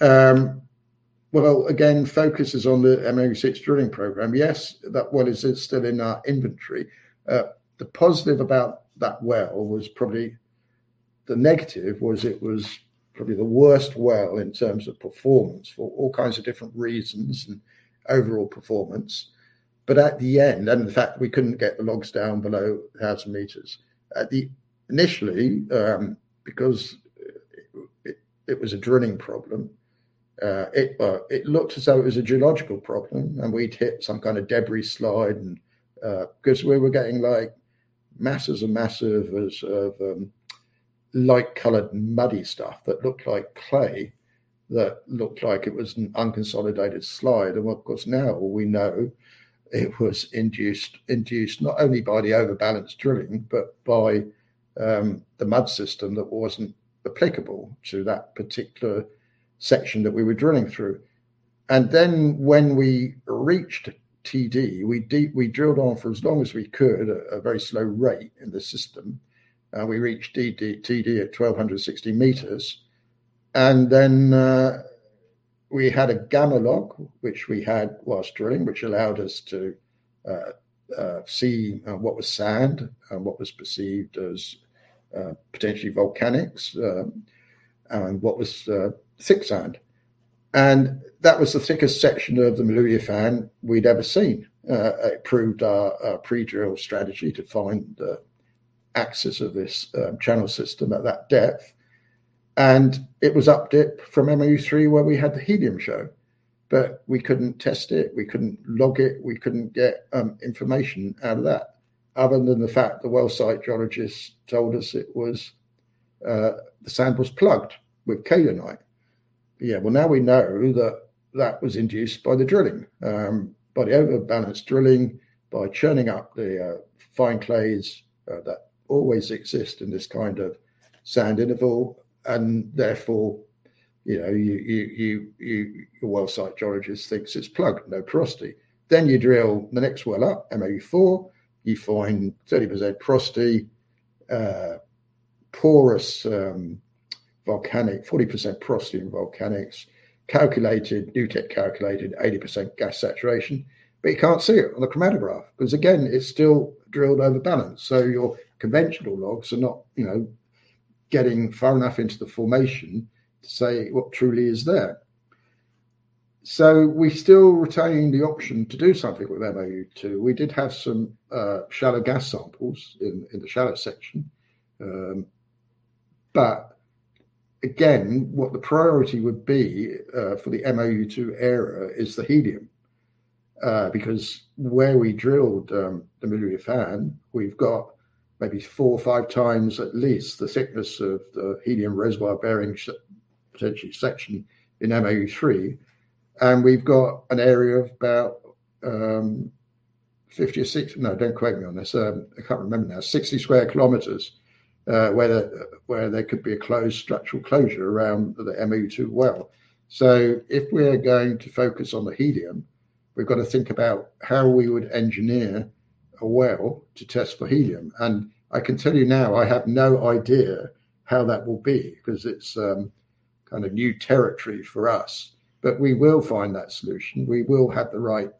Well, again, focus is on the MOU-6 drilling program. Yes, that well is still in our inventory. The positive about that well was probably. The negative was it was probably the worst well in terms of performance for all kinds of different reasons and overall performance. But at the end, and in fact, we couldn't get the logs down below 1,000 meters. Initially, because it was a drilling problem, it looked as though it was a geological problem, and we'd hit some kind of debris slide. 'Cause we were getting, like, masses and masses of light-colored muddy stuff that looked like clay, that looked like it was an unconsolidated slide. Of course, now we all know it was induced not only by the overbalanced drilling but by the mud system that wasn't applicable to that particular section that we were drilling through. Then when we reached TD, we drilled on for as long as we could at a very slow rate in the system, and we reached TD at 1,260 meters. Then we had a gamma log, which we had while drilling, which allowed us to see what was sand and what was perceived as potentially volcanics, and what was thick sand. That was the thickest section of the Moulouya Fan we'd ever seen. It proved our pre-drill strategy to find the axis of this channel system at that depth. It was up-dip from MOU-3 where we had the helium show. We couldn't test it, we couldn't log it, we couldn't get information out of that other than the fact the well site geologists told us it was the sand was plugged with kaolinite. Yeah, well, now we know that that was induced by the drilling by the overbalanced drilling, by churning up the fine clays that always exist in this kind of sand interval, and therefore, you know, you your well site geologist thinks it's plugged, no porosity. You drill the next well up, MOU-4, you find 30% porosity, porous, volcanic, 40% porosity in volcanics, calculated, NuTech calculated 80% gas saturation. You can't see it on the chromatograph because, again, it's still drilled overbalance. Your conventional logs are not, you know, getting far enough into the formation to say what truly is there. We still retain the option to do something with MOU-2. We did have some shallow gas samples in the shallow section. Again, what the priority would be for the MOU-2 area is the helium because where we drilled the Moulouya Fan, we've got maybe four or five times at least the thickness of the helium reservoir-bearing potentially section in MOU-3. We've got an area of about 50 or 60. No, don't quote me on this, I can't remember now, 60 square kilometers where there could be a closed structural closure around the MOU-2 well. If we're going to focus on the helium, we've got to think about how we would engineer a well to test for helium. I can tell you now, I have no idea how that will be because it's kind of new territory for us. We will find that solution. We will have the right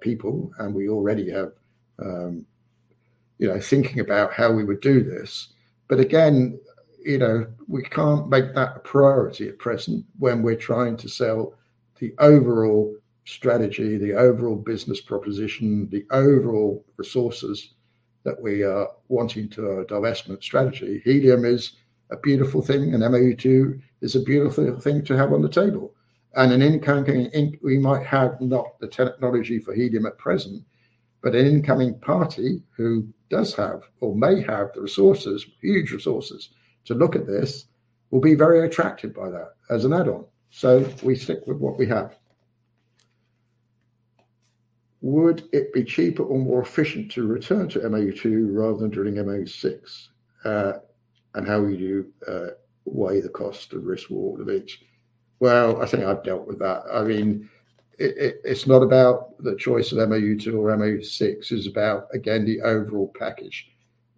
people, and we already have, you know, thinking about how we would do this. Again, you know, we can't make that a priority at present when we're trying to sell the overall strategy, the overall business proposition, the overall resources that we are wanting to our divestment strategy. Helium is a beautiful thing, and MOU-2 is a beautiful thing to have on the table. We might have not the technology for helium at present, but an incoming party who does have or may have the resources, huge resources, to look at this will be very attracted by that as an add-on. We stick with what we have. "Would it be cheaper or more efficient to return to MOU-2 rather than drilling MOU-6? And how would you weigh the cost and risk/reward of each?" Well, I think I've dealt with that. I mean, it's not about the choice of MOU-2 or MOU-6. It's about, again, the overall package.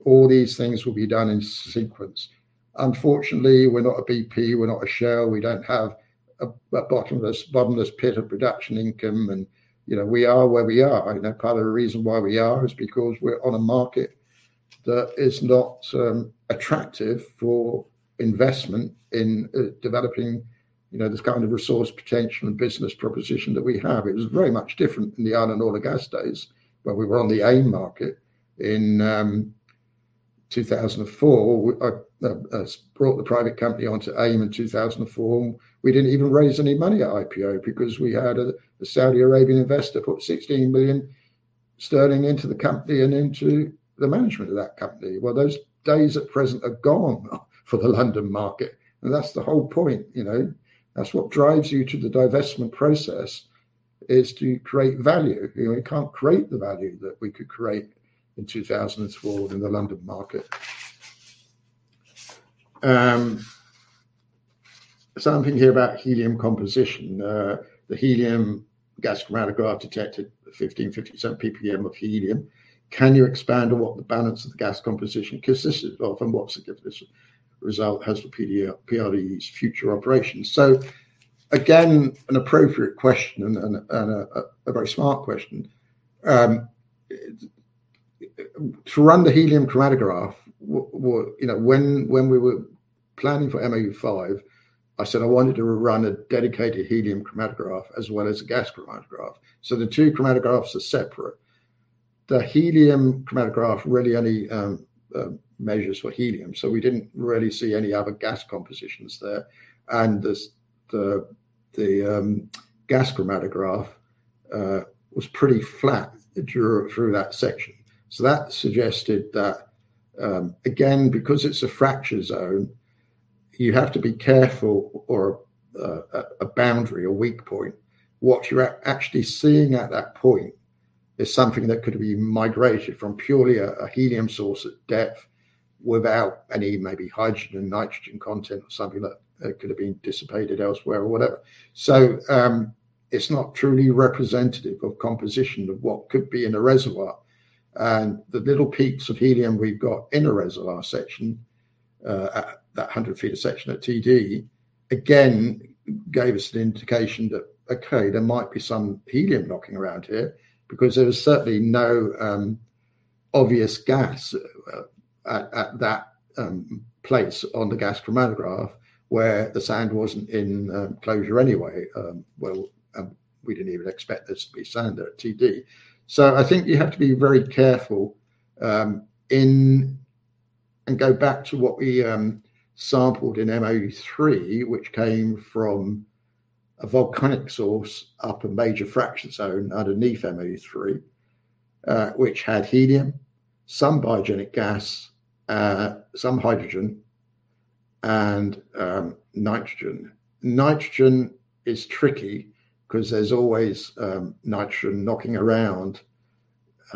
All these things will be done in sequence. Unfortunately, we're not a BP, we're not a Shell, we don't have a bottomless pit of production income and, you know, we are where we are. Part of the reason why we are is because we're on a market that is not attractive for investment in developing, you know, this kind of resource potential and business proposition that we have. It was very much different in the Island Oil & Gas days when we were on the AIM market. In 2004, I brought the private company onto AIM in 2004, and we didn't even raise any money at IPO because we had a Saudi Arabian investor put 16 million sterling into the company and into the management of that company. Well, those days at present are gone for the London market, and that's the whole point, you know. That's what drives you to the divestment process, is to create value. You know, we can't create the value that we could create in 2004 in the London market. Something here about helium composition. The helium gas chromatograph detected 15% PPM of helium. Can you expand on what the balance of the gas composition consists of and what significance this result has for PRD's future operations? Again, an appropriate question and a very smart question. To run the helium chromatograph, you know, when we were planning for MOU-5, I said I wanted to run a dedicated helium chromatograph as well as a gas chromatograph. The two chromatographs are separate. The helium chromatograph really only measures for helium, so we didn't really see any other gas compositions there. The gas chromatograph was pretty flat through that section. That suggested that, again, because it's a fracture zone, you have to be careful a boundary, a weak point. What you're actually seeing at that point is something that could have been migrated from purely a helium source at depth without any maybe hydrogen and nitrogen content or something that could have been dissipated elsewhere or whatever. It's not truly representative of composition of what could be in a reservoir. The little peaks of helium we've got in a reservoir section at that 100 feet of section at TD, again, gave us an indication that, okay, there might be some helium knocking around here because there was certainly no obvious gas at that place on the gas chromatograph where the sand wasn't in closure anyway. Well, we didn't even expect there to be sand there at TD. I think you have to be very careful in. Go back to what we sampled in MOU-3, which came from a volcanic source up a major fracture zone underneath MOU-3, which had helium, some biogenic gas, some hydrogen, and nitrogen. Nitrogen is tricky 'cause there's always nitrogen knocking around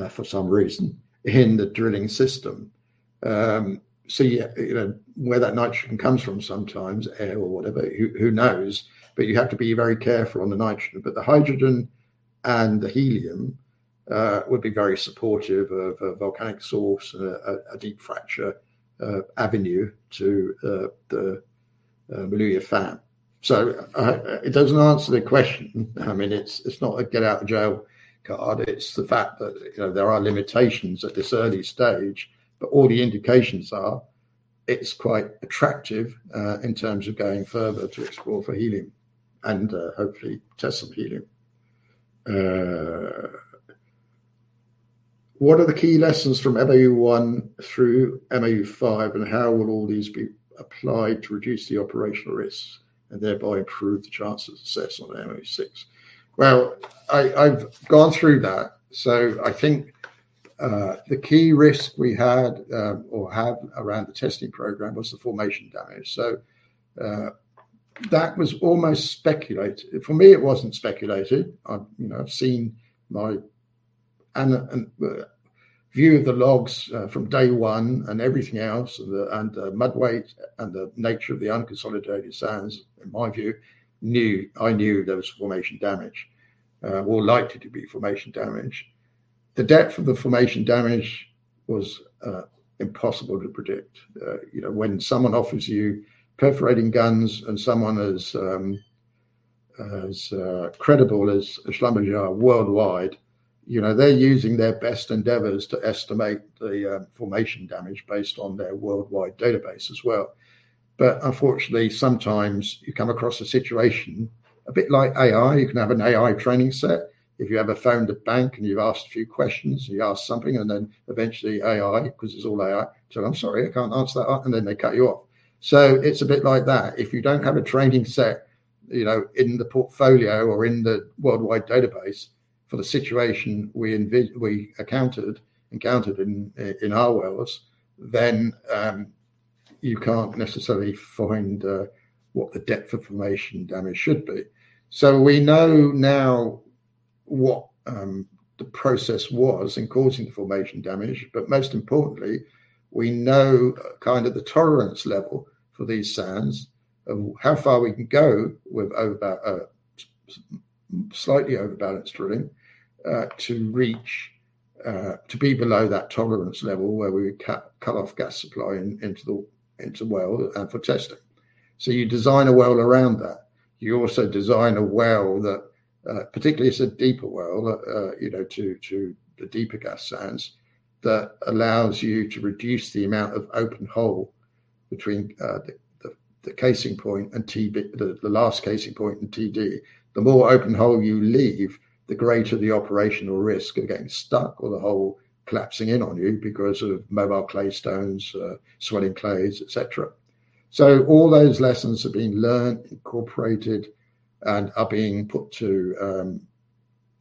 for some reason in the drilling system. Yeah, you know, where that nitrogen comes from sometimes, air or whatever, who knows? You have to be very careful on the nitrogen. The hydrogen and the helium would be very supportive of a volcanic source, a deep fracture avenue to the Moulouya Fan. It doesn't answer the question. I mean, it's not a get out of jail card. It's the fact that, you know, there are limitations at this early stage. All the indications are it's quite attractive, in terms of going further to explore for helium and, hopefully test some helium. What are the key lessons from MOU-1 through MOU-5, and how will all these be applied to reduce the operational risks and thereby improve the chances of success on MOU-6? I've gone through that. I think the key risk we had or have around the testing program was the formation damage. That was almost speculated. For me, it wasn't speculated. You know, I've seen my view of the logs from day one and everything else, and the mud weight and the nature of the unconsolidated sands. In my view, I knew there was formation damage or likely to be formation damage. The depth of the formation damage was impossible to predict. You know, when someone offers you perforating guns and someone as credible as Schlumberger worldwide, you know, they're using their best endeavors to estimate the formation damage based on their worldwide database as well. Unfortunately, sometimes you come across a situation a bit like AI. You can have an AI training set. If you ever phoned a bank and you've asked a few questions, you ask something, and then eventually AI, because it's all AI, says, "I'm sorry, I can't answer that," and then they cut you off. It's a bit like that. If you don't have a training set, you know, in the portfolio or in the worldwide database for the situation we encountered in our wells, then you can't necessarily find what the depth of formation damage should be. So we know now what the process was in causing the formation damage, but most importantly, we know kind of the tolerance level for these sands of how far we can go with slightly overbalanced drilling to reach to be below that tolerance level where we would cut off gas supply into the well for testing. So you design a well around that. You also design a well that, particularly it's a deeper well, you know, to the deeper gas sands, that allows you to reduce the amount of open hole between the last casing point and TD. The more open hole you leave, the greater the operational risk of getting stuck or the hole collapsing in on you because of mobile claystones, swelling clays, et cetera. All those lessons have been learned, incorporated, and are being put to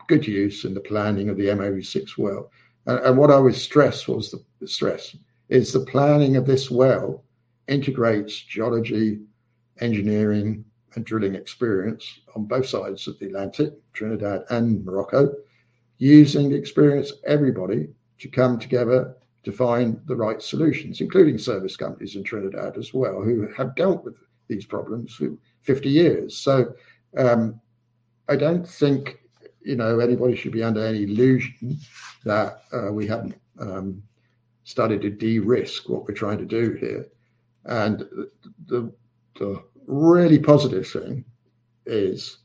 good use in the planning of the MOU-6 well. What I would stress was the stress. In the planning of this well integrates geology, engineering, and drilling experience on both sides of the Atlantic, Trinidad and Morocco, using the experience of everybody to come together to find the right solutions, including service companies in Trinidad as well, who have dealt with these problems for 50 years. I don't think, you know, anybody should be under any illusion that we haven't started to de-risk what we're trying to do here. The really positive thing is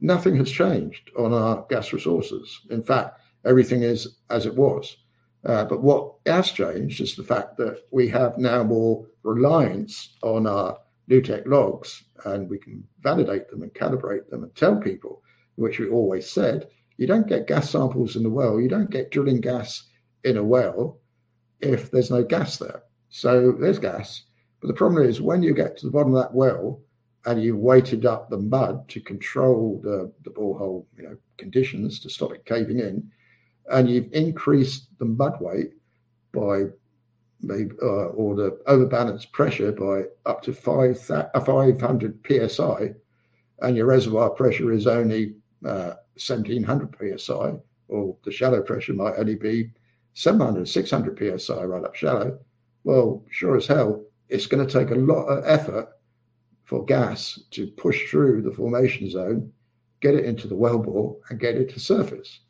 nothing has changed on our gas resources. In fact, everything is as it was. What has changed is the fact that we have now more reliance on our NuTech logs, and we can validate them and calibrate them and tell people, which we always said, "You don't get gas samples in the well, you don't get drilling gas in a well if there's no gas there." There's gas, but the problem is when you get to the bottom of that well and you've weighted up the mud to control the borehole, you know, conditions to stop it caving in, and you've increased the mud weight, or the overbalance pressure by up to 500 PSI, and your reservoir pressure is only 1,700 PSI, or the shallow pressure might only be 700, 600 PSI right up shallow. Well, sure as hell, it's gonna take a lot of effort for gas to push through the formation zone, get it into the wellbore, and get it to surface.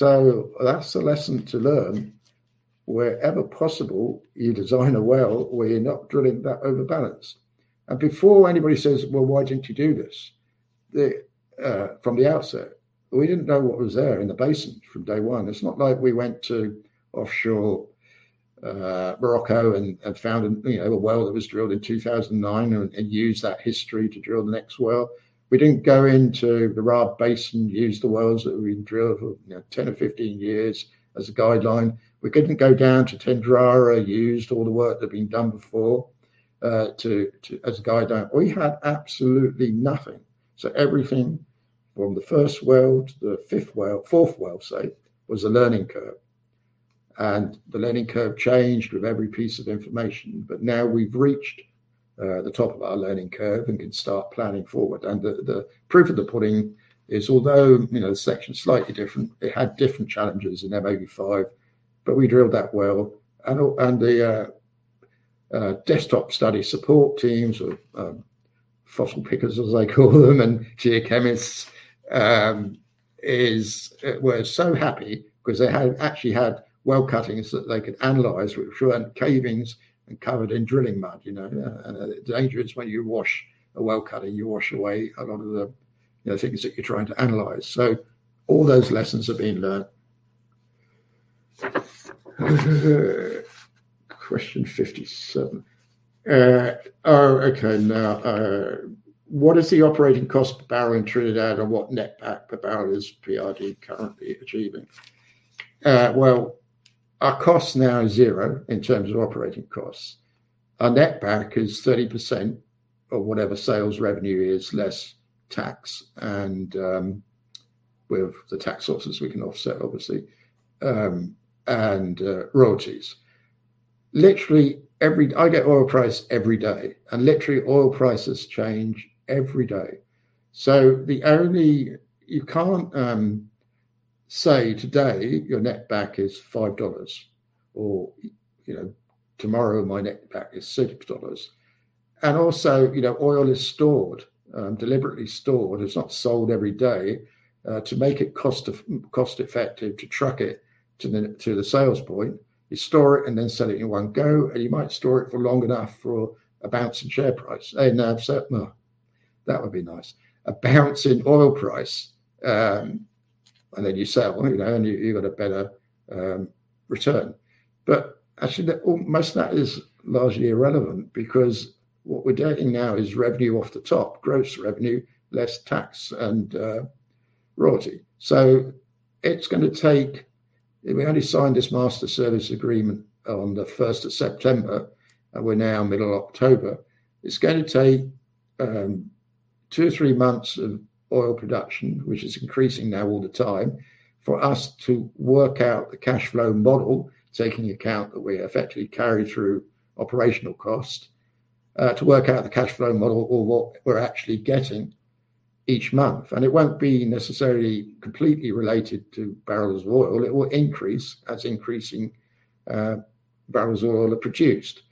That's the lesson to learn. Wherever possible, you design a well where you're not drilling that overbalance. Before anybody says, "Well, why didn't you do this from the outset?" We didn't know what was there in the basin from day one. It's not like we went to offshore Morocco and found a well that was drilled in 2009 and used that history to drill the next well. We didn't go into the Rharb Basin and use the wells that we'd drilled for 10 or 15 years as a guideline. We didn't go down to Tendrara and used all the work that had been done before as a guideline. We had absolutely nothing. Everything from the first well to the fifth well, fourth well, say, was a learning curve. The learning curve changed with every piece of information. Now we've reached the top of our learning curve and can start planning forward. The proof of the pudding is although, you know, the section's slightly different, it had different challenges in MOU-5, but we drilled that well and all. The desktop study support teams of fossil pickers, as I call them and geochemists, were so happy because they actually had well cuttings that they could analyze which were in cavings and covered in drilling mud, you know? The danger is when you wash a well cutting, you wash away a lot of the things that you're trying to analyze. All those lessons have been learned. Question 57. Oh, okay. Now, what is the operating cost per barrel in Trinidad, and what net back per barrel is PRD currently achieving? Well, our cost now is zero in terms of operating costs. Our net back is 30% of whatever sales revenue is, less tax, and with the tax losses we can offset obviously, and royalties. I get oil price every day, and literally oil prices change every day. You can't say today your net back is $5 or, you know, tomorrow my net back is $6. Also, you know, oil is stored deliberately. It's not sold every day to make it cost-effective to truck it to the sales point. You store it and then sell it in one go, and you might store it for long enough for a bounce in share price. A bounce up? No. That would be nice. A bounce in oil price, and then you sell, you know, and you've got a better return. Actually that most of that is largely irrelevant because what we're getting now is revenue off the top, gross revenue, less tax and royalty. It's gonna take. We only signed this master service agreement on the first of September, and we're now middle October. It's gonna take two or three months of oil production, which is increasing now all the time, for us to work out the cash flow model, taking account that we effectively carry through operational cost, or what we're actually getting each month. It won't be necessarily completely related to barrels of oil. It will increase as increasing barrels of oil are produced.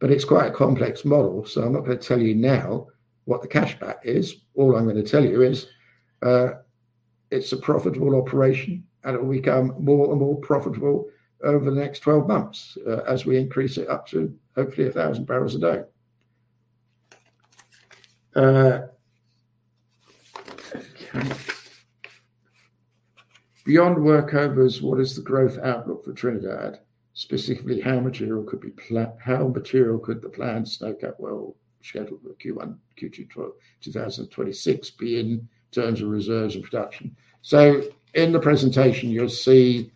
It's quite a complex model, so I'm not gonna tell you now what the cash back is. All I'm gonna tell you is, it's a profitable operation, and it will become more and more profitable over the next 12 months, as we increase it up to hopefully 1,000 barrels a day. Beyond workovers, what is the growth outlook for Trinidad? Specifically, how material could the planned Snowcap well scheduled for Q1, Q2 2026 be in terms of reserves and production? In the presentation you'll see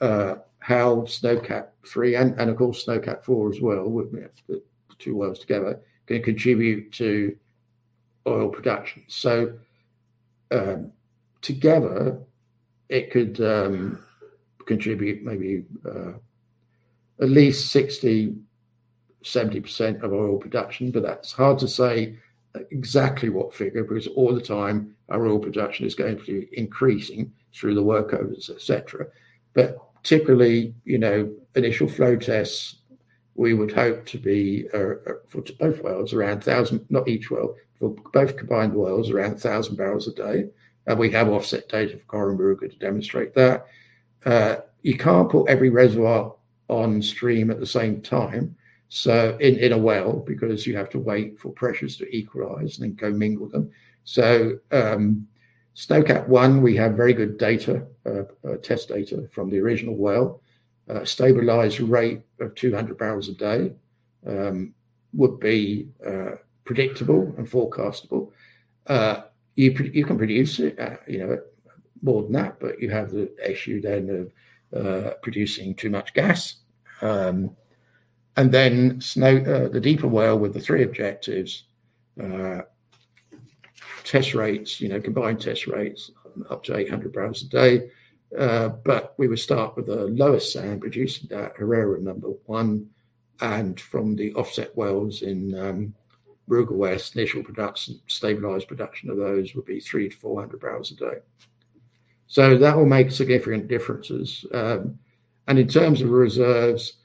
how Snowcap-3 and, of course, Snowcap-4 as well with the two wells together can contribute to oil production. Together it could contribute maybe at least 60%-70% of oil production, but that's hard to say exactly what figure, because all the time our oil production is going to be increasing through the workovers, et cetera. Typically, you know, initial flow tests, we would hope to be for both wells around 1,000, not each well, for both combined wells, around 1,000 barrels a day. We have offset data for Cory Moruga to demonstrate that. You can't put every reservoir on stream at the same time, so in a well, because you have to wait for pressures to equalize and then commingle them. Snowcap-1, we have very good data, test data from the original well. A stabilized rate of 200 barrels a day would be predictable and forecastable. You can produce it at, you know, more than that, but you have the issue then of producing too much gas. Snowcap, the deeper well with the three objectives, test rates, you know, combined test rates up to 800 barrels a day. We would start with the lowest sand producing at Herrera #1. From the offset wells in Moruga West, initial production, stabilized production of those would be 300-400 barrels a day. That will make significant differences. In terms of reserves,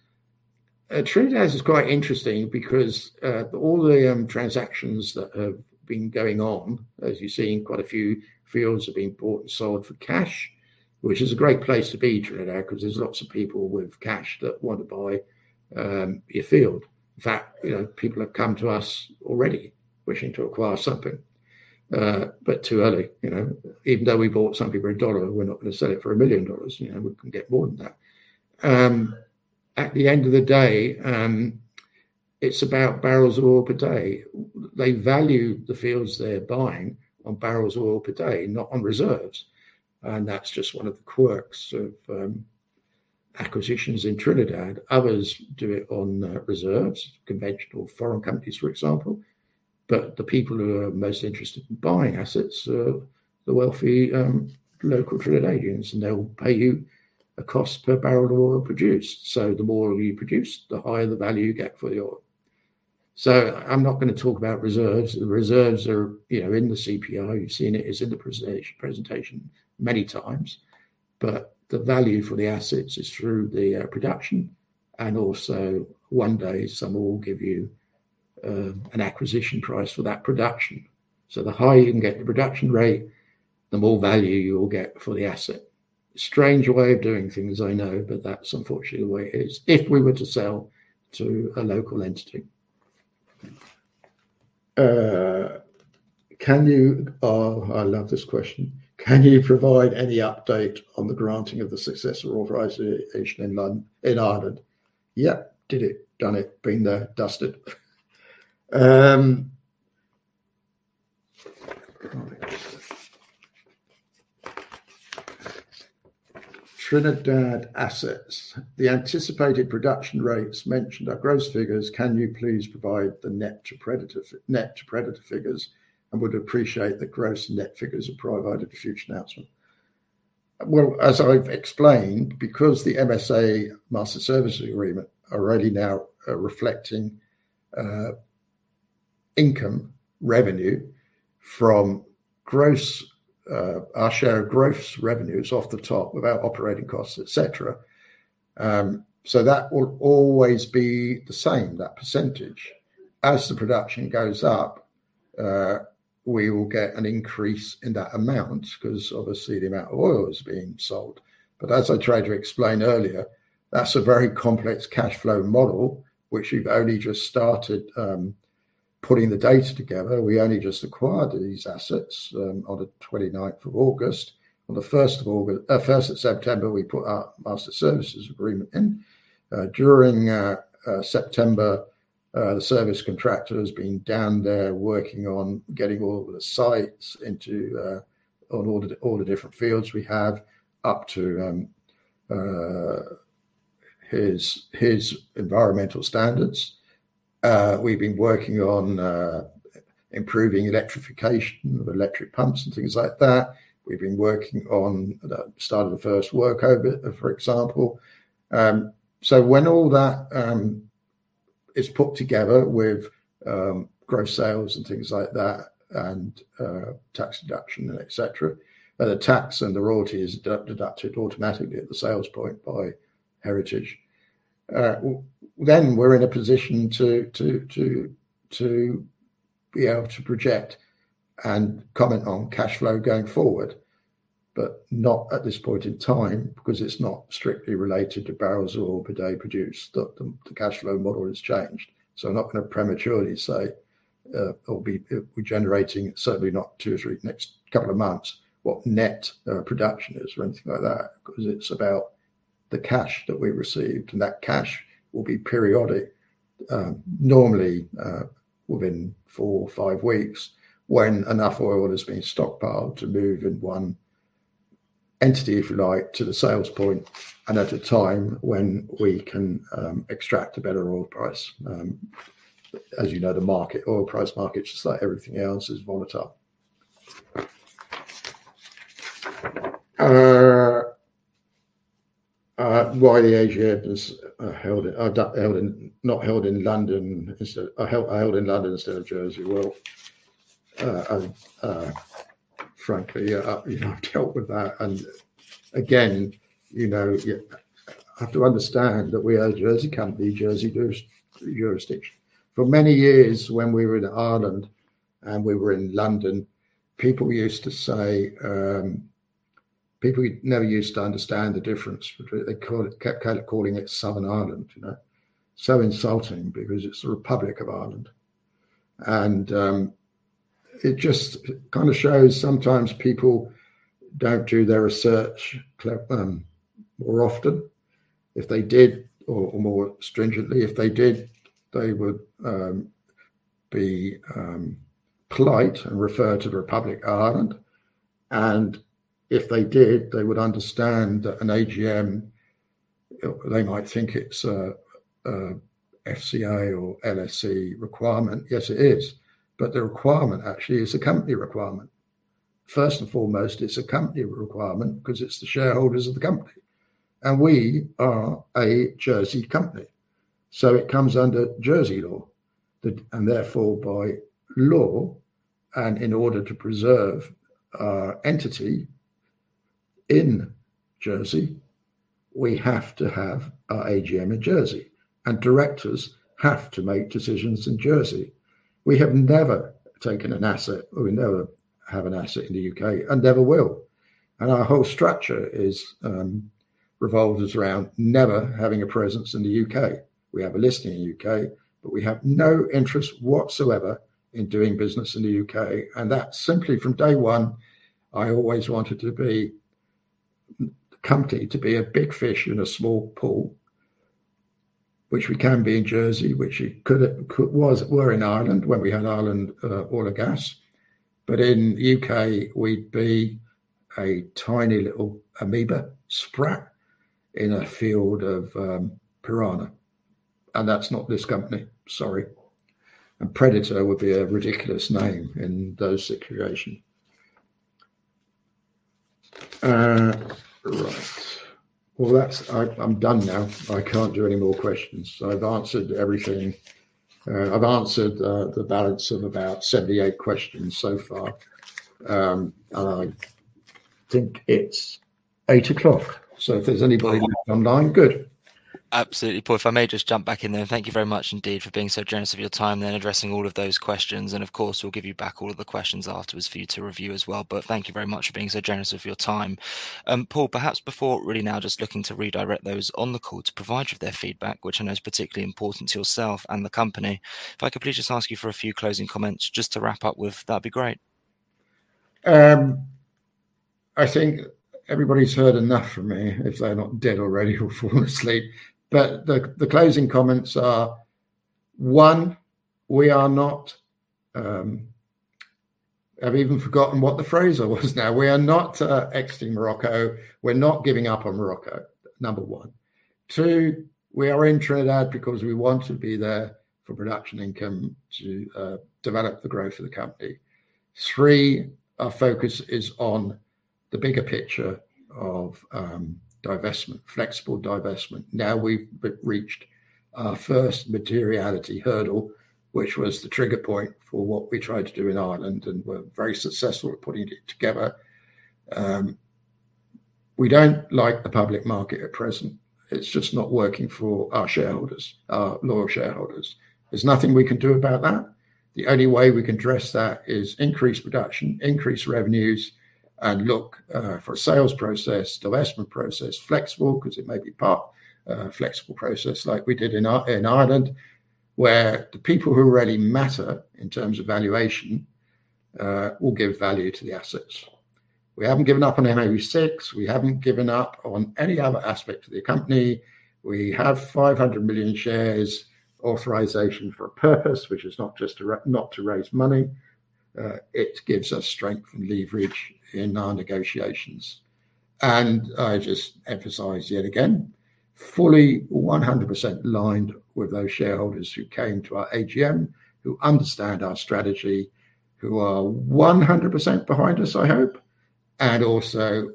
Trinidad is quite interesting because all the transactions that have been going on, as you see, quite a few fields have been bought and sold for cash, which is a great place to be in Trinidad because there's lots of people with cash that want to buy your field. In fact, you know, people have come to us already wishing to acquire something. Too early, you know. Even though we bought it for a dollar, we're not gonna sell it for $1 million. You know, we can get more than that. At the end of the day, it's about barrels of oil per day. They value the fields they're buying on barrels of oil per day, not on reserves, and that's just one of the quirks of acquisitions in Trinidad. Others do it on reserves, conventional foreign companies, for example. The people who are most interested in buying assets are the wealthy local Trinidadians, and they'll pay you a cost per barrel of oil produced. The more oil you produce, the higher the value you get for the oil. I'm not gonna talk about reserves. The reserves are, you know, in the CPR. You've seen it's in the presentation many times. The value for the assets is through the production and also one day someone will give you an acquisition price for that production. The higher you can get the production rate, the more value you will get for the asset. Strange way of doing things, I know, but that's unfortunately the way it is, if we were to sell to a local entity. Oh, I love this question. Can you provide any update on the granting of the successor authorization in Ireland? Yep, did it, done it, been there, dusted. Trinidad assets. The anticipated production rates mentioned are gross figures. Can you please provide the net to Predator figures, and would appreciate the gross net figures you provided for future announcement. Well, as I've explained, because the MSA, Master Services Agreement, are already now reflecting income revenue from gross, our share of gross revenues off the top without operating costs, et cetera. So that will always be the same, that percentage. As the production goes up, we will get an increase in that amount because obviously the amount of oil is being sold. As I tried to explain earlier, that's a very complex cash flow model, which we've only just started putting the data together. We only just acquired these assets on the twenty-ninth of August. On the first of September, we put our master services agreement in. During September, the service contractor has been down there working on getting all of the sites on all the different fields we have up to his environmental standards. We've been working on improving electrification of electric pumps and things like that. We've been working on the start of the first work over, for example. When all that is put together with gross sales and things like that and tax deduction, et cetera. The tax and the royalty is deducted automatically at the sales point by Heritage. We're in a position to be able to project and comment on cash flow going forward, but not at this point in time because it's not strictly related to barrels of oil per day produced. The cash flow model has changed, so I'm not gonna prematurely say or be generating, certainly not in the next two or three months, what net production is or anything like that 'cause it's about the cash that we received. That cash will be periodic, normally, within four or five weeks, when enough oil has been stockpiled to move in one entity, if you like, to the sales point, and at a time when we can extract a better oil price. As you know, the market, oil price market, just like everything else, is volatile. Why the AGM is held in London instead of Jersey? Well, frankly, you know, I've dealt with that. Again, you know, you have to understand that we are a Jersey company, Jersey jurisdiction. For many years when we were in Ireland and we were in London, people never used to understand the difference. They kept kinda calling it Southern Ireland, you know. Insulting because it's the Republic of Ireland. It just kinda shows sometimes people don't do their research or often. Or more stringently, if they did, they would be polite and refer to the Republic of Ireland. If they did, they would understand that an AGM, they might think it's a FCA or LSE requirement. Yes, it is. The requirement actually is a company requirement. First and foremost, it's a company requirement because it's the shareholders of the company, and we are a Jersey company. It comes under Jersey law, and therefore by law and in order to preserve our entity in Jersey, we have to have our AGM in Jersey, and directors have to make decisions in Jersey. We have never taken an asset, or we never have an asset in the U.K. and never will. Our whole structure revolves around never having a presence in the U.K. We have a listing in the U.K., but we have no interest whatsoever in doing business in the U.K. That's simply from day one. I always wanted the company to be a big fish in a small pool, which we can be in Jersey. We're in Ireland when we had Ireland oil and gas. In the U.K., we'd be a tiny little amoeba sprat in a field of piranha. That's not this company. Sorry. Predator would be a ridiculous name in that situation. Right. Well, I'm done now. I can't do any more questions. I've answered everything. I've answered the balance of about 78 questions so far. I think it's 8 o'clock. If there's anybody left online, good. Absolutely, Paul. If I may just jump back in there. Thank you very much indeed for being so generous with your time then, addressing all of those questions. Of course, we'll give you back all of the questions afterwards for you to review as well. Thank you very much for being so generous with your time. Paul, perhaps before really now just looking to redirect those on the call to provide you with their feedback, which I know is particularly important to yourself and the company, if I could please just ask you for a few closing comments just to wrap up with? That'd be great. I think everybody's heard enough from me if they're not dead already or fallen asleep. The closing comments are, one, we are not. I've even forgotten what the phrase was now. We are not exiting Morocco. We're not giving up on Morocco, number one. Two, we are in Trinidad because we want to be there for production income to develop the growth of the company. Three, our focus is on the bigger picture of divestment, flexible divestment. Now we've reached our first materiality hurdle, which was the trigger point for what we tried to do in Ireland and were very successful at putting it together. We don't like the public market at present. It's just not working for our shareholders, our loyal shareholders. There's nothing we can do about that. The only way we can address that is increase production, increase revenues, and look, for a sales process, divestment process, flexible, because it may be part of a flexible process like we did in Ireland, where the people who really matter in terms of valuation, will give value to the assets. We haven't given up on Ma/TGB-6. We haven't given up on any other aspect of the company. We have 500 million shares authorization for a purpose, which is not just not to raise money. It gives us strength and leverage in our negotiations. I just emphasize yet again, fully 100% aligned with those shareholders who came to our AGM, who understand our strategy, who are 100% behind us, I hope.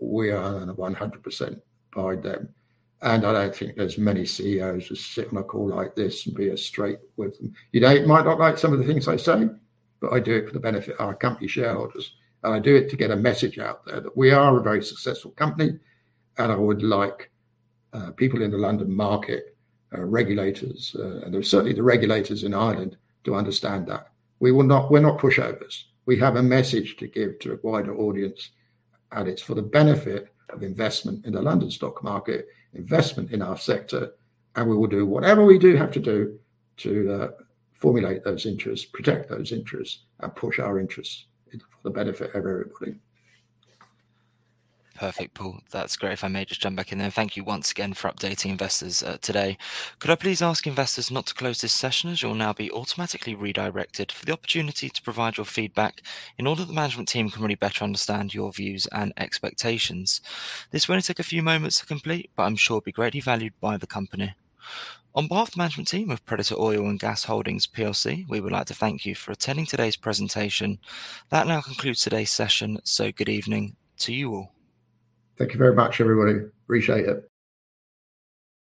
We are 100% behind them. I don't think there's many CEOs who sit in a call like this and be as straight with them. You know, you might not like some of the things I say, but I do it for the benefit of our company shareholders, and I do it to get a message out there that we are a very successful company. I would like people in the London market and certainly the regulators in Ireland to understand that. We're not pushovers. We have a message to give to a wider audience, and it's for the benefit of investment in the London stock market, investment in our sector, and we will do whatever we do have to do to formulate those interests, protect those interests, and push our interests in for the benefit of everybody. Perfect, Paul. That's great. If I may just jump back in there. Thank you once again for updating investors, today. Could I please ask investors not to close this session, as you'll now be automatically redirected for the opportunity to provide your feedback in order that the management team can really better understand your views and expectations. This will only take a few moments to complete, but I'm sure it'll be greatly valued by the company. On behalf of the management team of Predator Oil & Gas Holdings PLC, we would like to thank you for attending today's presentation. That now concludes today's session. Good evening to you all. Thank you very much, everybody. Appreciate it.